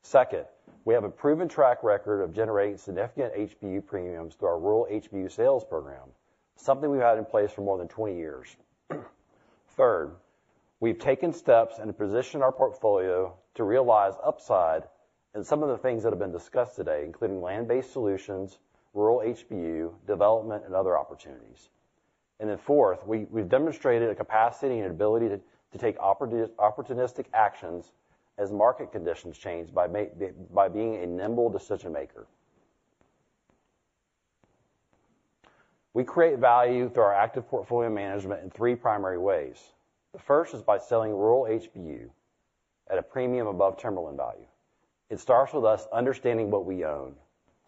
Second, we have a proven track record of generating significant HBU premiums through our rural HBU sales program, something we've had in place for more than 20 years. Third, we've taken steps and positioned our portfolio to realize upside in some of the things that have been discussed today, including Land-Based Solutions, rural HBU, development, and other opportunities. And then fourth, we've demonstrated a capacity and ability to take opportunistic actions as market conditions change by being a nimble decision maker. We create value through our active portfolio management in three primary ways. The first is by selling rural HBU at a premium above timberland value. It starts with us understanding what we own,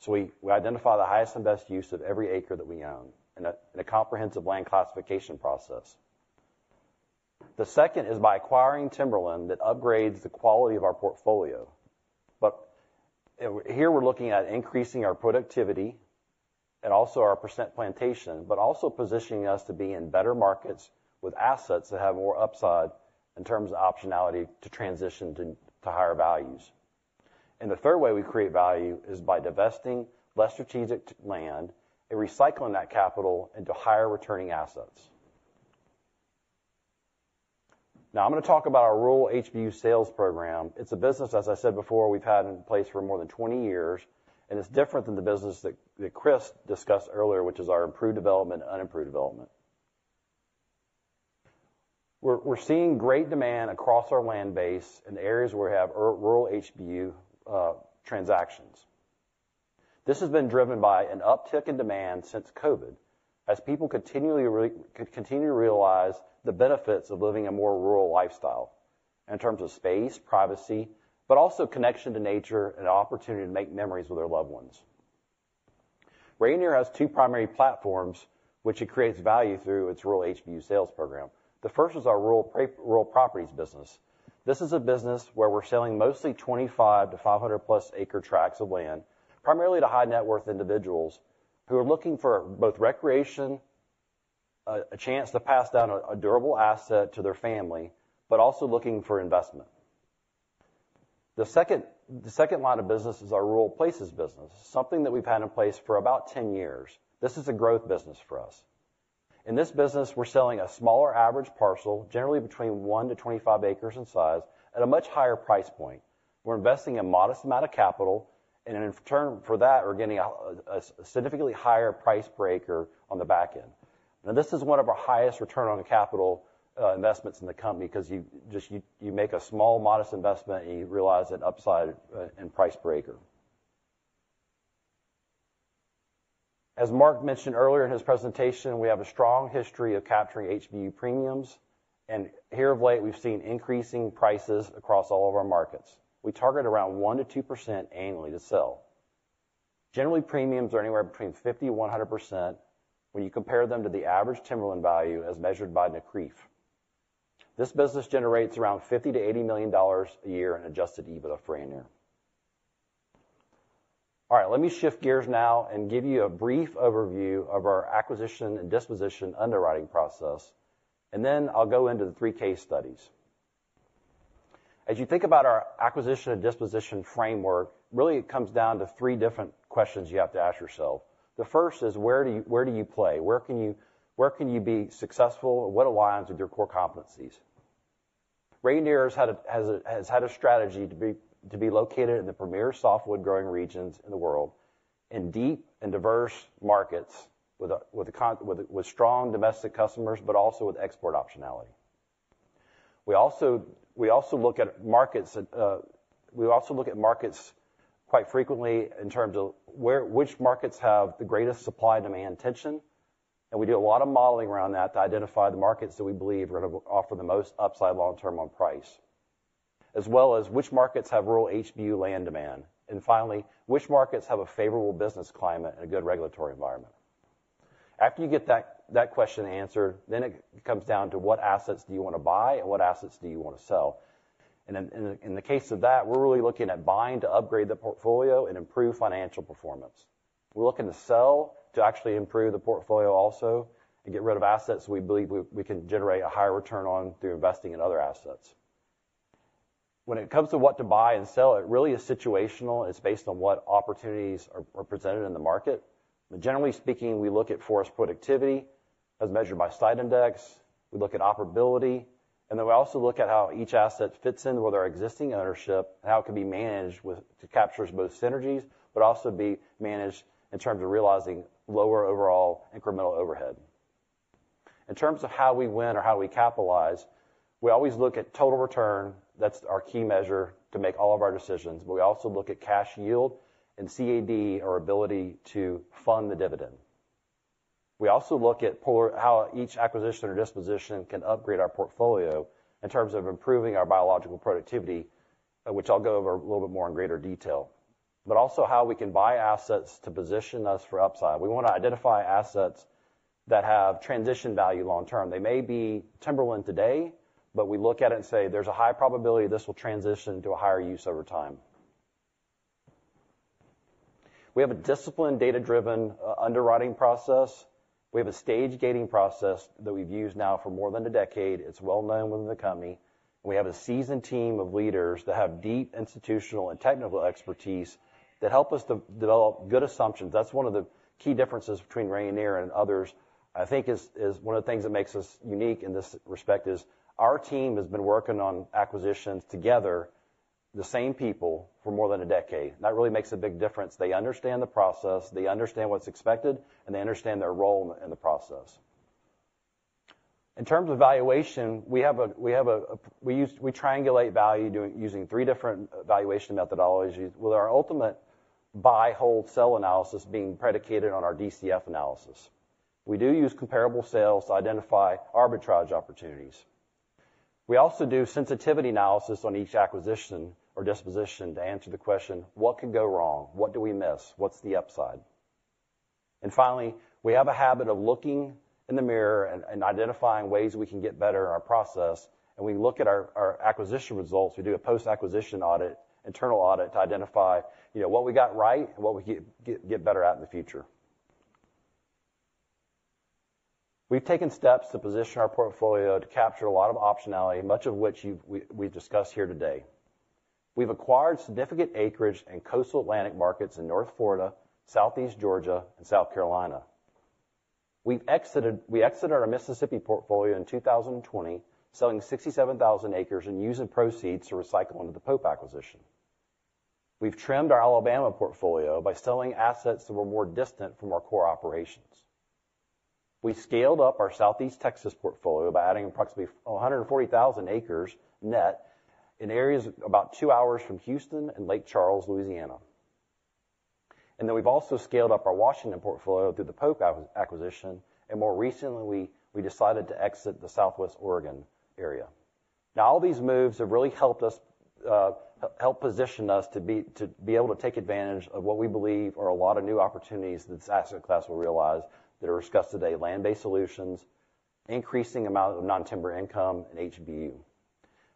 so we identify the highest and best use of every acre that we own in a comprehensive land classification process. The second is by acquiring timberland that upgrades the quality of our portfolio. But here, we're looking at increasing our productivity and also our percent plantation, but also positioning us to be in better markets with assets that have more upside in terms of optionality to transition to higher values. And the third way we create value is by divesting less strategic land and recycling that capital into higher-returning assets. Now, I'm gonna talk about our rural HBU sales program. It's a business, as I said before, we've had in place for more than 20 years, and it's different than the business that Chris discussed earlier, which is our improved development and unimproved development. We're seeing great demand across our land base in the areas where we have our rural HBU transactions. This has been driven by an uptick in demand since COVID, as people continually continue to realize the benefits of living a more rural lifestyle in terms of space, privacy, but also connection to nature and an opportunity to make memories with their loved ones. Rayonier has two primary platforms, which it creates value through its rural HBU sales program. The first is our Rural Properties business. This is a business where we're selling mostly 25-500+ acre tracts of land, primarily to high-net-worth individuals who are looking for both recreation, a chance to pass down a durable asset to their family, but also looking for investment. The second, the second line of business is our Rural Places business, something that we've had in place for about 10 years. This is a growth business for us. In this business, we're selling a smaller average parcel, generally between 1 acre-25 acres in size, at a much higher price point. We're investing a modest amount of capital, and in return for that, we're getting a significantly higher price per acre on the back end. Now, this is one of our highest return on capital investments in the company, 'cause you just, you, you make a small, modest investment, and you realize an upside in price per acre. As Mark mentioned earlier in his presentation, we have a strong history of capturing HBU premiums, and here of late, we've seen increasing prices across all of our markets. We target around 1%-2% annually to sell. Generally, premiums are anywhere between 50%-100% when you compare them to the average timberland value as measured by NCREIF. This business generates around $50 million-$80 million a year in adjusted EBITDA for Rayonier. All right, let me shift gears now and give you a brief overview of our acquisition and disposition underwriting process, and then I'll go into the three case studies. As you think about our acquisition and disposition framework, really, it comes down to three different questions you have to ask yourself. The first is, where do you play? Where can you be successful, and what aligns with your core competencies? Rayonier has had a strategy to be located in the premier softwood-growing regions in the world, in deep and diverse markets with strong domestic customers, but also with export optionality. We also look at markets that... We also look at markets quite frequently in terms of which markets have the greatest supply-demand tension, and we do a lot of modeling around that to identify the markets that we believe are going to offer the most upside long term on price, as well as which markets have rural HBU land demand, and finally, which markets have a favorable business climate and a good regulatory environment. After you get that question answered, then it comes down to what assets do you want to buy and what assets do you want to sell? And in the case of that, we're really looking at buying to upgrade the portfolio and improve financial performance. We're looking to sell to actually improve the portfolio also and get rid of assets we believe we can generate a higher return on through investing in other assets. When it comes to what to buy and sell, it really is situational. It's based on what opportunities are presented in the market. But generally speaking, we look at forest productivity as measured by site index, we look at operability, and then we also look at how each asset fits in with our existing ownership and how it can be managed with, to capture both synergies, but also be managed in terms of realizing lower overall incremental overhead. In terms of how we win or how we capitalize, we always look at total return. That's our key measure to make all of our decisions, but we also look at cash yield and CAD, our ability to fund the dividend. We also look at how each acquisition or disposition can upgrade our portfolio in terms of improving our biological productivity, which I'll go over a little bit more in greater detail, but also how we can buy assets to position us for upside. We want to identify assets that have transition value long term. They may be timberland today, but we look at it and say, "There's a high probability this will transition to a higher use over time." We have a disciplined, data-driven, underwriting process. We have a stage-gating process that we've used now for more than a decade. It's well-known within the company. We have a seasoned team of leaders that have deep institutional and technical expertise that help us to develop good assumptions. That's one of the key differences between Rayonier and others, I think, is one of the things that makes us unique in this respect: our team has been working on acquisitions together, the same people, for more than a decade. That really makes a big difference. They understand the process, they understand what's expected, and they understand their role in the process. In terms of valuation, we use - we triangulate value using three different valuation methodologies, with our ultimate buy, hold, sell analysis being predicated on our DCF analysis. We do use comparable sales to identify arbitrage opportunities. We also do sensitivity analysis on each acquisition or disposition to answer the question: What could go wrong? What did we miss? What's the upside? Finally, we have a habit of looking in the mirror and identifying ways we can get better in our process, and we look at our acquisition results. We do a post-acquisition audit, internal audit, to identify, you know, what we got right and what we get better at in the future. We've taken steps to position our portfolio to capture a lot of optionality, much of which we've discussed here today. We've acquired significant acreage in coastal Atlantic markets in North Florida, Southeast Georgia, and South Carolina. We exited our Mississippi portfolio in 2020, selling 67,000 acres and using proceeds to recycle into the Pope acquisition. We've trimmed our Alabama portfolio by selling assets that were more distant from our core operations. We scaled up our Southeast Texas portfolio by adding approximately 140,000 acres net in areas about two hours from Houston and Lake Charles, Louisiana. Then we've also scaled up our Washington portfolio through the Pope acquisition, and more recently, we decided to exit the Southwest Oregon area. Now, all these moves have really helped us help position us to be able to take advantage of what we believe are a lot of new opportunities that this asset class will realize that are discussed today: Land-Based Solutions, increasing amount of non-timber income, and HBU.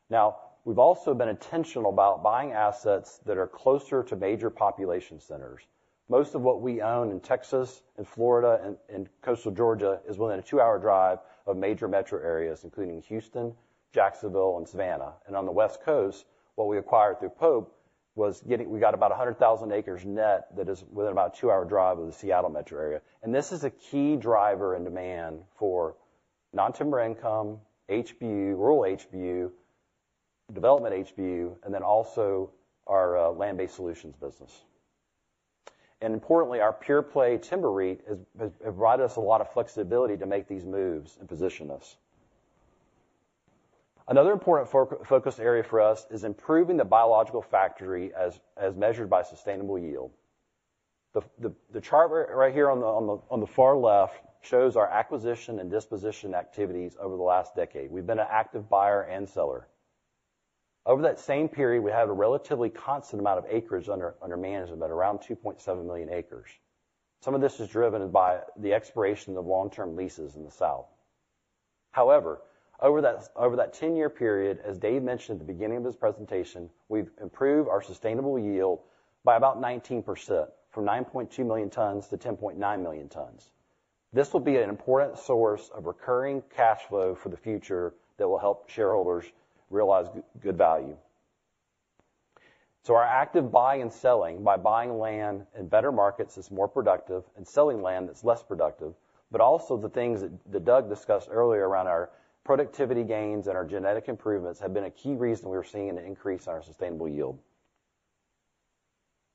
Now, we've also been intentional about buying assets that are closer to major population centers. Most of what we own in Texas, and Florida, and coastal Georgia is within a two-hour drive of major metro areas, including Houston, Jacksonville, and Savannah. On the West Coast, what we acquired through Pope, we got about 100,000 acres net that is within about a two-hour drive of the Seattle metro area. And this is a key driver in demand for non-timber income, HBU, rural HBU, development HBU, and then also our Land-Based Solutions business. And importantly, our pure-play timber REIT has provided us a lot of flexibility to make these moves and position us. Another important focus area for us is improving the biological factory as measured by sustainable yield. The chart right here on the far left shows our acquisition and disposition activities over the last decade. We've been an active buyer and seller. Over that same period, we had a relatively constant amount of acreage under management, at around 2.7 million acres. Some of this is driven by the expiration of long-term leases in the South. However, over that 10-year period, as Dave mentioned at the beginning of his presentation, we've improved our sustainable yield by about 19%, from 9.2 million tons to 10.9 million tons. This will be an important source of recurring cash flow for the future that will help shareholders realize good value. So our active buying and selling, by buying land in better markets that's more productive and selling land that's less productive, but also the things that Doug discussed earlier around our productivity gains and our genetic improvements, have been a key reason we're seeing an increase in our sustainable yield.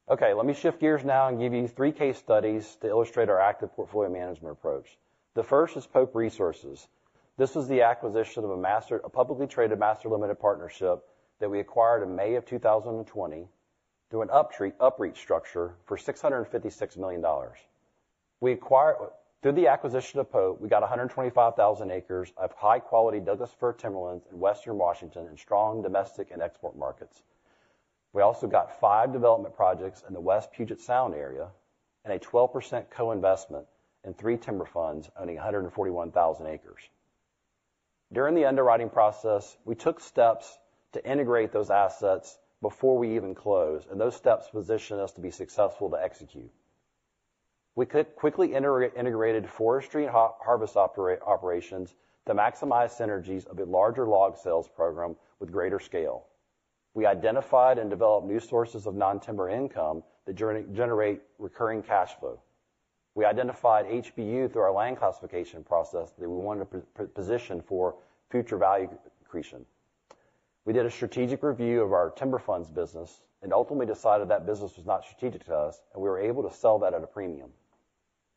Okay, let me shift gears now and give you three case studies to illustrate our active portfolio management approach. The first is Pope Resources. This is the acquisition of a publicly traded master limited partnership that we acquired in May of 2020, through an UPREIT structure for $656 million. Through the acquisition of Pope, we got 125,000 acres of high-quality Douglas fir timberlands in Western Washington, and strong domestic and export markets. We also got five development projects in the West Puget Sound area, and a 12% co-investment in three timber funds owning 141,000 acres. During the underwriting process, we took steps to integrate those assets before we even closed, and those steps positioned us to be successful to execute. We quickly integrated forestry and harvest operations to maximize synergies of a larger log sales program with greater scale. We identified and developed new sources of non-timber income that generate recurring cash flow. We identified HBU through our land classification process that we wanted to position for future value accretion. We did a strategic review of our timber funds business and ultimately decided that business was not strategic to us, and we were able to sell that at a premium.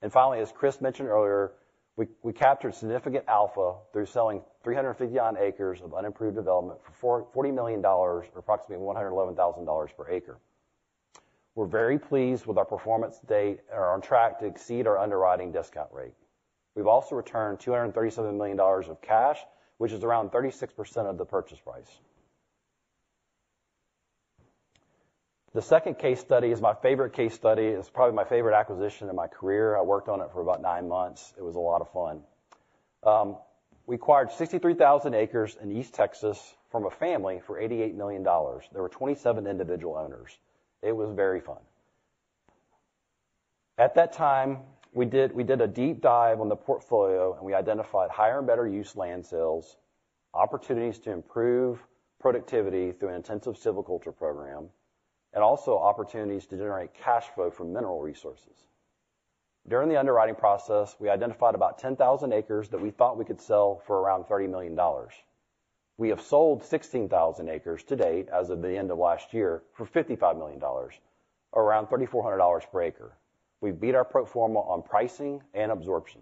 And finally, as Chris mentioned earlier, we captured significant alpha through selling 350-odd acres of unimproved development for $40 million, or approximately $111,000 per acre. We're very pleased with our performance to date, and are on track to exceed our underwriting discount rate. We've also returned $237 million of cash, which is around 36% of the purchase price. The second case study is my favorite case study. It's probably my favorite acquisition in my career. I worked on it for about 9 months. It was a lot of fun. We acquired 63,000 acres in East Texas from a family for $88 million. There were 27 individual owners. It was very fun. At that time, we did a deep dive on the portfolio, and we identified higher and better use land sales, opportunities to improve productivity through an intensive silviculture program, and also opportunities to generate cash flow from mineral resources. During the underwriting process, we identified about 10,000 acres that we thought we could sell for around $30 million. We have sold 16,000 acres to date, as of the end of last year, for $55 million, around $3,400 per acre. We beat our pro forma on pricing and absorption.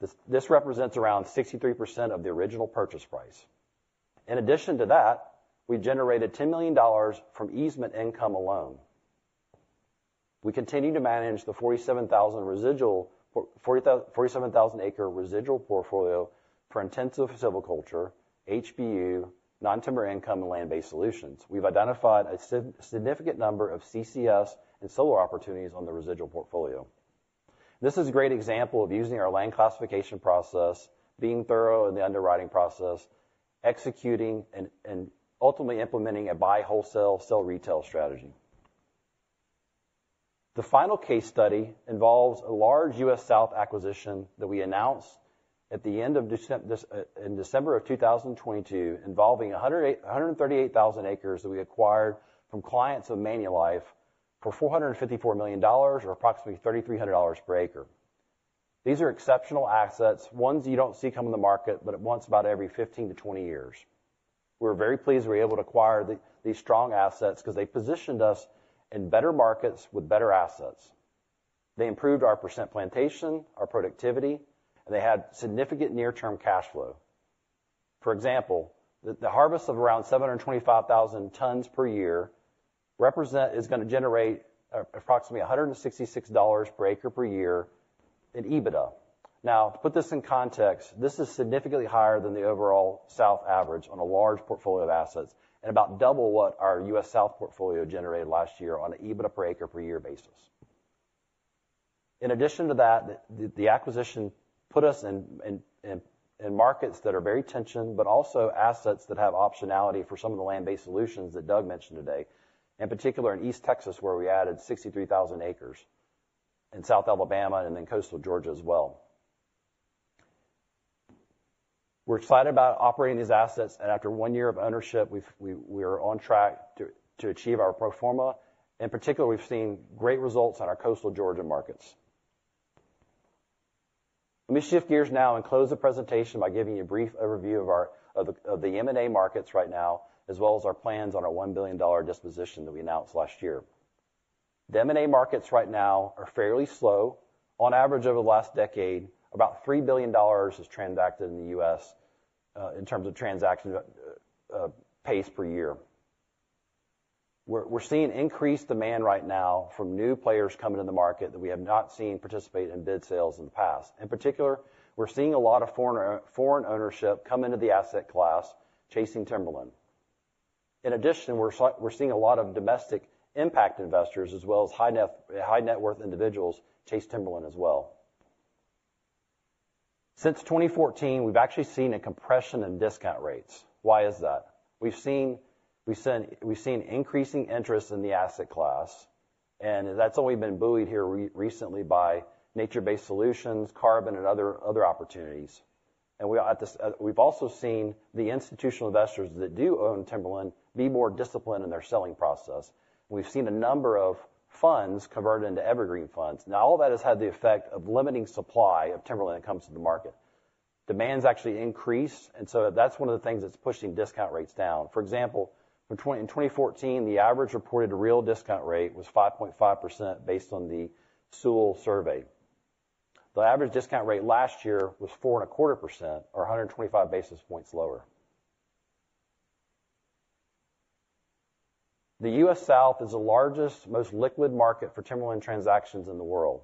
This, this represents around 63% of the original purchase price. In addition to that, we generated $10 million from easement income alone. We continue to manage the 47,000 residual... for 47,000-acre residual portfolio for intensive silviculture, HBU, non-timber income, and Land-Based Solutions. We've identified a significant number of CCS and solar opportunities on the residual portfolio. This is a great example of using our land classification process, being thorough in the underwriting process, executing and, and ultimately implementing a buy wholesale, sell retail strategy. The final case study involves a large U.S. South acquisition that we announced at the end of December 2022, involving 138,000 acres that we acquired from clients of Manulife for $454 million, or approximately $3,300 per acre. These are exceptional assets, ones you don't see come on the market but once about every 15 years-20 years. We're very pleased we were able to acquire these strong assets, because they positioned us in better markets with better assets. They improved our percent plantation, our productivity, and they had significant near-term cash flow. For example, the harvest of around 725,000 tons per year is gonna generate approximately $166 per acre per year in EBITDA. Now, to put this in context, this is significantly higher than the overall South average on a large portfolio of assets, and about double what our U.S. South portfolio generated last year on an EBITDA per acre, per year basis. In addition to that, the acquisition put us in markets that are very tensioned, but also assets that have optionality for some of the Land-Based Solutions that Doug mentioned today, in particular in East Texas, where we added 63,000 acres, in South Alabama and in coastal Georgia as well. We're excited about operating these assets, and after one year of ownership, we are on track to achieve our pro forma. In particular, we've seen great results on our coastal Georgia markets. Let me shift gears now and close the presentation by giving you a brief overview of the M&A markets right now, as well as our plans on our $1 billion disposition that we announced last year.... The M&A markets right now are fairly slow. On average, over the last decade, about $3 billion is transacted in the U.S., in terms of transaction pace per year. We're seeing increased demand right now from new players coming into the market that we have not seen participate in bid sales in the past. In particular, we're seeing a lot of foreign ownership come into the asset class, chasing timberland. In addition, we're seeing a lot of domestic impact investors as well as high net worth individuals, chase timberland as well. Since 2014, we've actually seen a compression in discount rates. Why is that? We've seen increasing interest in the asset class, and that's only been buoyed here recently by nature-based solutions, carbon, and other opportunities. We are at this. We've also seen the institutional investors that do own timberland be more disciplined in their selling process. We've seen a number of funds converted into evergreen funds. Now, all of that has had the effect of limiting supply of timberland that comes to the market. Demand's actually increased, and so that's one of the things that's pushing discount rates down. For example, in 2014, the average reported real discount rate was 5.5% based on the Sewall survey. The average discount rate last year was 4.25%, or 125 basis points lower. The U.S. South is the largest, most liquid market for timberland transactions in the world.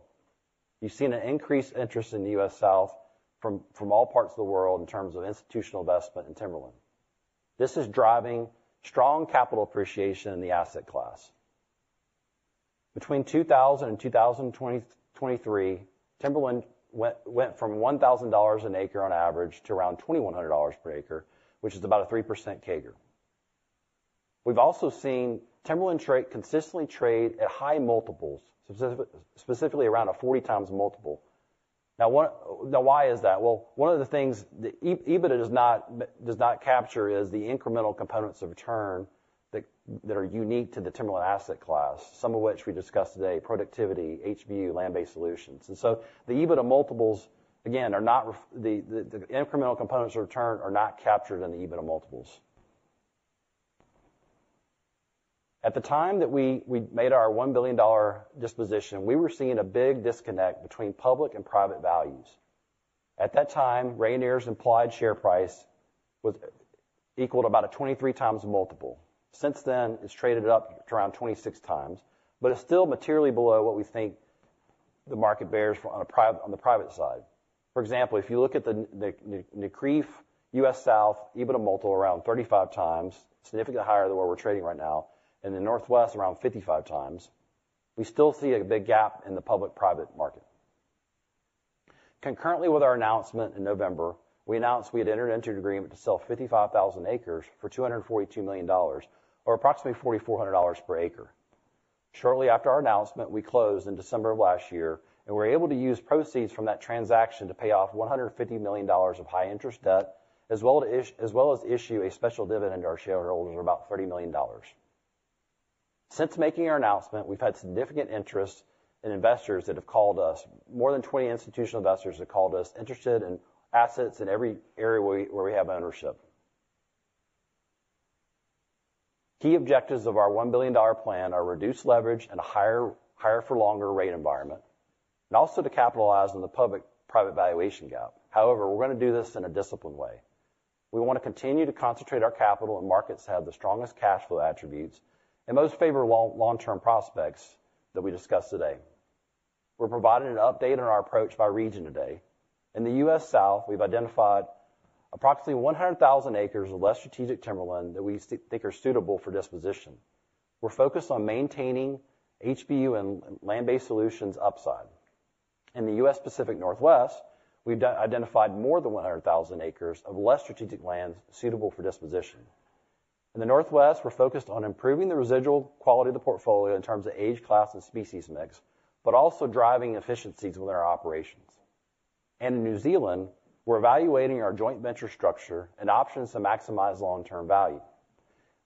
You've seen an increased interest in the U.S. South from all parts of the world in terms of institutional investment in timberland. This is driving strong capital appreciation in the asset class. Between 2000 and 2023, timberland went from $1,000 an acre on average to around $2,100 per acre, which is about a 3% CAGR. We've also seen timberland consistently trade at high multiples, specifically around a 40x multiple. Now, one... Now, why is that? Well, one of the things the EBITDA does not capture is the incremental components of return that are unique to the timberland asset class, some of which we discussed today: productivity, HBU, Land-Based Solutions. And so the EBITDA multiples, again, are not the incremental components of return are not captured in the EBITDA multiples. At the time that we made our $1 billion disposition, we were seeing a big disconnect between public and private values. At that time, Rayonier's implied share price was equal to about a 23x multiple. Since then, it's traded up to around 26x, but it's still materially below what we think the market bears for on the private side. For example, if you look at the NCREIF US South EBITDA multiple around 35x, significantly higher than where we're trading right now, in the Northwest, around 55x. We still see a big gap in the public-private market. Concurrently with our announcement in November, we announced we had entered an agreement to sell 55,000 acres for $242 million, or approximately $4,400 per acre. Shortly after our announcement, we closed in December of last year, and we were able to use proceeds from that transaction to pay off $150 million of high interest debt, as well as issue a special dividend to our shareholders of about $30 million. Since making our announcement, we've had significant interest in investors that have called us. More than 20 institutional investors have called us, interested in assets in every area where we have ownership. Key objectives of our $1 billion plan are reduced leverage and a higher-for-longer rate environment, and also to capitalize on the public-private valuation gap. However, we're gonna do this in a disciplined way. We want to continue to concentrate our capital in markets that have the strongest cash flow attributes and most favorable long-term prospects that we discussed today. We're providing an update on our approach by region today. In the U.S. South, we've identified approximately 100,000 acres of less strategic timberland that we think are suitable for disposition. We're focused on maintaining HBU and Land-Based Solutions upside. In the U.S. Pacific Northwest, we've identified more than 100,000 acres of less strategic lands suitable for disposition. In the Northwest, we're focused on improving the residual quality of the portfolio in terms of age, class, and species mix, but also driving efficiencies within our operations. And in New Zealand, we're evaluating our joint venture structure and options to maximize long-term value.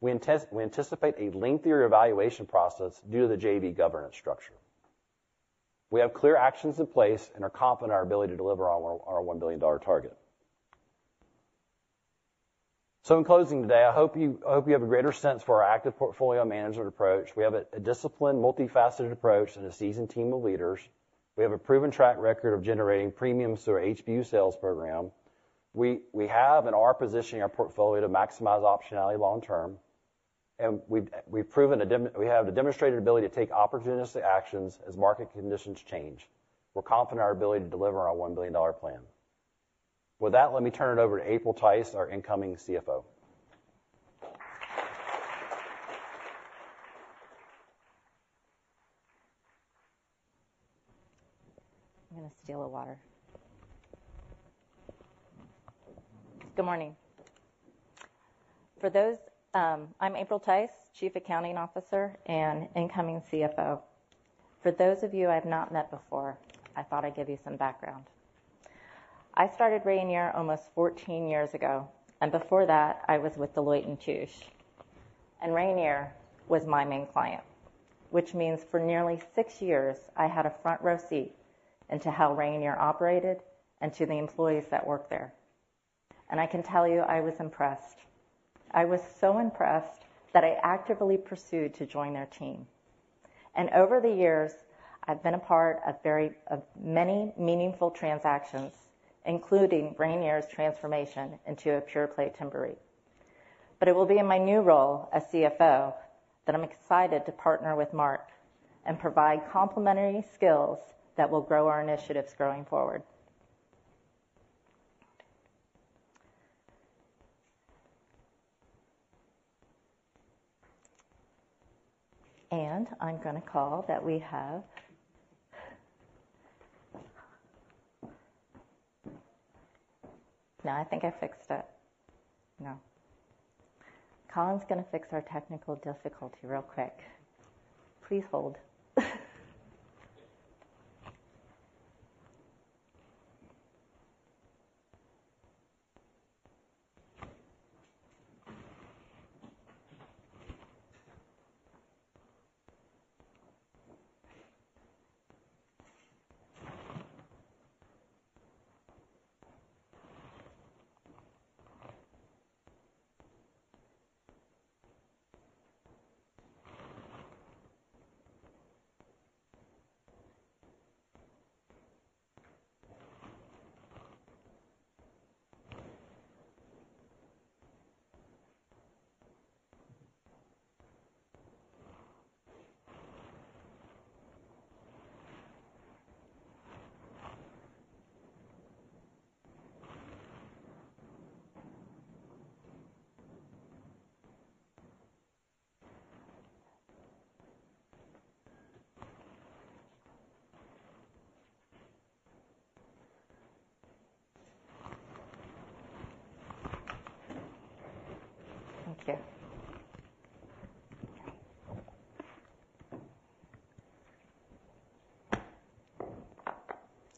We anticipate a lengthier evaluation process due to the JV governance structure. We have clear actions in place and are confident in our ability to deliver on our $1 billion target. In closing today, I hope you, I hope you have a greater sense for our active portfolio management approach. We have a disciplined, multifaceted approach and a seasoned team of leaders. We have a proven track record of generating premiums through our HBU sales program. We have and are positioning our portfolio to maximize optionality long term, and we've proven we have a demonstrated ability to take opportunistic actions as market conditions change. We're confident in our ability to deliver on our $1 billion plan. With that, let me turn it over to April Tice, our incoming CFO. I'm gonna steal a water. Good morning. For those, I'm April Tice, Chief Accounting Officer and incoming CFO. For those of you I've not met before, I thought I'd give you some background. I started Rayonier almost 14 years ago, and before that, I was with Deloitte & Touche, and Rayonier was my main client, which means for nearly six years, I had a front-row seat into how Rayonier operated and to the employees that worked there... And I can tell you, I was impressed. I was so impressed that I actively pursued to join their team. And over the years, I've been a part of very-- of many meaningful transactions, including Rayonier's transformation into a pure-play timber REIT. But it will be in my new role as CFO, that I'm excited to partner with Mark and provide complementary skills that will grow our initiatives going forward. Now, I think I fixed it. No. Collin's gonna fix our technical difficulty real quick. Please hold.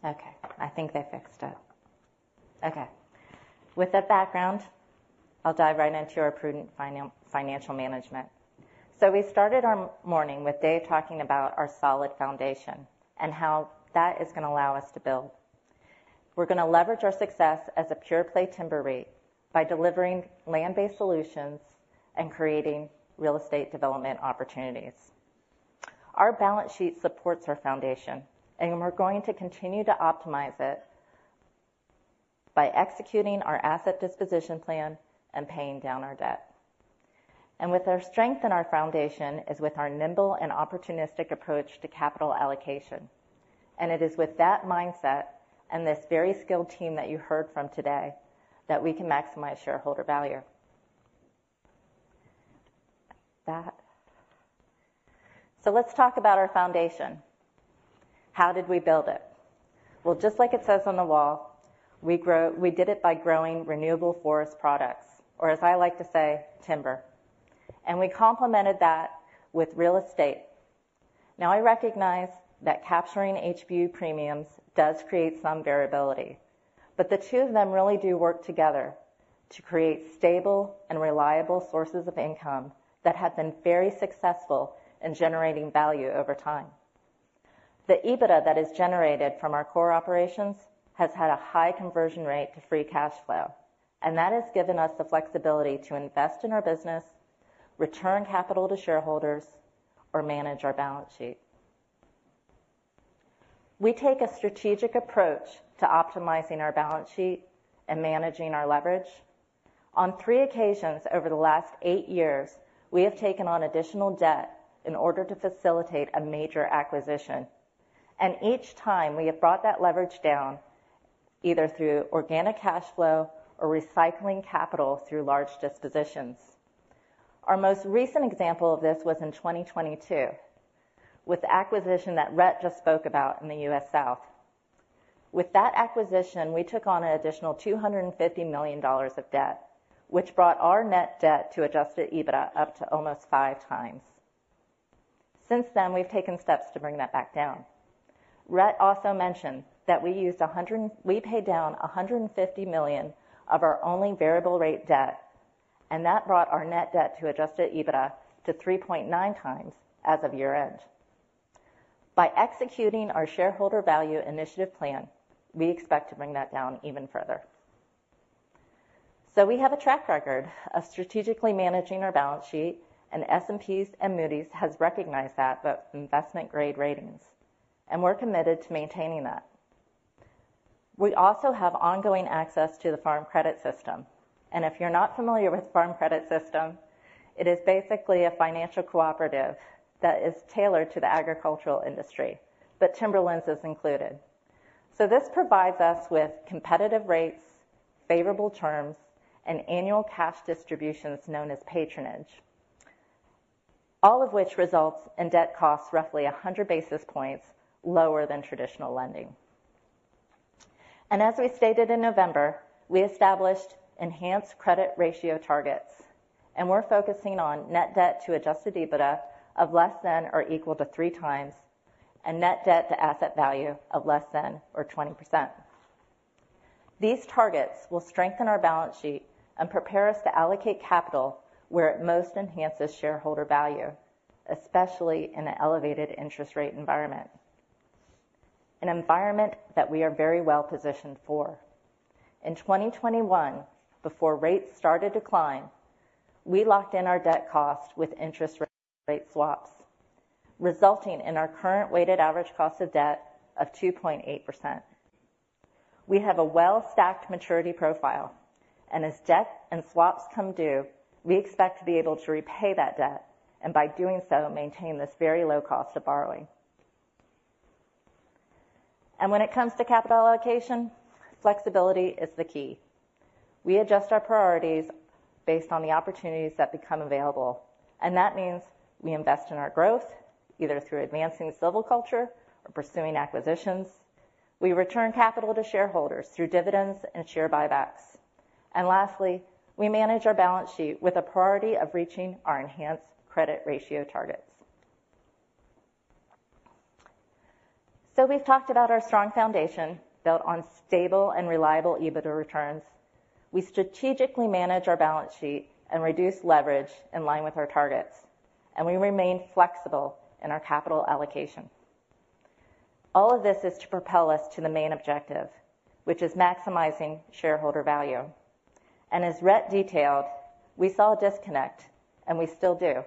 Thank you. Okay, I think they fixed it. Okay. With that background, I'll dive right into our prudent financial management. So we started our morning with Dave talking about our solid foundation and how that is gonna allow us to build. We're gonna leverage our success as a pure-play timber REIT by delivering Land-Based Solutions and creating Real Estate Development opportunities. Our balance sheet supports our foundation, and we're going to continue to optimize it by executing our asset disposition plan and paying down our debt. And with our strength in our foundation, is with our nimble and opportunistic approach to capital allocation. And it is with that mindset and this very skilled team that you heard from today, that we can maximize shareholder value. So let's talk about our foundation. How did we build it? Well, just like it says on the wall, we grow, we did it by growing renewable forest products, or as I like to say, timber. And we complemented that with real estate. Now, I recognize that capturing HBU premiums does create some variability, but the two of them really do work together to create stable and reliable sources of income that have been very successful in generating value over time. The EBITDA that is generated from our core operations has had a high conversion rate to free cash flow, and that has given us the flexibility to invest in our business, return capital to shareholders, or manage our balance sheet. We take a strategic approach to optimizing our balance sheet and managing our leverage. On three occasions over the last eight years, we have taken on additional debt in order to facilitate a major acquisition, and each time we have brought that leverage down, either through organic cash flow or recycling capital through large dispositions. Our most recent example of this was in 2022, with the acquisition that Rhett just spoke about in the U.S. South. With that acquisition, we took on an additional $250 million of debt, which brought our net debt to adjusted EBITDA up to almost five times. Since then, we've taken steps to bring that back down. Rhett also mentioned that we paid down $150 million of our only variable rate debt, and that brought our net debt to adjusted EBITDA to 3.9x as of year-end. By executing our shareholder value initiative plan, we expect to bring that down even further. So we have a track record of strategically managing our balance sheet, and S&P and Moody's has recognized that, the investment-grade ratings, and we're committed to maintaining that. We also have ongoing access to the Farm Credit System, and if you're not familiar with Farm Credit System, it is basically a financial cooperative that is tailored to the agricultural industry, but timberlands is included. So this provides us with competitive rates, favorable terms, and annual cash distributions known as patronage, all of which results in debt costs roughly 100 basis points lower than traditional lending. As we stated in November, we established enhanced credit ratio targets, and we're focusing on net debt to adjusted EBITDA of less than or equal to 3x, and net debt to asset value of less than or 20%. These targets will strengthen our balance sheet and prepare us to allocate capital where it most enhances shareholder value, especially in an elevated interest rate environment. An environment that we are very well-positioned for. In 2021, before rates started to climb, we locked in our debt cost with interest rate swaps, resulting in our current weighted average cost of debt of 2.8%. We have a well-stacked maturity profile, and as debt and swaps come due, we expect to be able to repay that debt, and by doing so, maintain this very low cost of borrowing. When it comes to capital allocation, flexibility is the key. We adjust our priorities based on the opportunities that become available, and that means we invest in our growth, either through advancing silviculture or pursuing acquisitions. We return capital to shareholders through dividends and share buybacks. Lastly, we manage our balance sheet with a priority of reaching our enhanced credit ratio targets. We've talked about our strong foundation, built on stable and reliable EBITDA returns. We strategically manage our balance sheet and reduce leverage in line with our targets, and we remain flexible in our capital allocation. All of this is to propel us to the main objective, which is maximizing shareholder value. As Rhett detailed, we saw a disconnect, and we still do,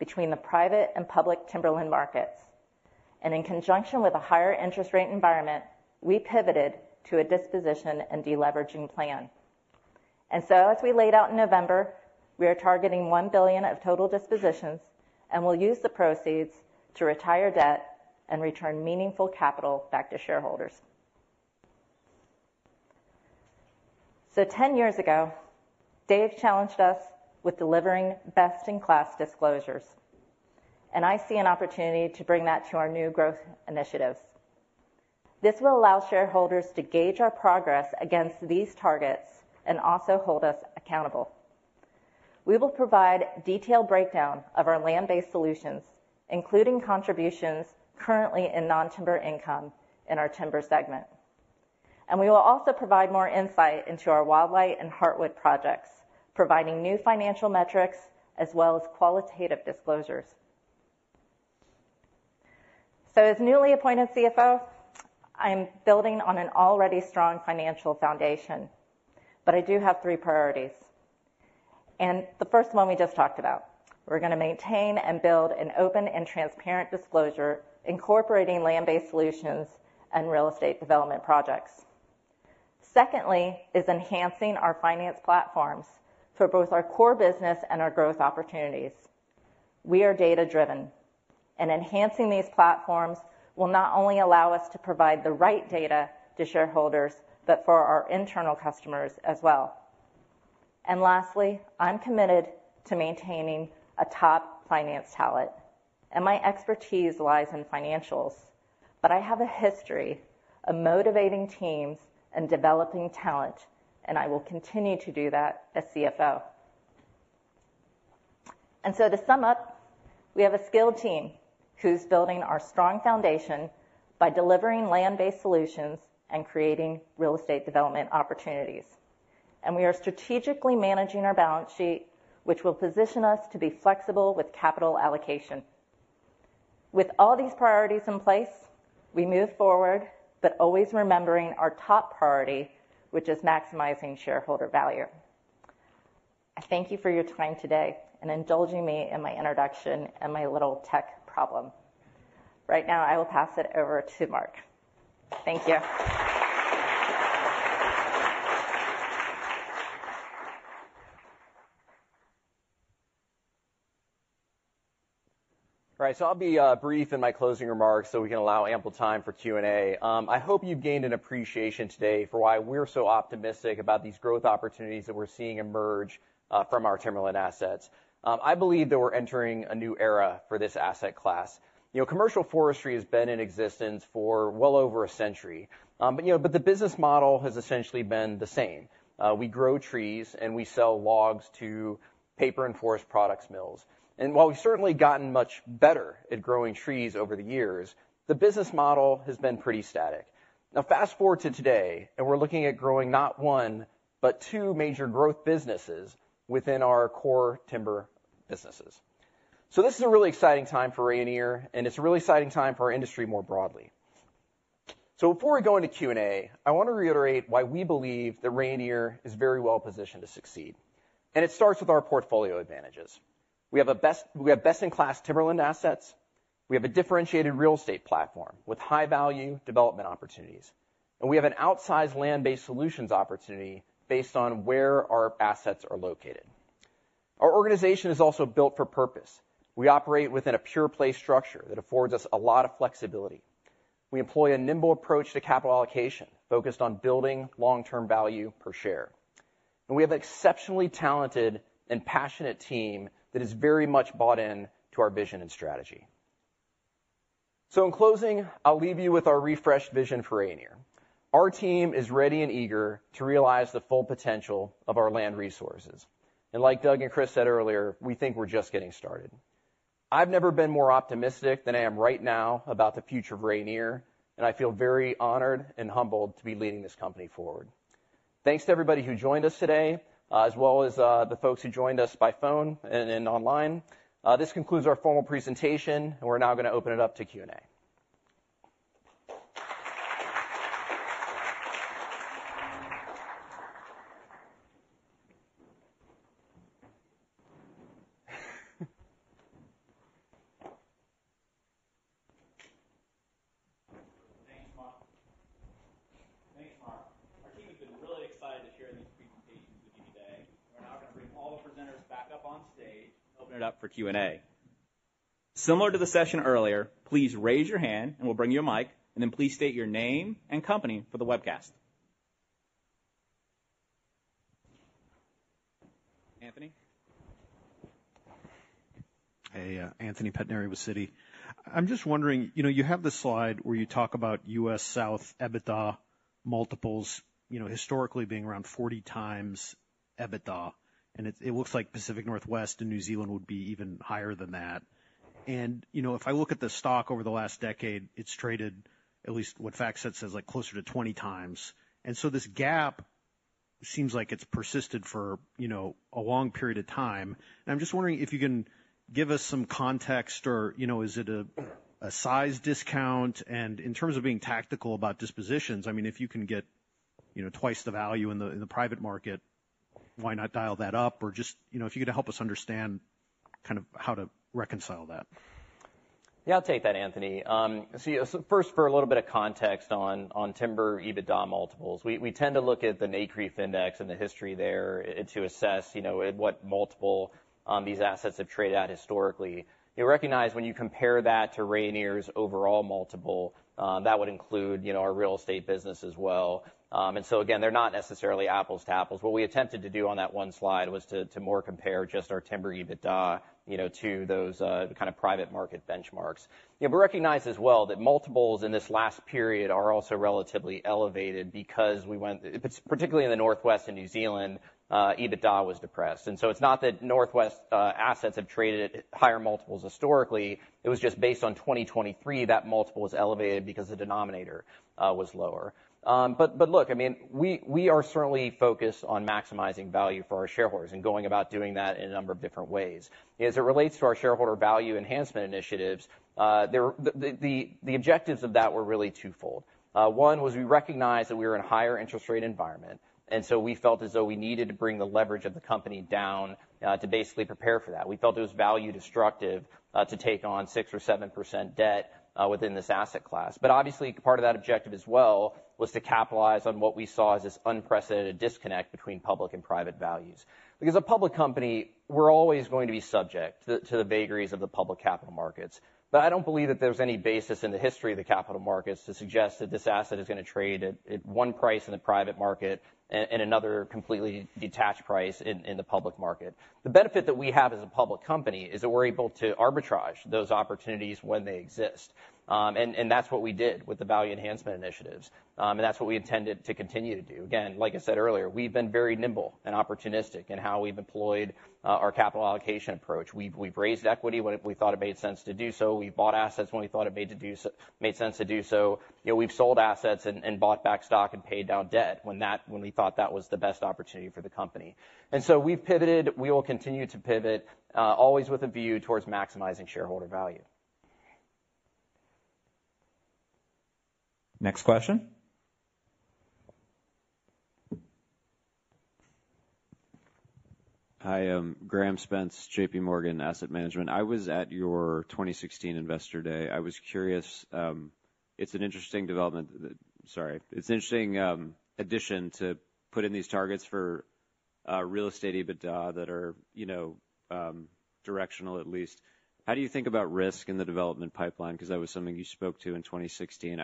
between the private and public timberland markets, and in conjunction with a higher interest rate environment, we pivoted to a disposition and deleveraging plan. As we laid out in November, we are targeting $1 billion of total dispositions, and we'll use the proceeds to retire debt and return meaningful capital back to shareholders. Ten years ago, Dave challenged us with delivering best-in-class disclosures, and I see an opportunity to bring that to our new growth initiatives. This will allow shareholders to gauge our progress against these targets and also hold us accountable. We will provide detailed breakdown of our Land-Based Solutions, including contributions currently in non-timber income in our Timber segment. We will also provide more insight into our Wildlight and Heartwood projects, providing new financial metrics as well as qualitative disclosures. So as newly appointed CFO, I'm building on an already strong financial foundation, but I do have three priorities, and the first one we just talked about. We're gonna maintain and build an open and transparent disclosure, incorporating Land-Based Solutions and Real Estate Development projects. Secondly, is enhancing our finance platforms for both our core business and our growth opportunities. We are data-driven, and enhancing these platforms will not only allow us to provide the right data to shareholders, but for our internal customers as well. And lastly, I'm committed to maintaining a top finance talent, and my expertise lies in financials, but I have a history of motivating teams and developing talent, and I will continue to do that as CFO. And so to sum up, we have a skilled team who's building our strong foundation by delivering Land-Based Solutions and creating Real Estate Development opportunities. We are strategically managing our balance sheet, which will position us to be flexible with capital allocation. With all these priorities in place, we move forward, but always remembering our top priority, which is maximizing shareholder value. I thank you for your time today and indulging me in my introduction and my little tech problem. Right now, I will pass it over to Mark. Thank you. All right, so I'll be brief in my closing remarks so we can allow ample time for Q and A. I hope you've gained an appreciation today for why we're so optimistic about these growth opportunities that we're seeing emerge from our timberland assets. I believe that we're entering a new era for this asset class. You know, commercial forestry has been in existence for well over a century, but you know, but the business model has essentially been the same. We grow trees, and we sell logs to paper and forest products mills. And while we've certainly gotten much better at growing trees over the years, the business model has been pretty static. Now, fast-forward to today, and we're looking at growing not one, but two major growth businesses within our core Timber businesses. So this is a really exciting time for Rayonier, and it's a really exciting time for our industry more broadly. So before we go into Q and A, I want to reiterate why we believe that Rayonier is very well positioned to succeed, and it starts with our portfolio advantages. We have best-in-class timberland assets, we have a differentiated real estate platform with high-value development opportunities, and we have an outsized Land-Based Solutions opportunity based on where our assets are located. Our organization is also built for purpose. We operate within a pure-play structure that affords us a lot of flexibility. We employ a nimble approach to capital allocation, focused on building long-term value per share. And we have exceptionally talented and passionate team that is very much bought in to our vision and strategy. So in closing, I'll leave you with our refreshed vision for Rayonier. Our team is ready and eager to realize the full potential of our land resources. Like Doug and Chris said earlier, we think we're just getting started. I've never been more optimistic than I am right now about the future of Rayonier, and I feel very honored and humbled to be leading this company forward. Thanks to everybody who joined us today, as well as the folks who joined us by phone and online. This concludes our formal presentation, and we're now gonna open it up to Q and A. Thanks, Mark. Thanks, Mark. Our team has been really excited to share this presentation with you today. We're now gonna bring all the presenters back up on stage, open it up for Q and A. Similar to the session earlier, please raise your hand, and we'll bring you a mic, and then please state your name and company for the webcast. Anthony? Hey, Anthony Pettinari with Citi. I'm just wondering, you know, you have this slide where you talk about U.S. South EBITDA multiples, you know, historically being around 40x EBITDA, and it looks like Pacific Northwest and New Zealand would be even higher than that. And, you know, if I look at the stock over the last decade, it's traded at least what FactSet says, like, closer to 20x. And so this gap seems like it's persisted for, you know, a long period of time. And I'm just wondering if you can give us some context or, you know, is it a size discount? And in terms of being tactical about dispositions, I mean, if you can get, you know, twice the value in the private market, why not dial that up? Or just, you know, if you could help us understand kind of how to reconcile that. Yeah, I'll take that, Anthony. So yeah, so first, for a little bit of context on, on timber EBITDA multiples. We, we tend to look at the NCREIF index and the history there to assess, you know, at what multiple, these assets have traded at historically. You recognize when you compare that to Rayonier's overall multiple, that would include, you know, our real estate business as well. And so again, they're not necessarily apples to apples. What we attempted to do on that one slide was to, to more compare just our timber EBITDA, you know, to those, kind of private market benchmarks. Yeah, but recognize as well that multiples in this last period are also relatively elevated because we went, particularly in the Northwest and New Zealand, EBITDA was depressed. It's not that Northwest assets have traded at higher multiples historically. It was just based on 2023, that multiple was elevated because the denominator was lower. But look, I mean, we are certainly focused on maximizing value for our shareholders and going about doing that in a number of different ways. As it relates to our shareholder value enhancement initiatives, the objectives of that were really twofold. One was we recognized that we were in a higher interest rate environment, and so we felt as though we needed to bring the leverage of the company down to basically prepare for that. We felt it was value destructive to take on 6%-7% debt within this asset class. But obviously, part of that objective as well was to capitalize on what we saw as this unprecedented disconnect between public and private values. Because a public company, we're always going to be subject to the vagaries of the public capital markets. But I don't believe that there's any basis in the history of the capital markets to suggest that this asset is gonna trade at one price in the private market and another completely detached price in the public market. The benefit that we have as a public company is that we're able to arbitrage those opportunities when they exist. And that's what we did with the value enhancement initiatives, and that's what we intended to continue to do. Again, like I said earlier, we've been very nimble and opportunistic in how we've employed our capital allocation approach. We've raised equity when we thought it made sense to do so. We've bought assets when we thought it made sense to do so. You know, we've sold assets and bought back stock and paid down debt when we thought that was the best opportunity for the company. And so we've pivoted. We will continue to pivot, always with a view towards maximizing shareholder value. Next question? Hi, Graham Spence, JPMorgan Asset Management. I was at your 2016 Investor Day. I was curious. It's an interesting addition to put in these targets for real estate EBITDA that are, you know, directional, at least. How do you think about risk in the development pipeline? Because that was something you spoke to in 2016.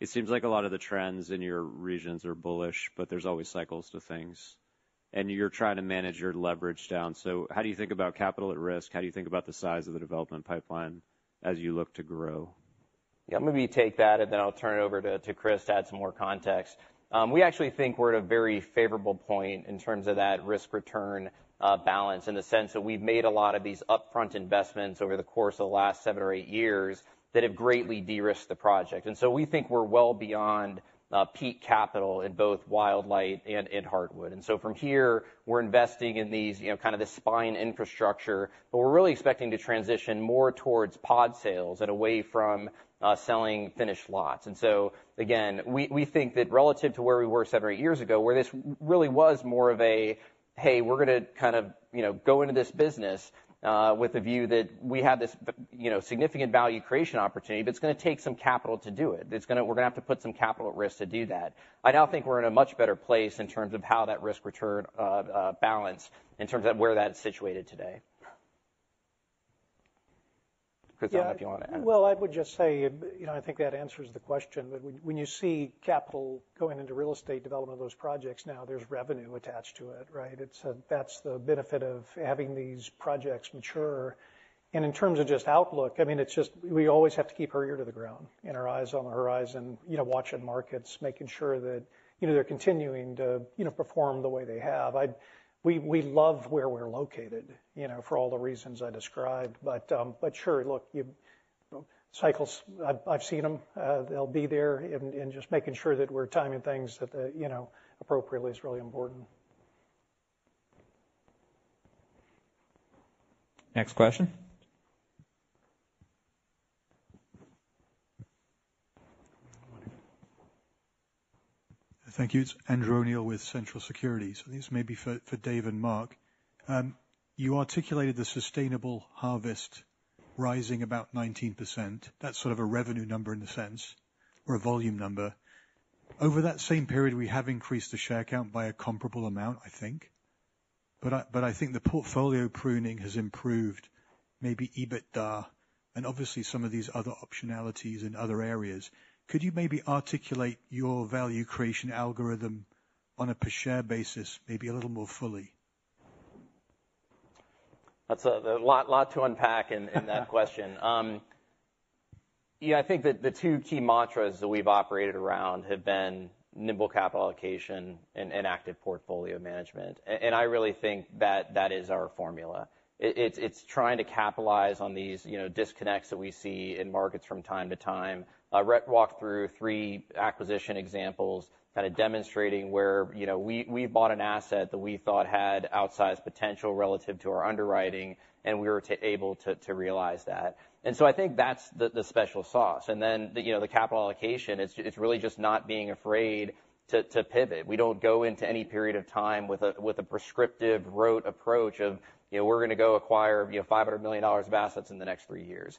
It seems like a lot of the trends in your regions are bullish, but there's always cycles to things, and you're trying to manage your leverage down. So how do you think about capital at risk? How do you think about the size of the development pipeline as you look to grow? Yeah, let me take that, and then I'll turn it over to, to Chris to add some more context. We actually think we're at a very favorable point in terms of that risk return balance, in the sense that we've made a lot of these upfront investments over the course of the last seven or eight years that have greatly de-risked the project. And so we think we're well beyond peak capital in both Wildlight and in Heartwood. And so from here, we're investing in these, you know, kind of the spine infrastructure, but we're really expecting to transition more towards pod sales and away from selling finished lots. And so again, we think that relative to where we were seven or eight years ago, where this really was more of a, "Hey, we're gonna kind of, you know, go into this business with a view that we have this, you know, significant value creation opportunity, but it's gonna take some capital to do it. We're gonna have to put some capital at risk to do that." I now think we're in a much better place in terms of how that risk-return balance, in terms of where that is situated today. Chris, I don't know if you want to add. Well, I would just say, you know, I think that answers the question, but when you see capital going into Real Estate Development of those projects, now there's revenue attached to it, right? It's, that's the benefit of having these projects mature. And in terms of just outlook, I mean, it's just, we always have to keep our ear to the ground and our eyes on the horizon, you know, watching markets, making sure that, you know, they're continuing to, you know, perform the way they have. We, we love where we're located, you know, for all the reasons I described. But, but sure, look, cycles, I've seen them. They'll be there, and, just making sure that we're timing things at the, you know, appropriately is really important.... Next question? Thank you. It's Andrew O'Neill with Central Securities. So this may be for, for Dave and Mark. You articulated the sustainable harvest rising about 19%. That's sort of a revenue number in the sense or a volume number. Over that same period, we have increased the share count by a comparable amount, I think. But I, but I think the portfolio pruning has improved, maybe EBITDA, and obviously some of these other optionalities in other areas. Could you maybe articulate your value creation algorithm on a per share basis, maybe a little more fully? That's a lot to unpack in that question. Yeah, I think that the two key mantras that we've operated around have been nimble capital allocation and active portfolio management. And I really think that that is our formula. It's trying to capitalize on these, you know, disconnects that we see in markets from time to time. Rhett walked through three acquisition examples, kind of demonstrating where, you know, we bought an asset that we thought had outsized potential relative to our underwriting, and we were able to realize that. And so I think that's the special sauce. And then, you know, the capital allocation, it's really just not being afraid to pivot. We don't go into any period of time with a, with a prescriptive rote approach of, you know, we're gonna go acquire, you know, $500 million of assets in the next three years.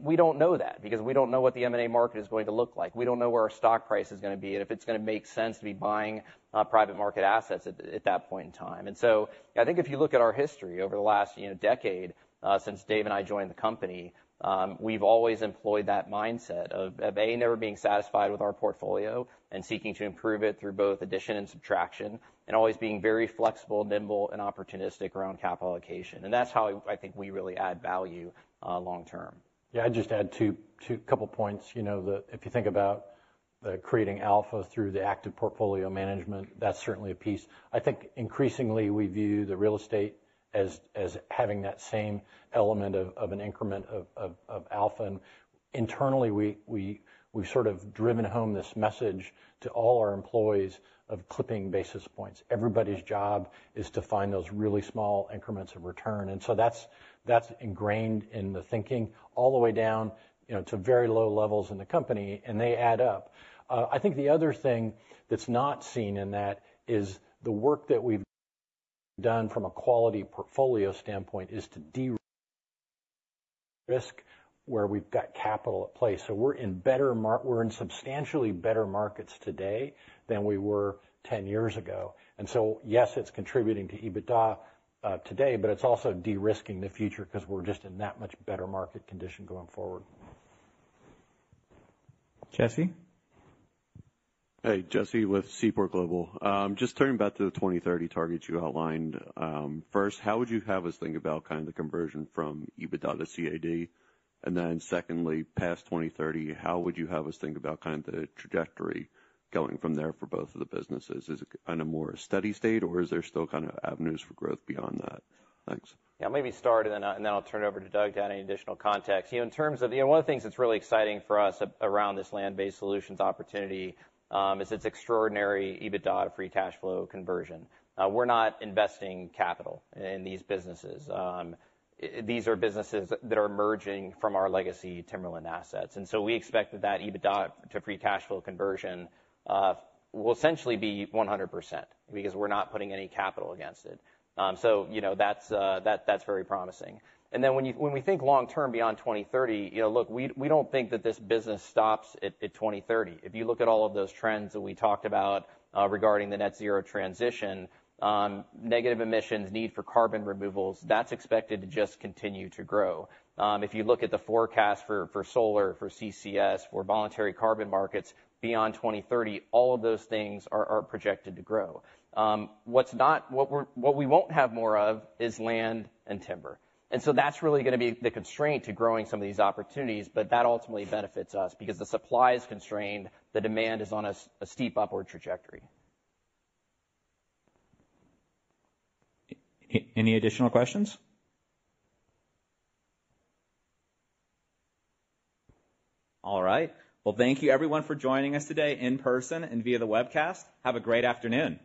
We don't know that, because we don't know what the M&A market is going to look like. We don't know where our stock price is gonna be, and if it's gonna make sense to be buying, private market assets at, at that point in time. And so I think if you look at our history over the last, you know, decade, since Dave and I joined the company, we've always employed that mindset of, of, A, never being satisfied with our portfolio and seeking to improve it through both addition and subtraction, and always being very flexible, nimble, and opportunistic around capital allocation. That's how I think we really add value, long term. Yeah, I'd just add a couple points. You know, if you think about creating alpha through the active portfolio management, that's certainly a piece. I think increasingly we view the real estate as having that same element of alpha. And internally, we've sort of driven home this message to all our employees of clipping basis points. Everybody's job is to find those really small increments of return, and so that's ingrained in the thinking all the way down, you know, to very low levels in the company, and they add up. I think the other thing that's not seen in that is the work that we've done from a quality portfolio standpoint is to de-risk where we've got capital at play. So we're in substantially better markets today than we were 10 years ago. And so, yes, it's contributing to EBITDA today, but it's also de-risking the future because we're just in that much better market condition going forward. Jesse? Hey, Jesse with Seaport Global. Just turning back to the 2030 targets you outlined. First, how would you have us think about kind of the conversion from EBITDA to CAD? And then secondly, past 2030, how would you have us think about kind of the trajectory going from there for both of the businesses? Is it kind of more a steady state, or is there still kind of avenues for growth beyond that? Thanks. Yeah, let me start, and then I'll turn it over to Doug to add any additional context. You know, in terms of... You know, one of the things that's really exciting for us around this Land-Based Solutions opportunity is its extraordinary EBITDA to free cash flow conversion. We're not investing capital in these businesses. These are businesses that are emerging from our legacy timberland assets, and so we expect that EBITDA to free cash flow conversion will essentially be 100%, because we're not putting any capital against it. So you know, that's very promising. And then, when we think long term beyond 2030, you know, look, we don't think that this business stops at 2030. If you look at all of those trends that we talked about, regarding the Net Zero transition, negative emissions need for carbon removals, that's expected to just continue to grow. If you look at the forecast for solar, for CCS, for voluntary carbon markets beyond 2030, all of those things are projected to grow. What's not—what we won't have more of is land and timber, and so that's really gonna be the constraint to growing some of these opportunities, but that ultimately benefits us because the supply is constrained, the demand is on a steep upward trajectory. Any, any additional questions? All right. Well, thank you, everyone, for joining us today in person and via the webcast. Have a great afternoon.